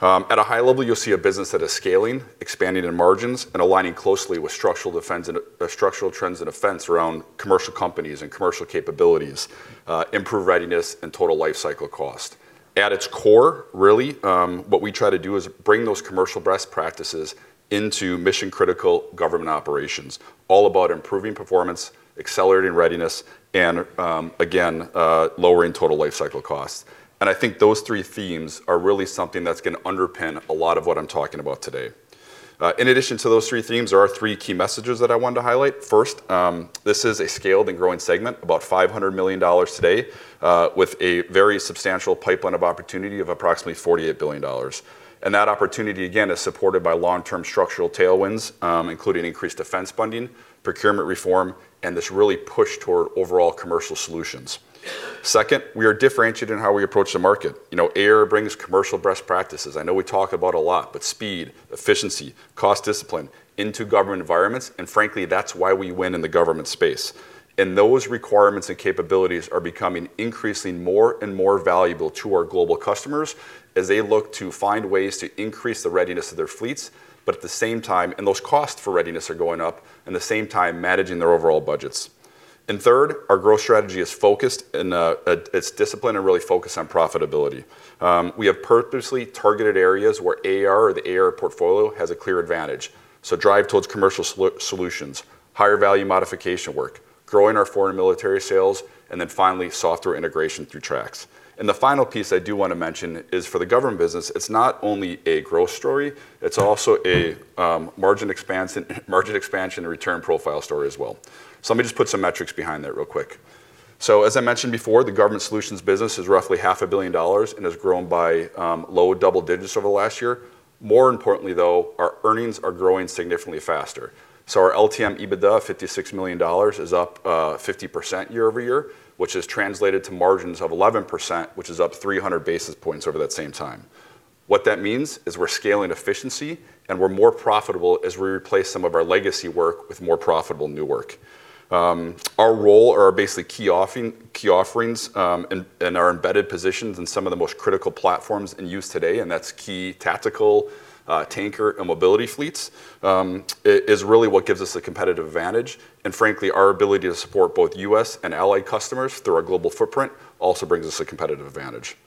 At a high level, you'll see a business that is scaling, expanding in margins, and aligning closely with structural defense and structural trends and offense around commercial companies and commercial capabilities, improved readiness, and total lifecycle cost. At its core, really, what we try to do is bring those commercial best practices into mission-critical government operations, all about improving performance, accelerating readiness, and again, lowering total lifecycle costs. I think those three themes are really something that's going to underpin a lot of what I'm talking about today. In addition to those three themes, there are three key messages that I wanted to highlight. First, this is a scaled and growing segment, about $500 million today, with a very substantial pipeline of opportunity of approximately $48 billion. That opportunity, again, is supported by long-term structural tailwinds, including increased defense funding, procurement reform, and this really push toward overall commercial solutions. Second, we are differentiated in how we approach the market. You know, AAR brings commercial best practices, I know we talk about a lot, but speed, efficiency, cost discipline into government environments, and frankly, that's why we win in the government space. Those requirements and capabilities are becoming increasingly more and more valuable to our global customers as they look to find ways to increase the readiness of their fleets, but at the same time, and those costs for readiness are going up, managing their overall budgets. Third, our growth strategy is focused and disciplined and really focused on profitability. We have purposely targeted areas where AAR or the AAR portfolio has a clear advantage. Drive towards commercial solutions, higher value modification work, growing our foreign military sales, and then finally, software integration through Trax. The final piece I do want to mention is for the government business, it's not only a growth story, it's also a margin expansion and return profile story as well. Let me just put some metrics behind that real quick. As I mentioned before, the government solutions business is roughly $0.5 billion and has grown by low double-digits over the last year. More importantly, though, our earnings are growing significantly faster. Our LTM EBITDA, $56 million, is up 50% year-over-year, which has translated to margins of 11%, which is up 300 basis points over that same time. What that means is we're scaling efficiency, and we're more profitable as we replace some of our legacy work with more profitable new work. Our role or basically key offerings, and our embedded positions in some of the most critical platforms in use today, that's key tactical, tanker and mobility fleets, is really what gives us a competitive advantage. Our ability to support both U.S. and allied customers through our global footprint also brings us a competitive advantage.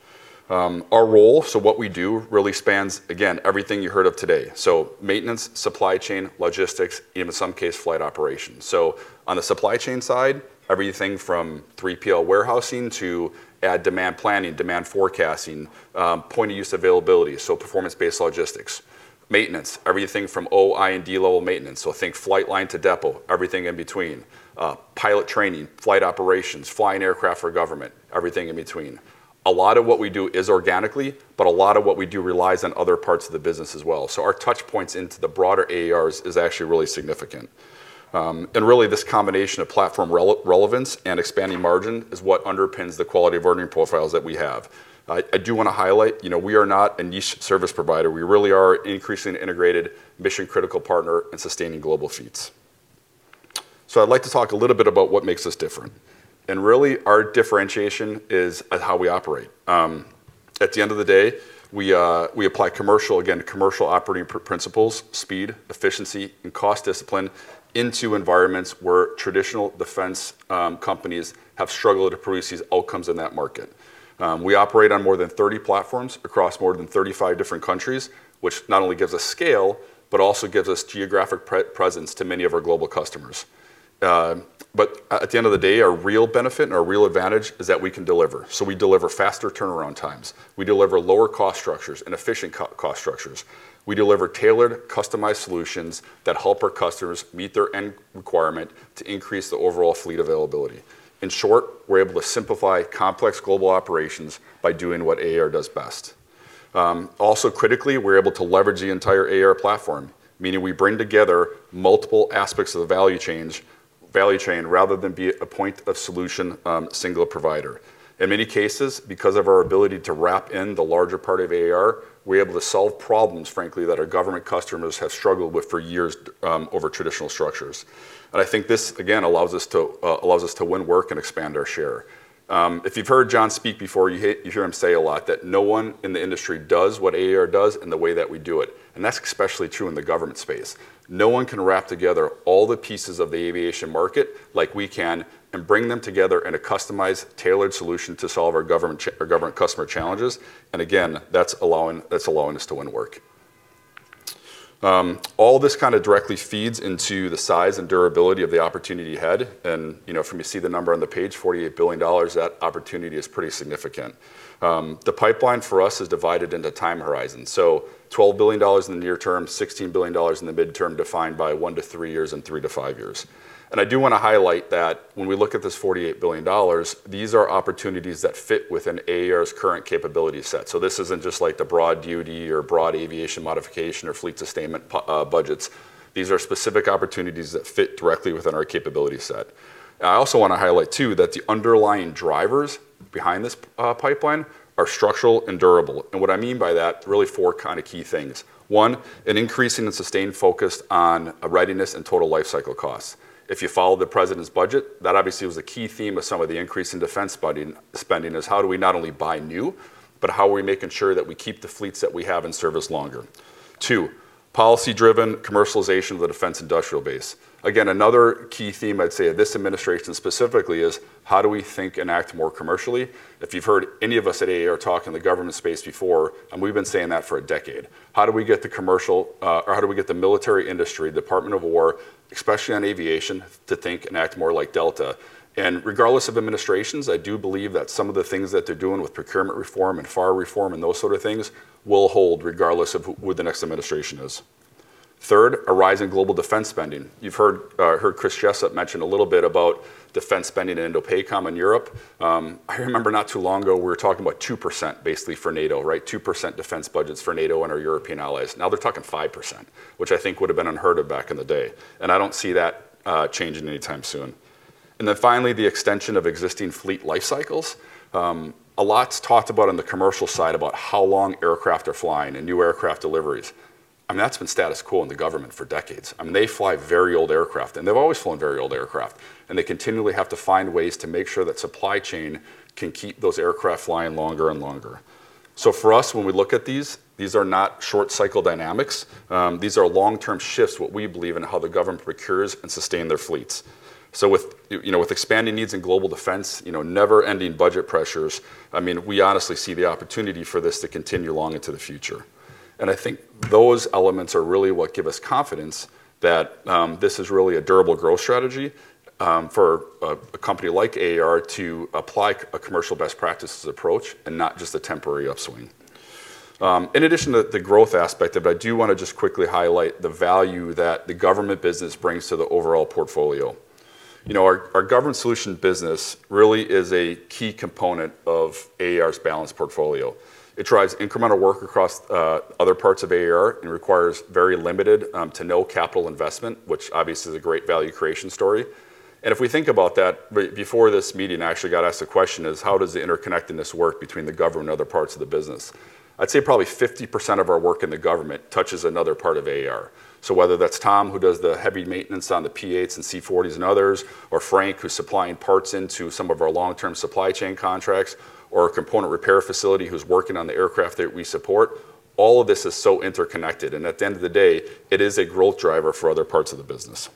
Our role, what we do really spans, again, everything you heard of today. Maintenance, supply chain, logistics, even some case flight operations. On the supply chain side, everything from 3PL warehousing to add demand planning, demand forecasting, point of use availability, performance-based logistics. Maintenance, everything from O-, I-, and D-level maintenance. Think flight line to depot, everything in between. Pilot training, flight operations, flying aircraft for government, everything in between. A lot of what we do is organically, but a lot of what we do relies on other parts of the business as well. Our touch points into the broader AAR is actually really significant. Really this combination of platform relevance and expanding margin is what underpins the quality of ordering profiles that we have. I do want to highlight, you know, we are not a niche service provider. We really are an increasingly integrated mission-critical partner in sustaining global fleets. I'd like to talk a little bit about what makes us different. Really, our differentiation is how we operate. At the end of the day, we apply commercial, again, commercial operating principles, speed, efficiency, and cost discipline into environments where traditional defense companies have struggled to produce these outcomes in that market. We operate on more than 30 platforms across more than 35 different countries, which not only gives us scale, but also gives us geographic pre-presence to many of our global customers. At the end of the day, our real benefit and our real advantage is that we can deliver. We deliver faster turnaround times. We deliver lower cost structures and efficient cost structures. We deliver tailored, customized solutions that help our customers meet their end requirement to increase the overall fleet availability. In short, we're able to simplify complex global operations by doing what AAR does best. Also critically, we're able to leverage the entire AAR platform, meaning we bring together multiple aspects of the value chain rather than be a point-of-solution, singular provider. In many cases, because of our ability to wrap in the larger part of AAR, we're able to solve problems, frankly, that our government customers have struggled with for years over traditional structures. I think this, again, allows us to win work and expand our share. If you've heard John speak before, you hear him say a lot that no one in the industry does what AAR does in the way that we do it, and that's especially true in the government space. No one can wrap together all the pieces of the aviation market like we can and bring them together in a customized, tailored solution to solve our government customer challenges. Again, that's allowing us to win work. All this kind of directly feeds into the size and durability of the opportunity ahead. You know, from you see the number on the page, $48 billion, that opportunity is pretty significant. The pipeline for us is divided into time horizons. $12 billion in the near term, $16 billion in the midterm, defined by one to three years and three to five years. I do want to highlight that when we look at this $48 billion, these are opportunities that fit within AAR's current capability set. This isn't just like the broad duty or broad aviation modification or fleet sustainment budgets. These are specific opportunities that fit directly within our capability set. I also want to highlight, too, that the underlying drivers behind this pipeline are structural and durable. What I mean by that, really four kind of key things. One, an increasing and sustained focus on readiness and total lifecycle cost. If you follow the President's budget, that obviously was a key theme of some of the increase in defense spending is how do we not only buy new, but how are we making sure that we keep the fleets that we have in service longer? Two, policy-driven commercialization of the defense industrial base. Another key theme I'd say of this administration specifically is how do we think and act more commercially? If you've heard any of us at AAR talk in the government space before, and we've been saying that for a decade, how do we get the commercial, or how do we get the military industry, Department of War, especially on aviation, to think and act more like Delta? Regardless of administrations, I do believe that some of the things that they're doing with procurement reform and FAR reform and those sort of things will hold regardless of who the next administration is. Third, a rise in global defense spending. You've heard Chris Jessup mention a little bit about defense spending in INDOPACOM and Europe. I remember not too long ago, we were talking about 2% basically for NATO, right? 2% defense budgets for NATO and our European allies. Now they're talking 5%, which I think would have been unheard of back in the day, and I don't see that changing anytime soon. Finally, the extension of existing fleet lifecycles. A lot's talked about on the commercial side about how long aircraft are flying and new aircraft deliveries. I mean, that's been status quo in the government for decades. I mean, they fly very old aircraft, they've always flown very old aircraft, and they continually have to find ways to make sure that supply chain can keep those aircraft flying longer and longer. For us, when we look at these are not short-cycle dynamics. These are long-term shifts, what we believe in how the government procures and sustain their fleets. With, you know, with expanding needs in global defense, you know, never-ending budget pressures, I mean, we honestly see the opportunity for this to continue long into the future. I think those elements are really what give us confidence that this is really a durable growth strategy for a company like AAR to apply a commercial best practices approach and not just a temporary upswing. In addition to the growth aspect of it, I do wanna just quickly highlight the value that the government business brings to the overall portfolio. You know, our government solution business really is a key component of AAR's balanced portfolio. It drives incremental work across other parts of AAR and requires very limited to no capital investment, which obviously is a great value creation story. If we think about that, before this meeting, I actually got asked the question is: How does the interconnectedness work between the government and other parts of the business? I'd say probably 50% of our work in the government touches another part of AAR. Whether that's Tom, who does the heavy maintenance on the P-8s and C-40s and others, or Frank, who's supplying parts into some of our long-term supply chain contracts, or a component repair facility who's working on the aircraft that we support, all of this is so interconnected, and at the end of the day, it is a growth driver for other parts of the business.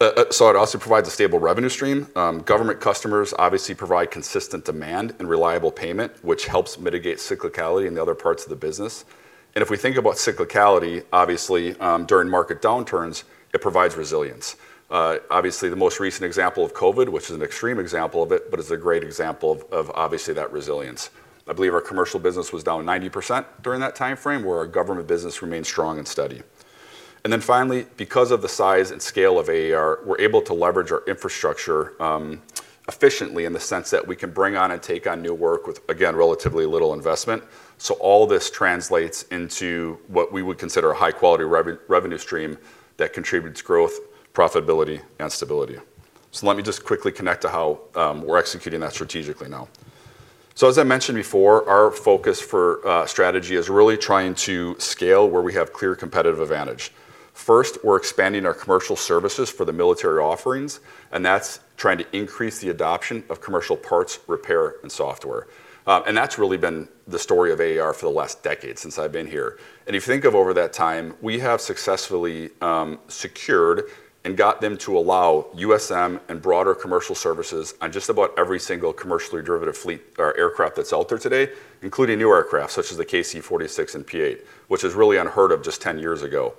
It also provides a stable revenue stream. Government customers obviously provide consistent demand and reliable payment, which helps mitigate cyclicality in the other parts of the business. If we think about cyclicality, obviously, during market downturns, it provides resilience. Obviously, the most recent example of COVID, which is an extreme example of it, but it's a great example of obviously that resilience. I believe our commercial business was down 90% during that timeframe, where our government business remained strong and steady. Finally, because of the size and scale of AAR, we're able to leverage our infrastructure efficiently in the sense that we can bring on and take on new work with, again, relatively little investment. All this translates into what we would consider a high-quality revenue stream that contributes growth, profitability, and stability. Let me just quickly connect to how we're executing that strategically now. As I mentioned before, our focus for strategy is really trying to scale where we have clear competitive advantage. First, we're expanding our commercial services for the military offerings, and that's trying to increase the adoption of commercial parts, repair, and software. That's really been the story of AAR for the last decade since I've been here. If you think of over that time, we have successfully secured and got them to allow USM and broader commercial services on just about every single commercially derivative fleet or aircraft that's out there today, including new aircraft such as the KC-46 and P-8, which was really unheard of just 10 years ago.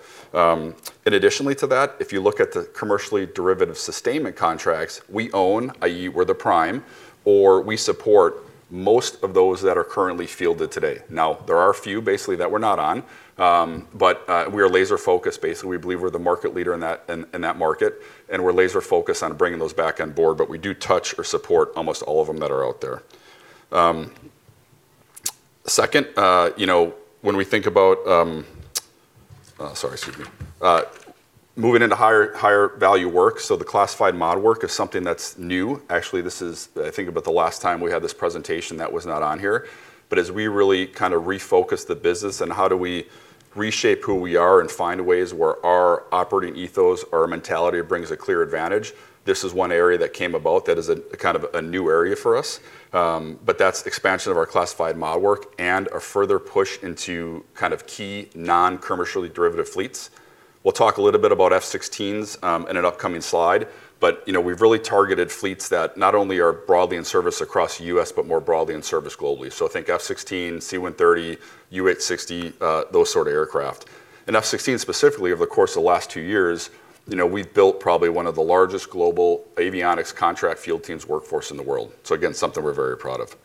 Additionally to that, if you look at the commercially derivative sustainment contracts, we own, i.e. we're the prime, or we support most of those that are currently fielded today. Now, there are a few basically that we're not on, but we are laser-focused. Basically, we believe we're the market leader in that market. We're laser-focused on bringing those back on board, but we do touch or support almost all of them that are out there. Second, you know, when we think about, sorry, excuse me, moving into higher value work, the classified mod work is something that's new. Actually, this is, I think about the last time we had this presentation that was not on here. As we really kinda refocus the business and how do we reshape who we are and find ways where our operating ethos, our mentality brings a clear advantage, this is one area that came about that is a new area for us. That's expansion of our classified mod work and a further push into kind of key non-commercially derivative fleets. We'll talk a little bit about F-16s, in an upcoming slide, but, you know, we've really targeted fleets that not only are broadly in service across the U.S., but more broadly in service globally. Think F-16, C-130, UH-60, those sort of aircraft. F-16 specifically, over the course of the last two years, you know, we've built probably one of the largest global avionics contract field teams workforce in the world. Again, something we're very proud of.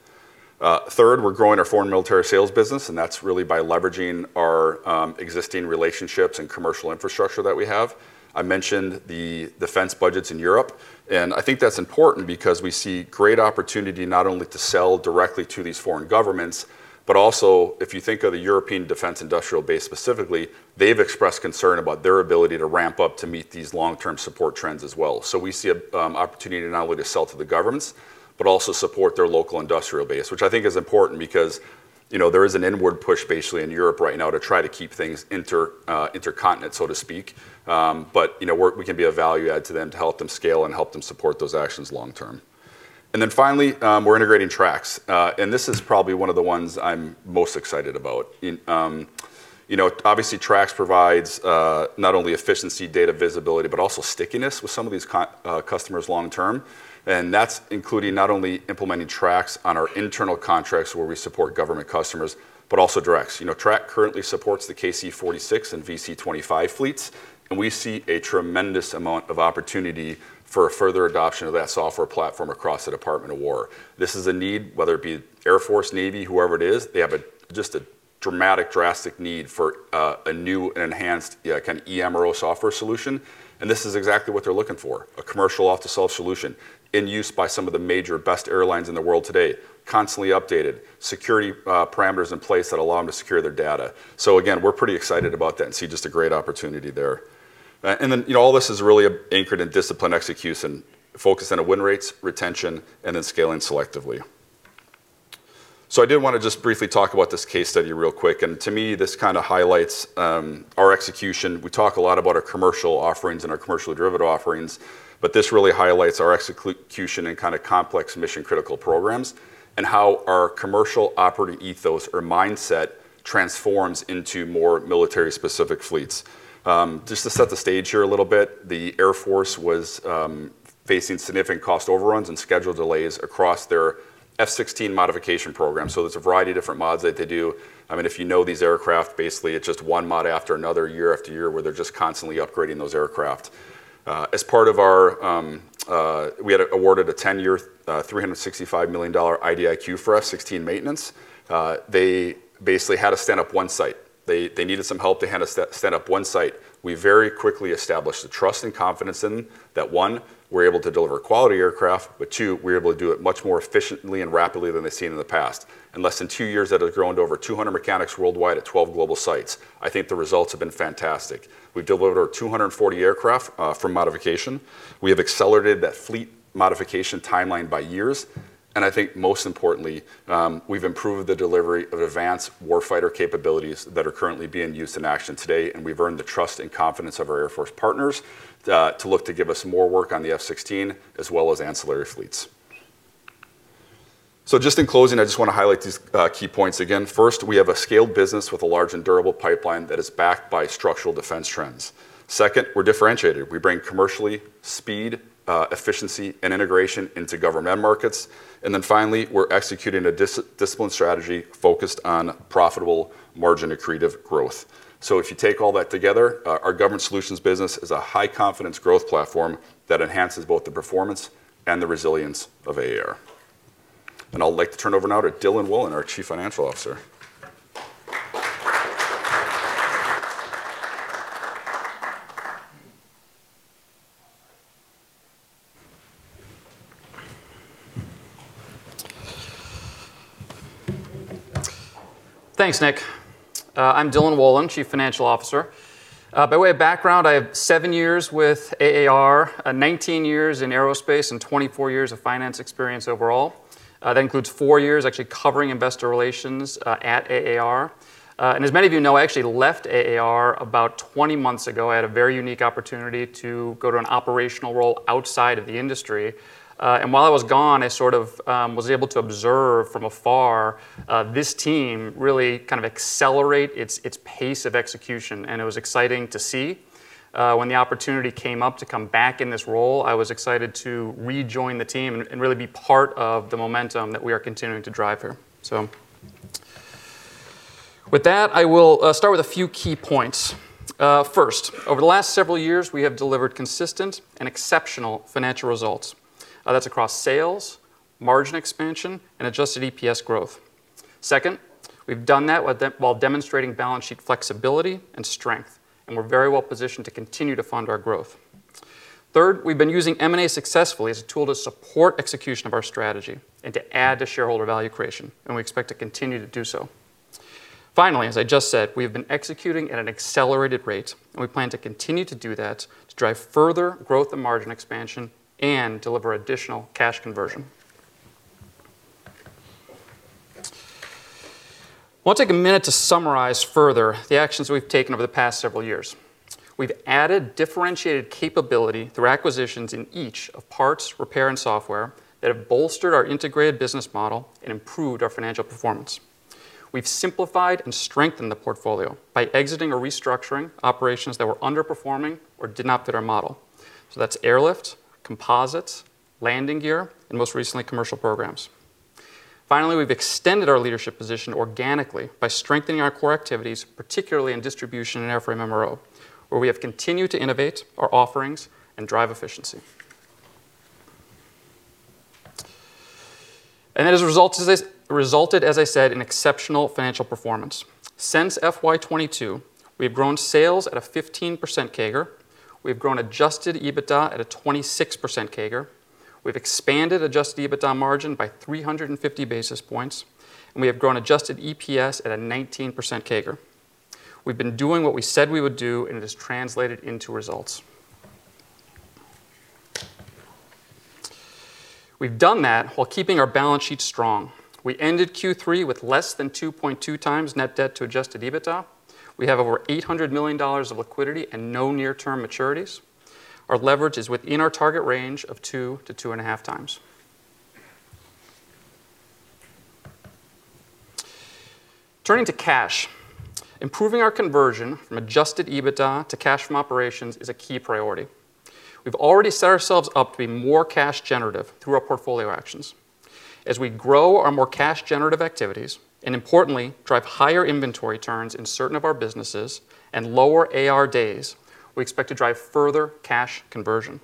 Third, we're growing our foreign military sales business, and that's really by leveraging our existing relationships and commercial infrastructure that we have. I mentioned the defense budgets in Europe, and I think that's important because we see great opportunity not only to sell directly to these foreign governments, but also, if you think of the European defense industrial base specifically, they've expressed concern about their ability to ramp up to meet these long-term support trends as well. We see an opportunity not only to sell to the governments, but also support their local industrial base, which I think is important because, you know, there is an inward push basically in Europe right now to try to keep things intercontinent, so to speak. You know, we can be a value add to them to help them scale and help them support those actions long term. Finally, we're integrating Trax, and this is probably one of the ones I'm most excited about. You know, obviously, Trax provides not only efficiency, data visibility, but also stickiness with some of these customers long term, and that's including not only implementing Trax on our internal contracts where we support government customers, but also direct. You know, Trax currently supports the KC-46 and VC-25 fleets, we see a tremendous amount of opportunity for a further adoption of that software platform across the Department of War. This is a need, whether it be Air Force, Navy, whoever it is, they have a dramatic, drastic need for a new and enhanced kinda eMRO software solution, this is exactly what they're looking for, a commercial off-the-shelf solution in use by some of the major best airlines in the world today, constantly updated, security parameters in place that allow them to secure their data. Again, we're pretty excited about that and see just a great opportunity there. All this is really anchored in disciplined execution, focused on the win rates, retention, scaling selectively. I did want to just briefly talk about this case study real quick, and to me, this kind of highlights our execution. We talk a lot about our commercial offerings and our commercially derivative offerings, but this really highlights our execution in kind of complex mission-critical programs and how our commercial operating ethos or mindset transforms into more military-specific fleets. Just to set the stage here a little bit, the Air Force was facing significant cost overruns and schedule delays across their F-16 modification program. There's a variety of different mods that they do. I mean, if you know these aircraft, basically it's just one mod after another, year-after-year, where they're just constantly upgrading those aircraft. As part of our, we had awarded a 10-year, $365 million IDIQ for F-16 maintenance. They basically had to stand up one site. They needed some help to help us stand up one site. We very quickly established the trust and confidence in that, one, we're able to deliver quality aircraft, but two, we're able to do it much more efficiently and rapidly than they've seen in the past. In less than two years, that has grown to over 200 mechanics worldwide at 12 global sites. I think the results have been fantastic. We've delivered over 240 aircraft for modification. We have accelerated that fleet modification timeline by years. I think most importantly, we've improved the delivery of advanced warfighter capabilities that are currently being used in action today, and we've earned the trust and confidence of our Air Force partners to look to give us more work on the F-16 as well as ancillary fleets. Just in closing, I just wanna highlight these key points again. First, we have a scaled business with a large and durable pipeline that is backed by structural defense trends. Second, we're differentiated. We bring commercially speed, efficiency, and integration into government end markets. Finally, we're executing a disciplined strategy focused on profitable margin accretive growth. If you take all that together, our Government Solutions business is a high-confidence growth platform that enhances both the performance and the resilience of AAR. I'll like to turn over now to Dylan Wolin, our Chief Financial Officer.
Thanks, Nick. I'm Dylan Wolin, Chief Financial Officer. By way of background, I have seven years with AAR, 19 years in aerospace, and 24 years of finance experience overall. That includes four years actually covering Investor Relations at AAR. As many of you know, I actually left AAR about 20 months ago. I had a very unique opportunity to go to an operational role outside of the industry. While I was gone, I sort of was able to observe from afar, this team really kind of accelerate its pace of execution, and it was exciting to see. When the opportunity came up to come back in this role, I was excited to rejoin the team and really be part of the momentum that we are continuing to drive here. With that, I will start with a few key points. First, over the last several years, we have delivered consistent and exceptional financial results. That's across sales, margin expansion, and adjusted EPS growth. Second, we've done that while demonstrating balance sheet flexibility and strength, and we're very well positioned to continue to fund our growth. Third, we've been using M&A successfully as a tool to support execution of our strategy and to add to shareholder value creation, and we expect to continue to do so. Finally, as I just said, we have been executing at an accelerated rate, and we plan to continue to do that to drive further growth and margin expansion and deliver additional cash conversion. I wanna take a minute to summarize further the actions we've taken over the past several years. We've added differentiated capability through acquisitions in each of parts, repair, and software that have bolstered our integrated business model and improved our financial performance. We've simplified and strengthened the portfolio by exiting or restructuring operations that were underperforming or did not fit our model. That's airlift, composites, landing gear, and most recently, commercial programs. Finally, we've extended our leadership position organically by strengthening our core activities, particularly in distribution and airframe MRO, where we have continued to innovate our offerings and drive efficiency. It resulted, as I said, in exceptional financial performance. Since FY 2022, we have grown sales at a 15% CAGR. We've grown adjusted EBITDA at a 26% CAGR. We've expanded adjusted EBITDA margin by 350 basis points, and we have grown adjusted EPS at a 19% CAGR. We've been doing what we said we would do, and it has translated into results. We've done that while keeping our balance sheet strong. We ended Q3 with less than 2.2x net debt-to-adjusted EBITDA. We have over $800 million of liquidity and no near-term maturities. Our leverage is within our target range of 2-2.5x. Turning to cash, improving our conversion from adjusted EBITDA to cash from operations is a key priority. We've already set ourselves up to be more cash generative through our portfolio actions. As we grow our more cash generative activities and importantly, drive higher inventory turns in certain of our businesses and lower AR days, we expect to drive further cash conversion.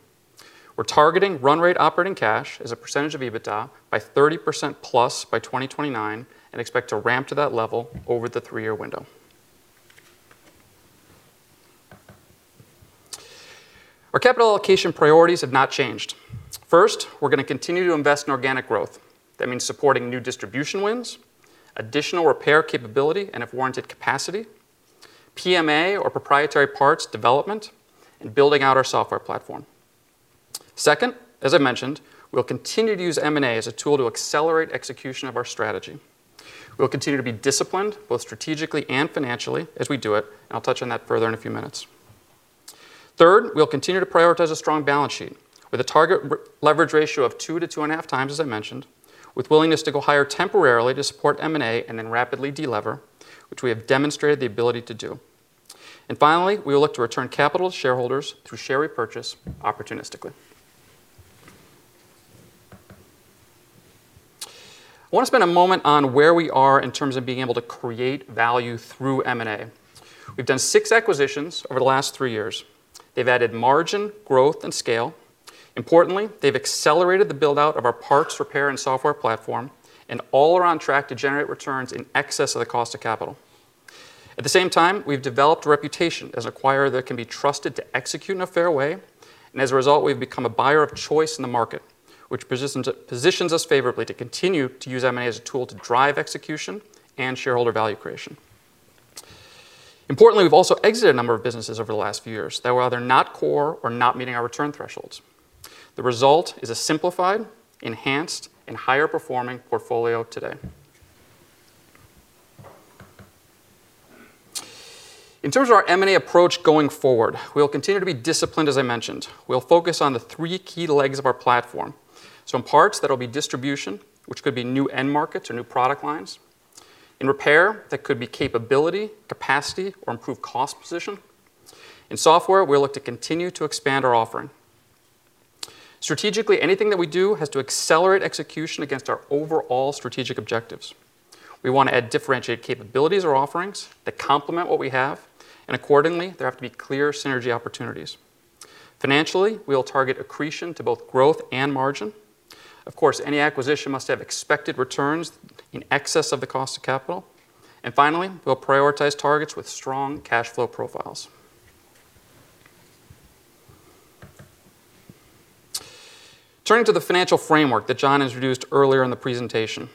We're targeting run rate operating cash as a percentage of EBITDA by 30% plus by 2029 and expect to ramp to that level over the three-year window. Our capital allocation priorities have not changed. First, we're gonna continue to invest in organic growth. That means supporting new distribution wins, additional repair capability, and if warranted capacity, PMA or proprietary parts development, and building out our software platform. Second, as I mentioned, we'll continue to use M&A as a tool to accelerate execution of our strategy. We'll continue to be disciplined, both strategically and financially as we do it, and I'll touch on that further in a few minutes. Third, we'll continue to prioritize a strong balance sheet with a target leverage ratio of 2-2.5x, as I mentioned, with willingness to go higher temporarily to support M&A and then rapidly delever, which we have demonstrated the ability to do. Finally, we will look to return capital to shareholders through share repurchase opportunistically. I wanna spend a moment on where we are in terms of being able to create value through M&A. We've done six acquisitions over the last three years. They've added margin, growth, and scale. Importantly, they've accelerated the build-out of our parts repair and software platform, and all are on track to generate returns in excess of the cost of capital. At the same time, we've developed a reputation as an acquirer that can be trusted to execute in a fair way. As a result, we've become a buyer of choice in the market, which positions us favorably to continue to use M&A as a tool to drive execution and shareholder value creation. Importantly, we've also exited a number of businesses over the last few years that were either not core or not meeting our return thresholds. The result is a simplified, enhanced, and higher-performing portfolio today. In terms of our M&A approach going forward, we will continue to be disciplined, as I mentioned. We'll focus on the 3 key legs of our platform. In Parts, that'll be Distribution, which could be new-end markets or new-product lines. In Repair, that could be capability, capacity, or improved cost position. In Software, we'll look to continue to expand our offering. Strategically, anything that we do has to accelerate execution against our overall strategic objectives. We wanna add differentiated capabilities or offerings that complement what we have. Accordingly, there have to be clear synergy opportunities. Financially, we will target accretion to both growth and margin. Of course, any acquisition must have expected returns in excess of the cost of capital. Finally, we'll prioritize targets with strong cash flow profiles. Turning to the financial framework that John introduced earlier in the presentation.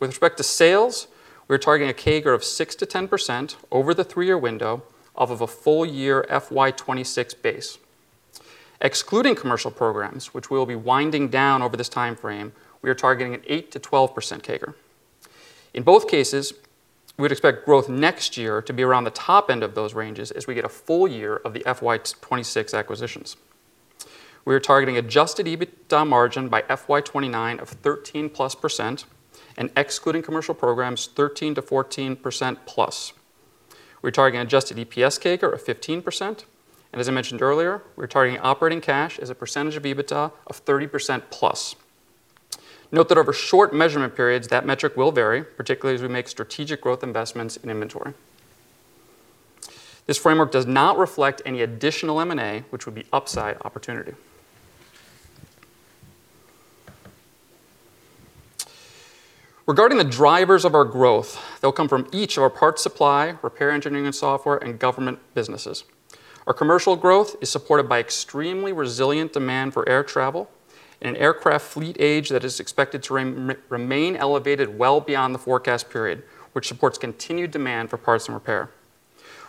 With respect to sales, we are targeting a CAGR of 6%-10% over the three-year window off of a full-year FY 2026 base. Excluding commercial programs, which we'll be winding down over this timeframe, we are targeting an 8%-12% CAGR. In both cases, we'd expect growth next year to be around the top end of those ranges as we get a full year of the FY 2026 acquisitions. We are targeting adjusted EBITDA margin by FY 2029 of 13%+, and excluding commercial programs, 13%-14%+. We're targeting adjusted EPS CAGR of 15%, and as I mentioned earlier, we're targeting operating cash as a percentage of EBITDA of 30%+. Note that over short measurement periods, that metric will vary, particularly as we make strategic growth investments in inventory. This framework does not reflect any additional M&A, which would be upside opportunity. Regarding the drivers of our growth, they'll come from each of our Parts Supply, Repair Engineering and Software, and Government businesses. Our commercial growth is supported by extremely resilient demand for air travel and an aircraft fleet age that is expected to remain elevated well beyond the forecast period, which supports continued demand for parts and repair.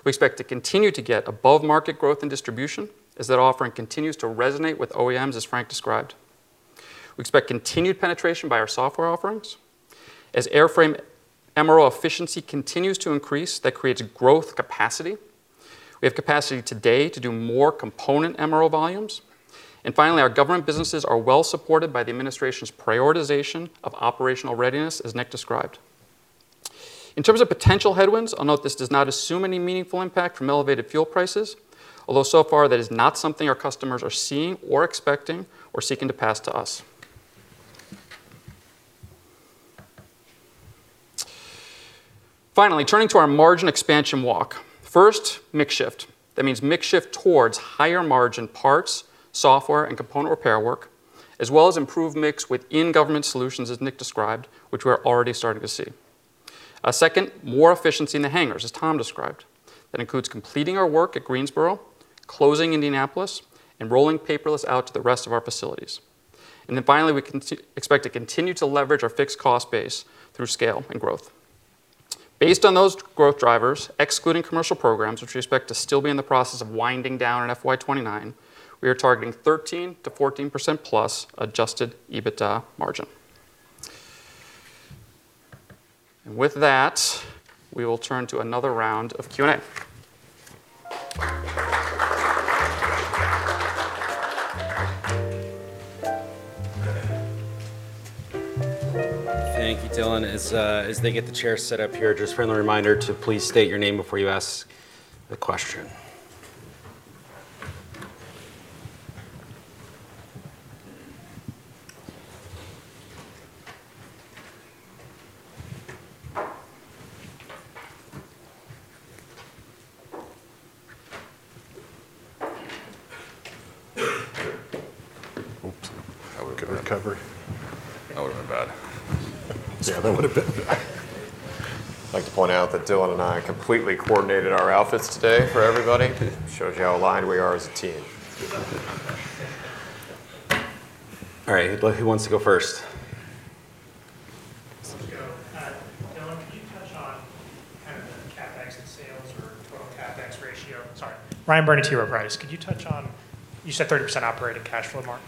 We expect to continue to get above-market growth and distribution as that offering continues to resonate with OEMs, as Frank described. We expect continued penetration by our Software offerings. As Airframe MRO efficiency continues to increase, that creates growth capacity. We have capacity today to do more Component MRO volumes. Finally, our government businesses are well supported by the administration's prioritization of operational readiness, as Nick described. In terms of potential headwinds, I'll note this does not assume any meaningful impact from elevated fuel prices, although so far that is not something our customers are seeing or expecting or seeking to pass to us. Finally, turning to our margin expansion walk. First, mix shift. That means mix shift towards higher margin parts, software, and component repair work, as well as improved mix within government solutions, as Nick described, which we're already starting to see. Second, more efficiency in the hangars, as Tom described. That includes completing our work at Greensboro, closing Indianapolis, and rolling paperless out to the rest of our facilities. Finally, we expect to continue to leverage our fixed cost base through scale and growth. Based on those growth drivers, excluding commercial programs, which we expect to still be in the process of winding down in FY 2029, we are targeting 13%-14%+ adjusted EBITDA margin. With that, we will turn to another round of Q&A.
Thank you, Dylan. As they get the chairs set up here, just a friendly reminder to please state your name before you ask a question.
Oops. that would've been bad.
Yeah, that would've been bad.
I'd like to point out that Dylan and I completely coordinated our outfits today for everybody. Shows you how aligned we are as a team.
All right, who wants to go first?
I'll just go. Dylan, could you touch on kind of the CapEx and sales or total CapEx ratio? Sorry. [Ryan Brunnette] here with [Rice]. You said 30% operating cash flow more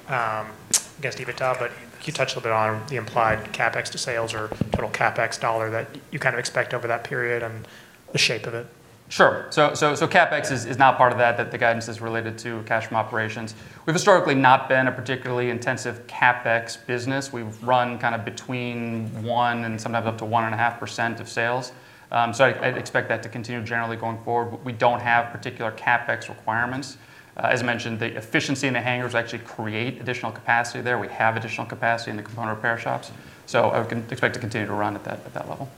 against EBITDA, but you touched a bit on the implied CapEx to sales or total CapEx dollar that you kind of expect over that period and the shape of it.
Sure. CapEx is not part of that, the guidance is related to cash from operations. We've historically not been a particularly intensive CapEx business. We've run kind of between 1% and sometimes up to 1.5% of sales. I expect that to continue generally going forward. We don't have particular CapEx requirements. As mentioned, the efficiency in the hangars actually create additional capacity there. We have additional capacity in the component repair shops, I would expect to continue to run at that level.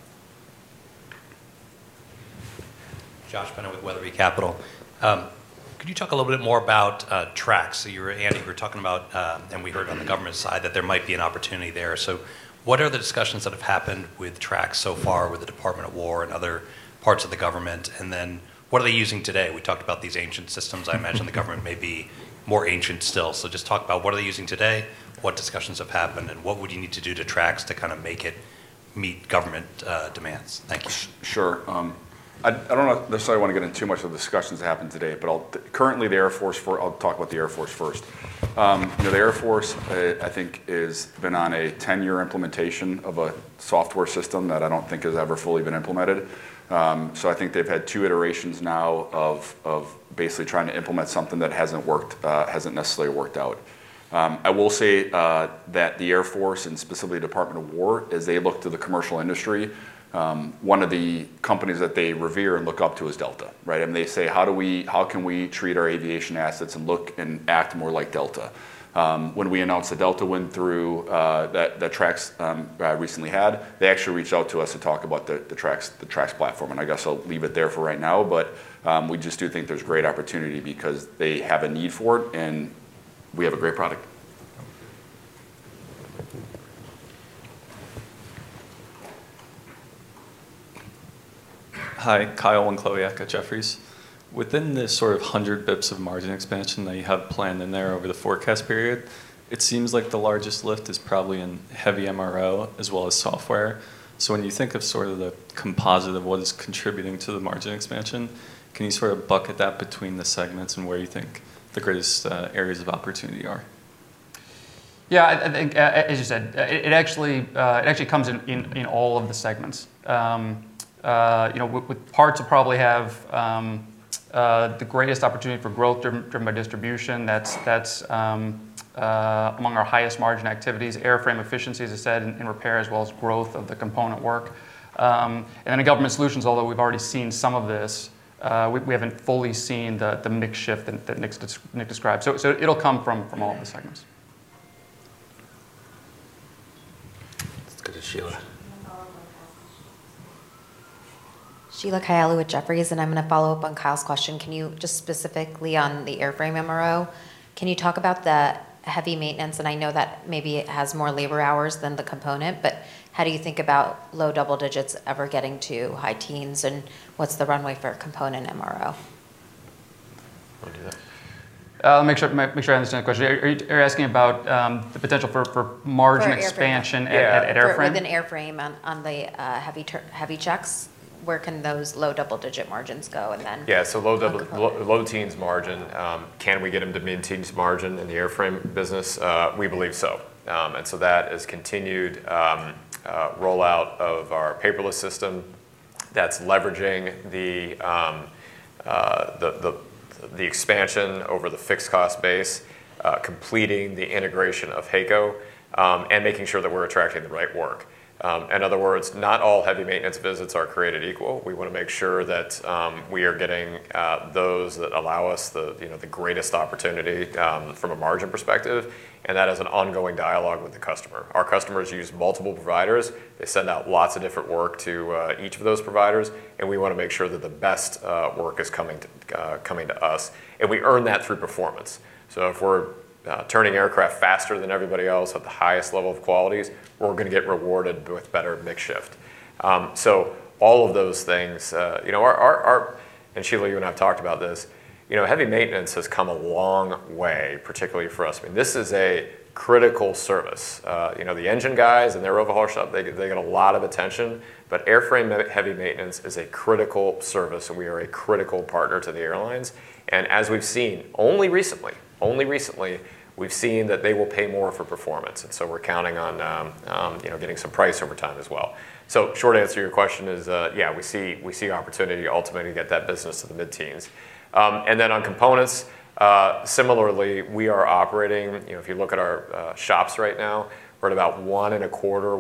Josh Bennett with Weatherbie Capital. Could you talk a little bit more about Trax? Andy, you were talking about, and we heard on the government side that there might be an opportunity there. What are the discussions that have happened with Trax so far with the Department of War and other parts of the government, and then what are they using today? We talked about these ancient systems. I imagine the government may be more ancient still. Just talk about what are they using today, what discussions have happened, and what would you need to do to Trax to kind of make it meet government demands? Thank you.
Sure. I don't know if necessarily want to get into too much of the discussions that happened today, but I'll talk about the Air Force first. You know, the Air Force has been on a 10-year implementation of a software system that I don't think has ever fully been implemented. I think they've had two iterations now of basically trying to implement something that hasn't worked, hasn't necessarily worked out. I will say that the Air Force and specifically Department of War, as they look to the commercial industry, one of the companies that they revere and look up to is Delta, right?
They say, "How can we treat our aviation assets and look and act more like Delta?" When we announced the Delta win through that Trax recently had, they actually reached out to us to talk about the Trax platform. I guess I will leave it there for right now, but we just do think there's great opportunity because they have a need for it, and we have a great product.
Okay.
Hi. Kyle Wenclawiak, Jefferies. Within the sort of 100 basis points of margin expansion that you have planned in there over the forecast period, it seems like the largest lift is probably in heavy MRO as well as Software. When you think of sort of the composite of what is contributing to the margin expansion, can you sort of bucket that between the segments and where you think the greatest areas of opportunity are?
Yeah, I think, as you said, it actually comes in all of the segments. You know, with Parts will probably have the greatest opportunity for growth driven by Distribution. That's among our highest margin activities. Airframe efficiency, as I said, in Repair, as well as growth of the Component work. And in Government Solutions, although we've already seen some of this, we haven't fully seen the mix shift that Nick described. It'll come from all of the segments.
Let's go to Sheila.
Sheila Kahyaoglu with Jefferies, I'm gonna follow up on Kyle's question. Can you just specifically on the Airframe MRO, can you talk about the heavy maintenance? I know that maybe it has more labor hours than the Component, how do you think about low double digits ever getting to high teens, and what's the runway for a Component MRO?
Want to do that?
make sure I understand the question. Are you asking about the potential for margin expansion-
For airframe-
...at Airframe?
...for the Airframe on the heavy checks, where can those low double-digit margins go-
Yeah, so low double-
...on Component?
...low, low teens margin. Can we get them to mid-teens margin in the Airframe business? We believe so. That is continued rollout of our paperless system that's leveraging the expansion over the fixed cost base, completing the integration of HAECO, and making sure that we're attracting the right work. In other words, not all heavy maintenance visits are created equal. We wanna make sure that we are getting those that allow us the greatest opportunity from a margin perspective, and that is an ongoing dialogue with the customer. Our customers use multiple providers. They send out lots of different work to each of those providers, and we wanna make sure that the best work is coming to coming to us, and we earn that through performance. If we're turning aircraft faster than everybody else at the highest level of qualities, we're gonna get rewarded with better mix shift. All of those things, you know, and Sheila, you and I have talked about this. You know, heavy maintenance has come a long way, particularly for us. I mean, this is a critical service. You know, the engine guys in their overhaul shop, they get a lot of attention. Airframe heavy maintenance is a critical service, and we are a critical partner to the airlines. As we've seen only recently, we've seen that they will pay more for performance. We're counting on, you know, getting some price over time as well. Short answer to your question is, yeah, we see opportunity ultimately to get that business to the mid-teens. On components, similarly, we are operating, you know, if you look at our shops right now, we're at about 1.25,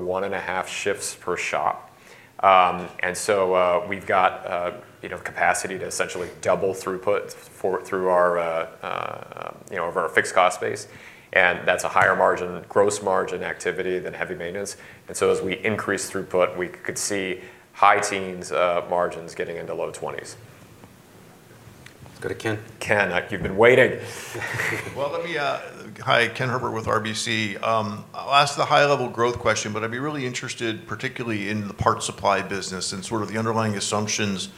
1.5 Shifts per shop. We've got, you know, capacity to essentially double throughput through our, you know, of our fixed-cost base, and that's a higher margin, gross margin activity than heavy maintenance. As we increase throughput, we could see high teens, margins getting into low 20%s.
Let's go to Ken.
Ken, you've been waiting.
Well, let me. Hi. Ken Herbert with RBC. I'll ask the high-level growth question, but I'd be really interested, particularly in the Parts Supply business and sort of the underlying assumptions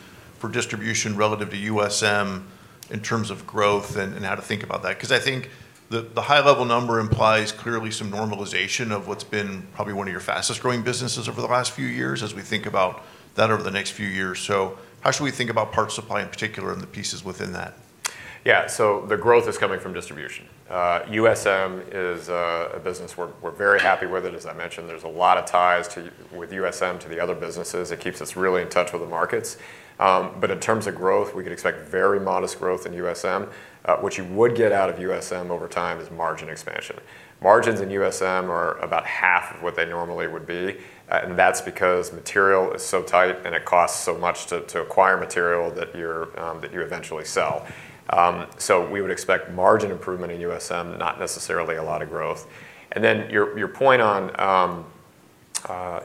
for Distribution relative to USM in terms of growth and how to think about that. Because I think the high-level number implies clearly some normalization of what's been probably one of your fastest-growing businesses over the last few years as we think about that over the next few years. How should we think about Parts Supply in particular and the pieces within that?
Yeah. The growth is coming from Distribution. USM is a business we're very happy with it. As I mentioned, there's a lot of ties with USM to the other businesses. It keeps us really in touch with the markets. But in terms of growth, we could expect very modest growth in USM. What you would get out of USM over time is margin expansion. Margins in USM are about half of what they normally would be, and that's because material is so tight and it costs so much to acquire material that you're that you eventually sell. We would expect margin improvement in USM, not necessarily a lot of growth. Then your point on,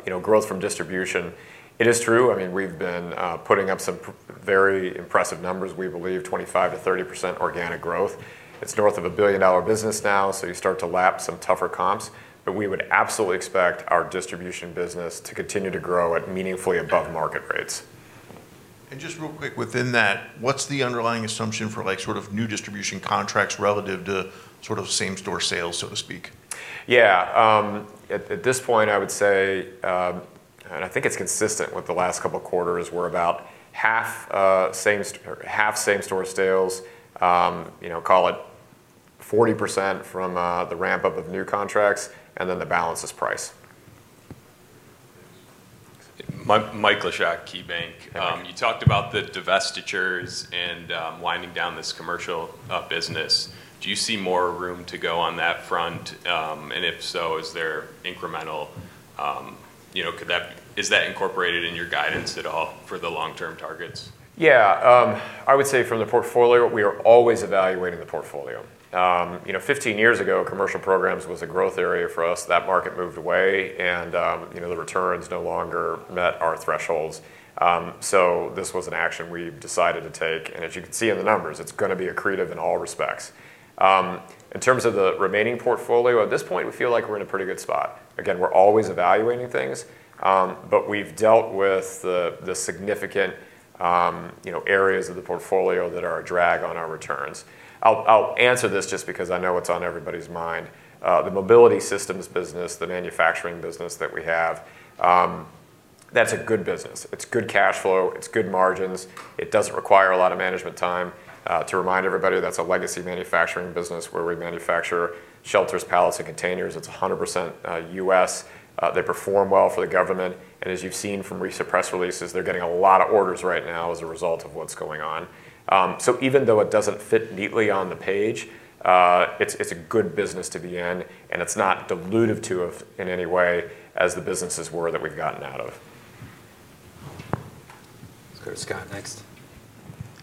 you know, growth from Distribution, it is true. I mean, we've been putting up some very impressive numbers, we believe 25%-30% organic growth. It's north of a billion-dollar business now, so you start to lap some tougher comps. We would absolutely expect our Distribution business to continue to grow at meaningfully above market rates.
Just real quick within that, what's the underlying assumption for, like, sort of new Distribution contracts relative to sort of same-store sales, so to speak?
Yeah. At this point, I would say, and I think it's consistent with the last couple of quarters, we're about half same-store sales, you know, call it 40% from the ramp-up of new contracts, and then the balance is price.
Mike Leshock, KeyBanc.
Hi.
You talked about the divestitures and winding down this commercial business. Do you see more room to go on that front? If so, is there incremental, you know, is that incorporated in your guidance at all for the long-term targets?
I would say from the portfolio, we are always evaluating the portfolio. You know, 15 years ago, commercial programs was a growth area for us. That market moved away, you know, the returns no longer met our thresholds. This was an action we decided to take, as you can see in the numbers, it's gonna be accretive in all respects. In terms of the remaining portfolio, at this point, we feel like we're in a pretty good spot. Again, we're always evaluating things, we've dealt with the significant, you know, areas of the portfolio that are a drag on our returns. I'll answer this just because I know it's on everybody's mind. The mobility systems business, the manufacturing business that we have, that's a good business. It's good cash flow. It's good margins. It doesn't require a lot of management time. To remind everybody, that's a legacy manufacturing business where we manufacture shelters, pallets, and containers. It's 100% now U.S. They perform well for the government, and as you've seen from recent press releases, they're getting a lot of orders right now as a result of what's going on. Even though it doesn't fit neatly on the page, it's a good business to be in, and it's not dilutive to in any way as the businesses were that we've gotten out of.
Let's go to Scott next.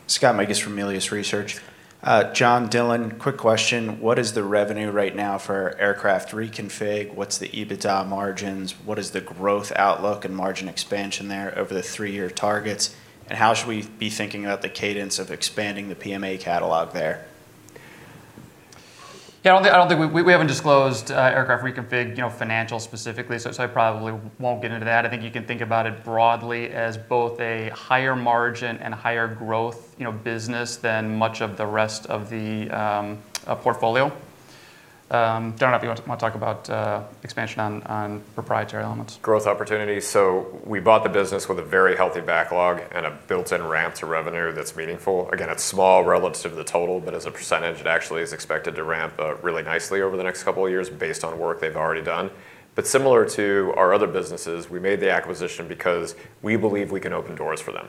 Scott Mikus from Melius Research. John, Dylan, quick question. What is the revenue right now for Aircraft Reconfig? What's the EBITDA margins? What is the growth outlook and margin expansion there over the three-year targets? How should we be thinking about the cadence of expanding the PMA catalog there?
Yeah, I don't think we haven't disclosed Aircraft Reconfig, you know, financial specifically, so I probably won't get into that. I think you can think about it broadly as both a higher margin and higher growth, you know, business than much of the rest of the portfolio. Don't know if you want to talk about expansion on proprietary elements.
Growth opportunities. We bought the business with a very healthy backlog and a built-in ramp to revenue that's meaningful. Again, it's small relative to the total, but as a percentage, it actually is expected to ramp really nicely over the next couple of years based on work they've already done. Similar to our other businesses, we made the acquisition because we believe we can open doors for them.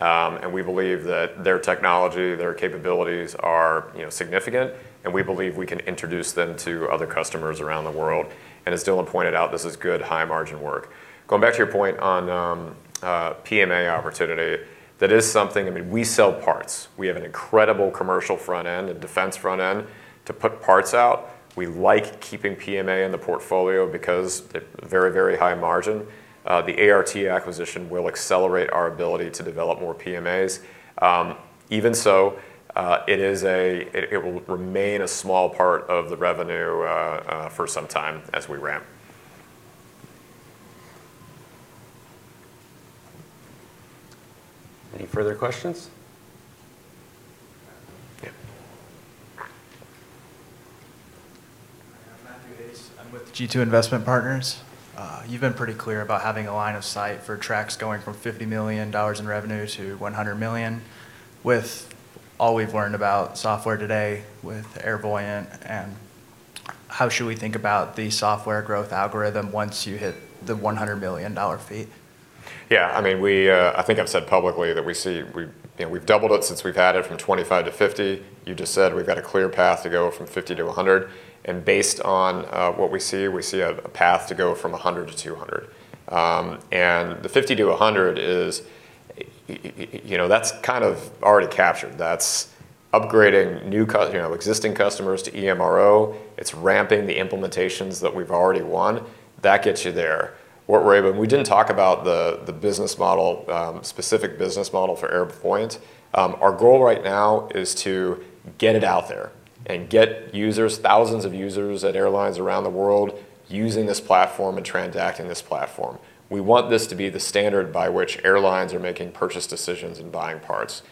And we believe that their technology, their capabilities are, you know, significant, and we believe we can introduce them to other customers around the world. And as Dylan pointed out, this is good high-margin work. Going back to your point on PMA opportunity, I mean, we sell parts. We have an incredible commercial front end and defense front end to put parts out. We like keeping PMA in the portfolio because they're very, very high margin. The ART acquisition will accelerate our ability to develop more PMAs. Even so, it will remain a small part of the revenue for some time as we ramp.
Any further questions?
Yeah. Hi, I'm Matthew Hayes. I'm with G2 Investment Partners. You've been pretty clear about having a line of sight for Trax going from $50 million in revenue to $100 million. With all we've learned about software today with Airvoyant, how should we think about the software growth algorithm once you hit the $100 million fee?
Yeah, I mean, we, I think I've said publicly that we've doubled it since we've had it from $25 million to $50 million. You just said we've got a clear path to go from $50 million to $100 million. Based on what we see, we see a path to go from $100 million to $200 million. The $50 million to $100 million is, you know, that's kind of already captured. That's upgrading existing customers to eMRO. It's ramping the implementations that we've already won. That gets you there. We didn't talk about the business model, specific business model for Airvoyant. Our goal right now is to get it out there and get users, thousands of users at airlines around the world, using this platform and transacting this platform. We want this to be the standard by which airlines are making purchase decisions and buying parts.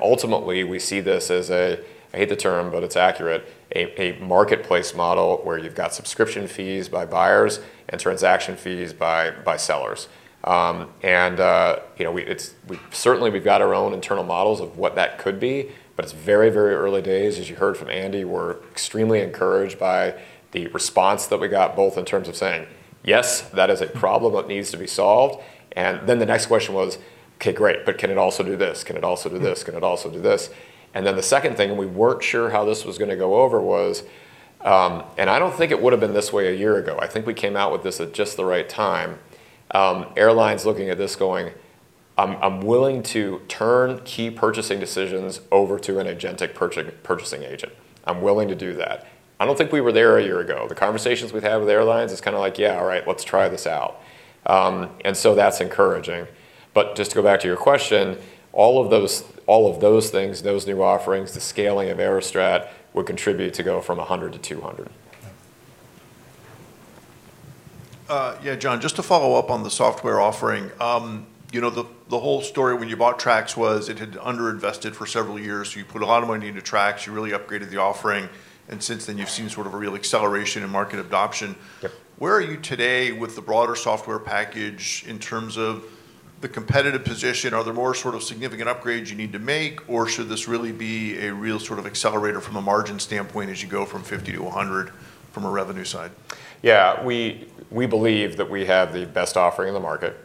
Ultimately, we see this as a, I hate the term, but it's accurate, a marketplace model where you've got subscription fees by buyers and transaction fees by sellers. You know, we certainly, we've got our own internal models of what that could be, but it's very, very early days. As you heard from Andy, we're extremely encouraged by the response that we got, both in terms of saying, "Yes, that is a problem that needs to be solved." Then the next question was, "Okay, great, but can it also do this? Can it also do this? Can it also do this? Then the second thing, and we weren't sure how this was going to go over, was, and I don't think it would've been this way a year ago. I think we came out with this at just the right time. Airlines looking at this going, "I'm willing to turnkey purchasing decisions over to an agentic purchasing agent. I'm willing to do that." I don't think we were there a year ago. The conversations we've had with airlines, it's kind of like, "Yeah, all right. Let's try this out." That's encouraging. Just to go back to your question, all of those, all of those things, those new offerings, the scaling of Aerostrat would contribute to go from $100 million to $200 million.
Okay.
Yeah, John, just to follow up on the Software offering. You know, the whole story when you bought Trax was it had under-invested for several years. You put a lot of money into Trax. You really upgraded the offering, and since then you've seen sort of a real acceleration in market adoption.
Yep.
Where are you today with the broader software package in terms of the competitive position? Are there more sort of significant upgrades you need to make, or should this really be a real sort of accelerator from a margin standpoint as you go from $50 million to $100 million from a revenue side?
Yeah. We believe that we have the best offering in the market.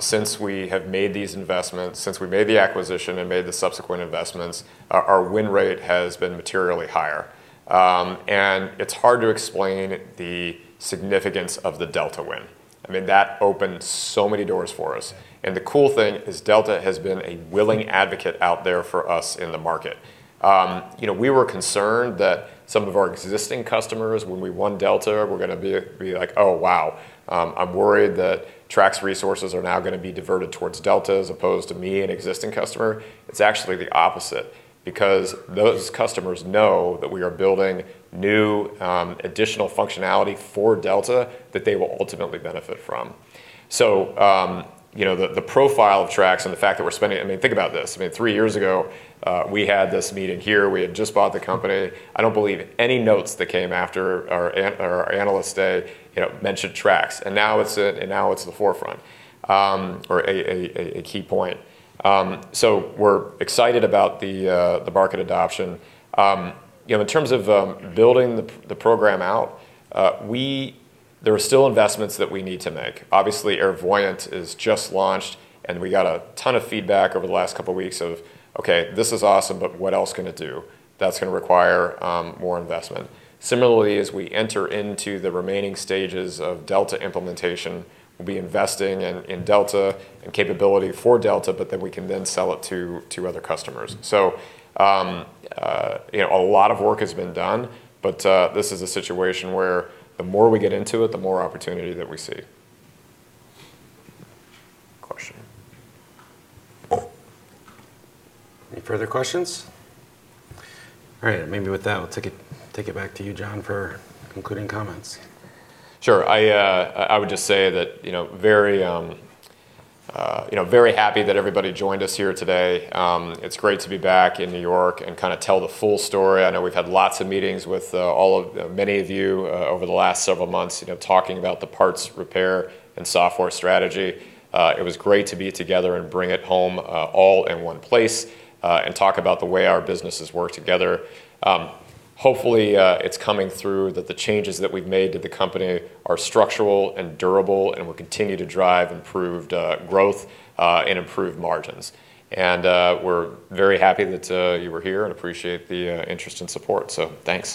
Since we have made these investments, since we made the acquisition and made the subsequent investments, our win rate has been materially higher. It's hard to explain the significance of the Delta win. I mean, that opened so many doors for us. The cool thing is Delta has been a willing advocate out there for us in the market. You know, we were concerned that some of our existing customers, when we won Delta, were gonna be like, "Oh, wow. I'm worried that Trax resources are now gonna be diverted towards Delta as opposed to me, an existing customer." It's actually the opposite because those customers know that we are building new, additional functionality for Delta that they will ultimately benefit from. You know, the profile of Trax and the fact that we're spending I mean, think about this. I mean, three years ago, we had this meeting here. We had just bought the company. I don't believe any notes that came after our Analyst Day, you know, mentioned Trax, and now it's the forefront, or a key point. We're excited about the market adoption. You know, in terms of building the program out, there are still investments that we need to make. Obviously, Airvoyant is just launched, and we got a ton of feedback over the last couple weeks of, "Okay, this is awesome, but what else can it do?" That's gonna require more investment. Similarly, as we enter into the remaining stages of Delta implementation, we'll be investing in Delta and capability for Delta, but then we can then sell it to other customers. you know, a lot of work has been done, but this is a situation where the more we get into it, the more opportunity that we see.
Question. Any further questions? All right. Maybe with that, we'll take it back to you, John, for concluding comments.
Sure. I would just say that, you know, very, you know, very happy that everybody joined us here today. It's great to be back in New York and kind of tell the full story. I know we've had lots of meetings with many of you over the last several months, you know, talking about the Parts, Repair, and Software strategy. It was great to be together and bring it home all in one place and talk about the way our businesses work together. Hopefully, it's coming through that the changes that we've made to the company are structural and durable and will continue to drive improved growth and improved margins. We're very happy that you were here and appreciate the interest and support. Thanks.